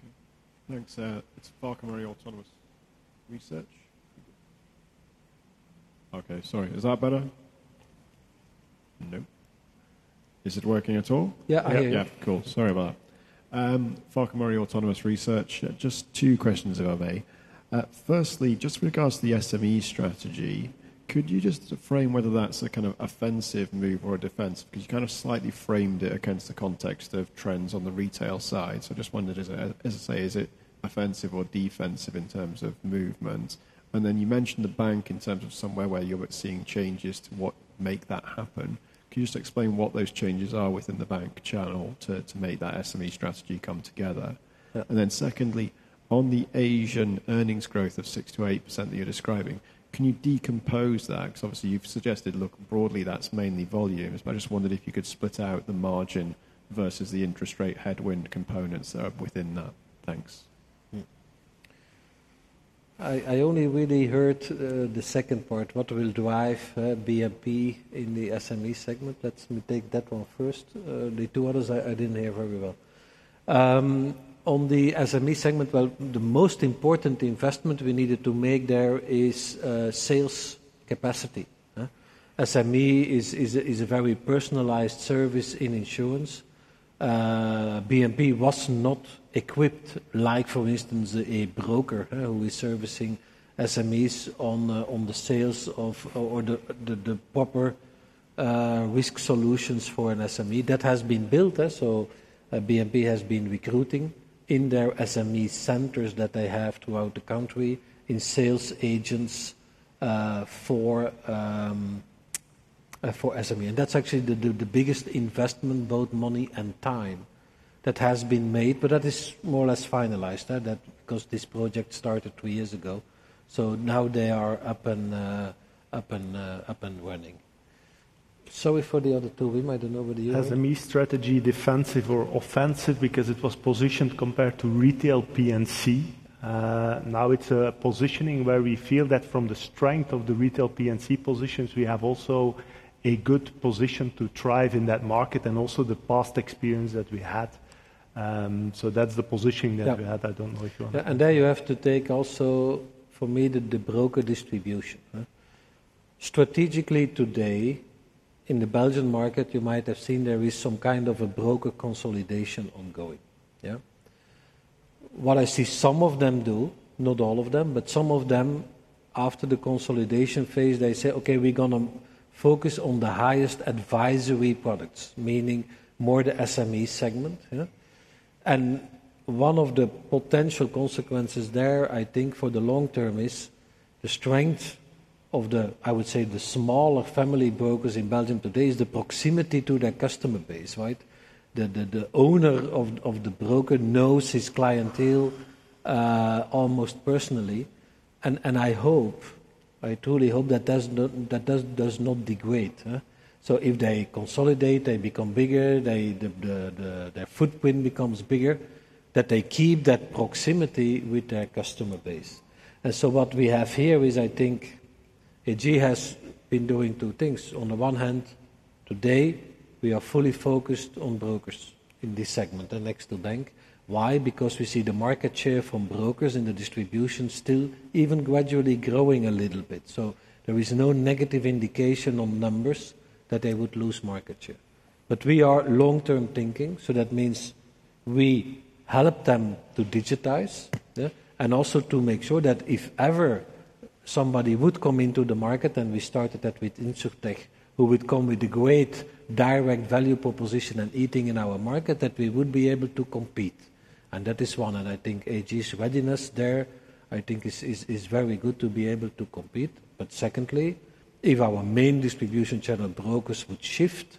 Okay. Thanks, it's Farquhar Murray, Autonomous Research. Okay, sorry. Is that better? Nope. Is it working at all? Yeah, I hear you. Yeah, yeah. Cool. Sorry about that.... Farquhar Murray, Autonomous Research. Just two questions, if I may. Firstly, just with regards to the SME strategy, could you just frame whether that's a kind of offensive move or a defense? Because you kind of slightly framed it against the context of trends on the retail side. So I just wondered, is it, as I say, is it offensive or defensive in terms of movement? And then you mentioned the bank in terms of somewhere where you're seeing changes to what make that happen. Can you just explain what those changes are within the bank channel to make that SME strategy come together? And then secondly, on the Asian earnings growth of 6%-8% that you're describing, can you decompose that? Because obviously, you've suggested, look, broadly, that's mainly volumes. But I just wondered if you could split out the margin versus the interest rate headwind components that are within that. Thanks. I only really heard the second part, what will drive BNP in the SME segment. Let me take that one first. The two others I didn't hear very well. On the SME segment, well, the most important investment we needed to make there is sales capacity, huh? SME is a very personalized service in insurance. BNP was not equipped, like, for instance, a broker who is servicing SMEs on the sales of or the proper risk solutions for an SME. That has been built, so BNP has been recruiting in their SME centers that they have throughout the country, in sales agents for SME. And that's actually the biggest investment, both money and time, that has been made. But that is more or less finalized. Because this project started two years ago, so now they are up and running. Sorry for the other two. Wim, I don't know whether you- SME strategy, defensive or offensive, because it was positioned compared to retail P&C. Now it's a positioning where we feel that from the strength of the retail P&C positions, we have also a good position to thrive in that market and also the past experience that we had. So that's the positioning that- Yeah. We had. I don't know if you want to- And there you have to take also, for me, the broker distribution, huh? Strategically, today, in the Belgian market, you might have seen there is some kind of a broker consolidation ongoing. Yeah. What I see some of them do, not all of them, but some of them, after the consolidation phase, they say, "Okay, we're gonna focus on the highest advisory products," meaning more the SME segment, yeah. And one of the potential consequences there, I think, for the long term is the strength of the, I would say, the smaller family brokers in Belgium today, is the proximity to their customer base, right? The owner of the broker knows his clientele almost personally, and I hope, I truly hope that does not degrade, huh? So if they consolidate, they become bigger, they... Their footprint becomes bigger, that they keep that proximity with their customer base, and so what we have here is, I think, AG has been doing two things. On the one hand, today, we are fully focused on brokers in this segment, next to bank. Why? Because we see the market share from brokers and the distribution still even gradually growing a little bit. There is no negative indication on numbers that they would lose market share, but we are long-term thinking, so that means we help them to digitize, yeah, and also to make sure that if ever somebody would come into the market, and we started that with Insurtech, who would come with a great direct value proposition and eating in our market, that we would be able to compete, and that is one. I think AG's readiness there, I think, is very good to be able to compete. But secondly, if our main distribution channel, brokers, would shift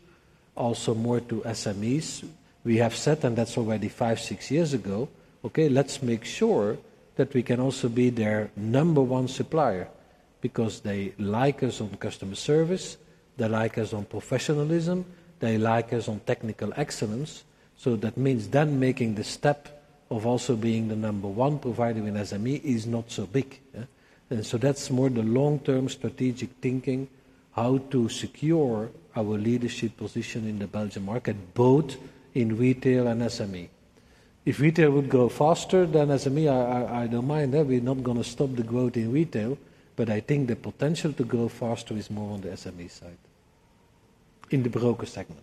also more to SMEs, we have said, and that's already five, six years ago, "Okay, let's make sure that we can also be their number one supplier," because they like us on customer service, they like us on professionalism, they like us on technical excellence. So that means then making the step of also being the number one provider in SME is not so big, yeah. So that's more the long-term strategic thinking, how to secure our leadership position in the Belgian market, both in retail and SME. If retail would grow faster than SME, I don't mind that. We're not gonna stop the growth in retail, but I think the potential to grow faster is more on the SME side, in the broker segment.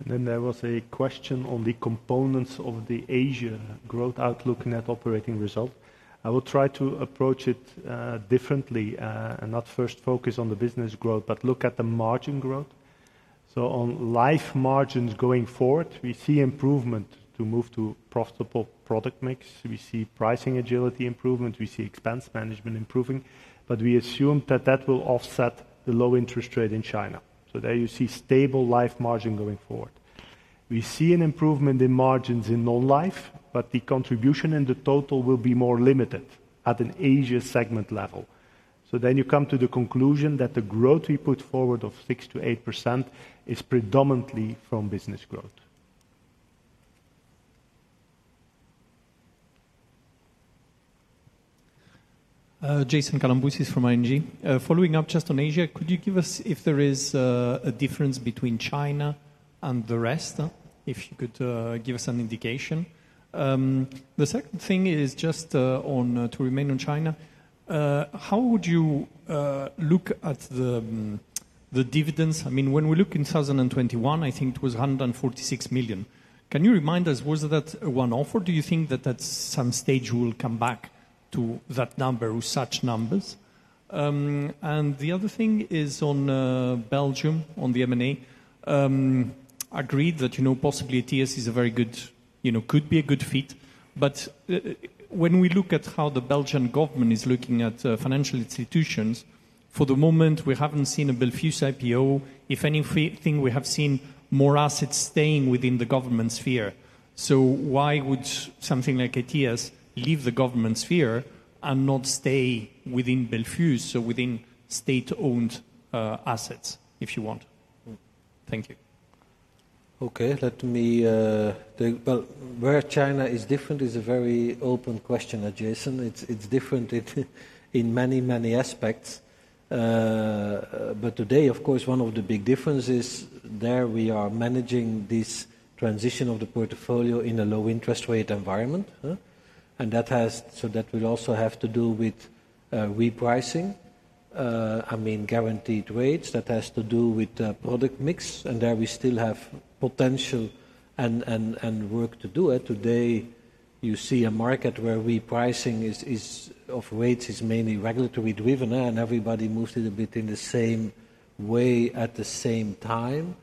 And then there was a question on the components of the Asia growth outlook Net Operating Result. I will try to approach it differently, and not first focus on the business growth, but look at the margin growth. So on life margins going forward, we see improvement to move to profitable product mix. We see pricing agility improvement, we see expense management improving, but we assume that that will offset the low interest rate in China. So there you see stable life margin going forward. We see an improvement in margins in Non-Life, but the contribution and the total will be more limited at an Asia segment level. So then you come to the conclusion that the growth we put forward of 6%-8% is predominantly from business growth. Jason Kalamboussis from ING. Following up just on Asia, could you give us if there is a difference between China and the rest? If you could give us an indication. The second thing is just on to remain on China. How would you look at the... the dividends, I mean, when we look in 2021, I think it was 146 million. Can you remind us, was that a one-off, or do you think that at some stage we will come back to that number or such numbers? And the other thing is on Belgium, on the M&A. Agreed that, you know, possibly Ethias is a very good, you know, could be a good fit. But, when we look at how the Belgian government is looking at financial institutions, for the moment, we haven't seen a Belfius IPO. If anything, we have seen more assets staying within the government sphere. So why would something like Ethias leave the government sphere and not stay within Belfius, so within state-owned assets, if you want? Thank you. Where China is different is a very open question, Jason. It's different in many aspects. But today, of course, one of the big differences is there we are managing this transition of the portfolio in a low interest rate environment, huh? And that has, so that will also have to do with repricing, I mean, guaranteed rates. That has to do with product mix, and there we still have potential and work to do. Today, you see a market where repricing of rates is mainly regulatory-driven, and everybody moves it a bit in the same way at the same time.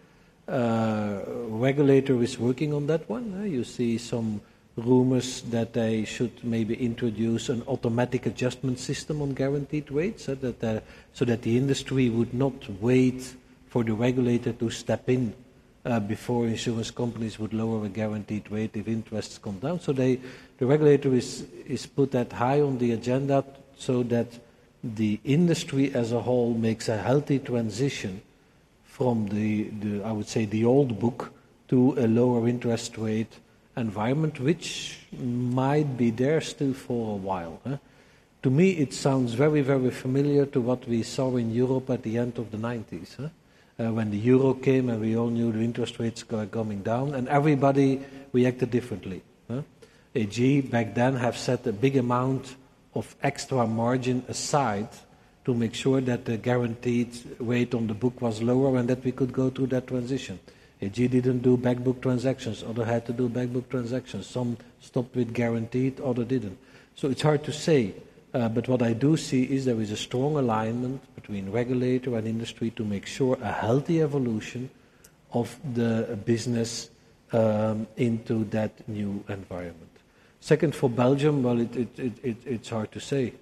Regulator is working on that one. You see some rumors that they should maybe introduce an automatic adjustment system on guaranteed rates, so that the industry would not wait for the regulator to step in before insurance companies would lower a guaranteed rate if interests come down. So the regulator is put that high on the agenda so that the industry as a whole makes a healthy transition from the, I would say, the old book to a lower interest rate environment, which might be there still for a while. To me, it sounds very, very familiar to what we saw in Europe at the end of the nineties. When the euro came, and we all knew the interest rates were coming down, and everybody reacted differently. AG, back then, have set a big amount of extra margin aside to make sure that the guaranteed rate on the book was lower and that we could go through that transition. AG didn't do back book transactions. Others had to do back book transactions. Some stopped with guaranteed, others didn't. So it's hard to say, but what I do see is there is a strong alignment between regulator and industry to make sure a healthy evolution of the business into that new environment. Second, for Belgium, well, it's hard to say.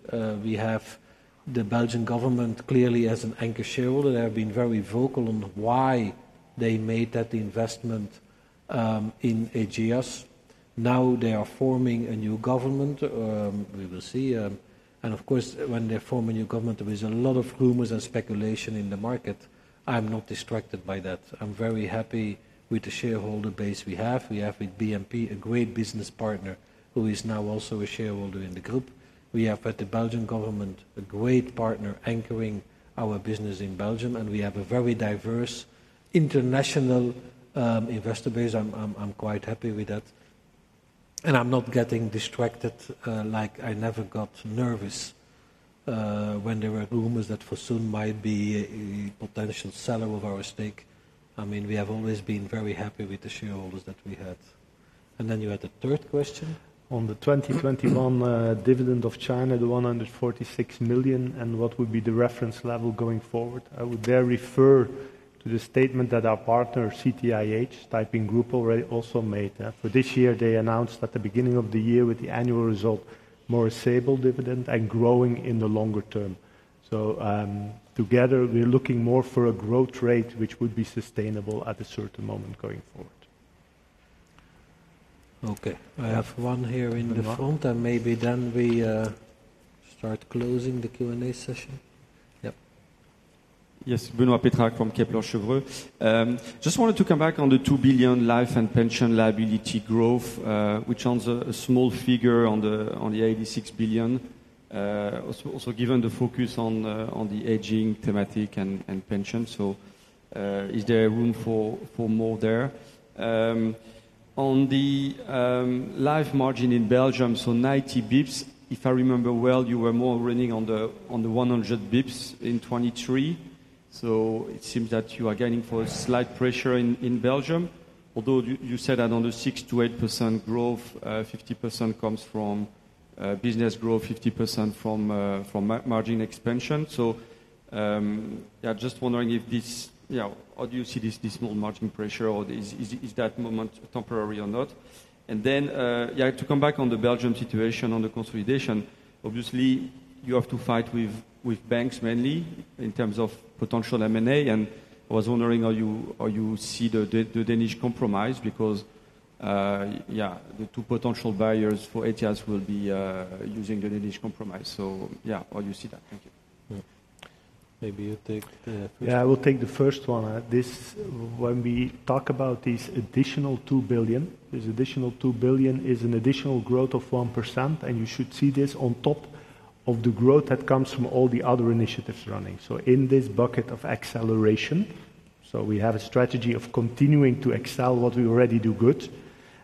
We have the Belgian government clearly as an anchor shareholder. They have been very vocal on why they made that investment in Ageas. Now they are forming a new government. We will see, and of course, when they form a new government, there is a lot of rumors and speculation in the market. I'm not distracted by that. I'm very happy with the shareholder base we have. We have with BNP, a great business partner, who is now also a shareholder in the group. We have with the Belgian government, a great partner anchoring our business in Belgium, and we have a very diverse international investor base. I'm quite happy with that, and I'm not getting distracted, like I never got nervous, when there were rumors that Fosun might be a potential seller of our stake. I mean, we have always been very happy with the shareholders that we had, and then you had a third question? On the 2021 dividend of China, the 146 million, and what would be the reference level going forward? I would therefore refer to the statement that our partner, CTIH Taiping Group, already also made. For this year, they announced at the beginning of the year with the annual result, more stable dividend and growing in the longer term. Together, we're looking more for a growth rate, which would be sustainable at a certain moment going forward. Okay, I have one here in the front, and maybe then we start closing the Q&A session. Yep. Yes, Benoit Pétrarque from Kepler Cheuvreux. Just wanted to come back on the 2 billion life and pension liability growth, which sounds a small figure on the 86 billion. Also given the focus on the aging theme and pension, so is there room for more there? On the life margin in Belgium, so 90 basis points, if I remember well, you were running more on the 100 basis points in 2023. So it seems that you are facing a slight pressure in Belgium, although you said that on the 6%-8% growth, 50% comes from business growth, 50% from margin expansion. So yeah, just wondering if this... Yeah, how do you see this small margin pressure, or is that movement temporary or not? And then, yeah, to come back on the Belgium situation, on the consolidation, obviously, you have to fight with banks mainly in terms of potential M&A, and I was wondering how you see the Danish Compromise, because, yeah, the two potential buyers for Ethias will be using the Danish Compromise. So yeah, how you see that? Thank you. Maybe you take the first one. Yeah, I will take the first one. This, when we talk about these additional 2 billion, this additional 2 billion is an additional growth of 1%, and you should see this on top of the growth that comes from all the other initiatives running. So in this bucket of acceleration. So we have a strategy of continuing to excel what we already do good,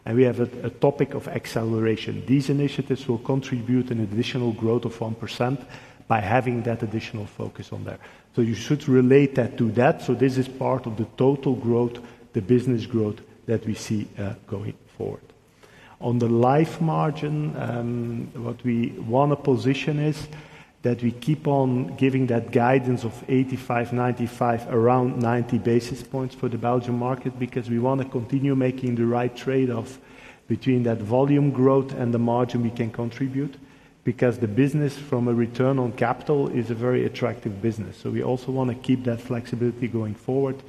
and we have a topic of acceleration. These initiatives will contribute an additional growth of 1% by having that additional focus on there. So you should relate that to that. So this is part of the total growth, the business growth that we see going forward. On the life margin, what we wanna position is, that we keep on giving that guidance of 85-95, around 90 basis points for the Belgian market, because we want to continue making the right trade-off between that volume growth and the margin we can contribute, because the business from a return on capital is a very attractive business. So we also wanna keep that flexibility going forward.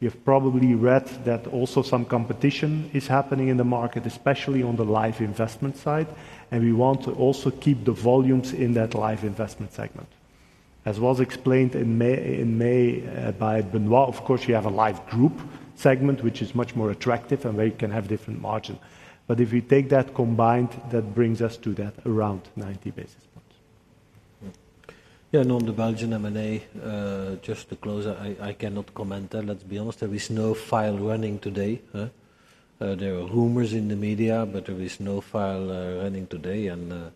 You've probably read that also some competition is happening in the market, especially on the life investment side, and we want to also keep the volumes in that life investment segment. As was explained in May by Benoit, of course, you have a life group segment, which is much more attractive and where you can have different margin. But if you take that combined, that brings us to that around 90 basis points. Yeah, and on the Belgian M&A, just to close, I cannot comment there. Let's be honest, there is no file running today. There are rumors in the media, but there is no file running today, and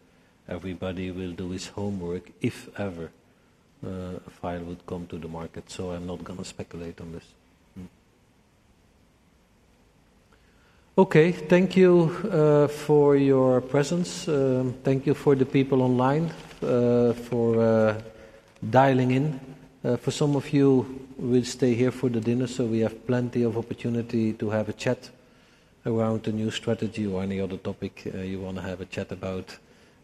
everybody will do his homework, if ever a file would come to the market. So I'm not gonna speculate on this. Okay, thank you for your presence. Thank you for the people online for dialing in. For some of you will stay here for the dinner, so we have plenty of opportunity to have a chat around the new strategy or any other topic you wanna have a chat about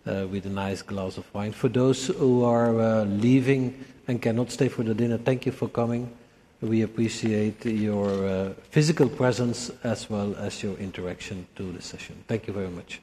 with a nice glass of wine. For those who are leaving and cannot stay for the dinner, thank you for coming. We appreciate your physical presence as well as your interaction to the session. Thank you very much.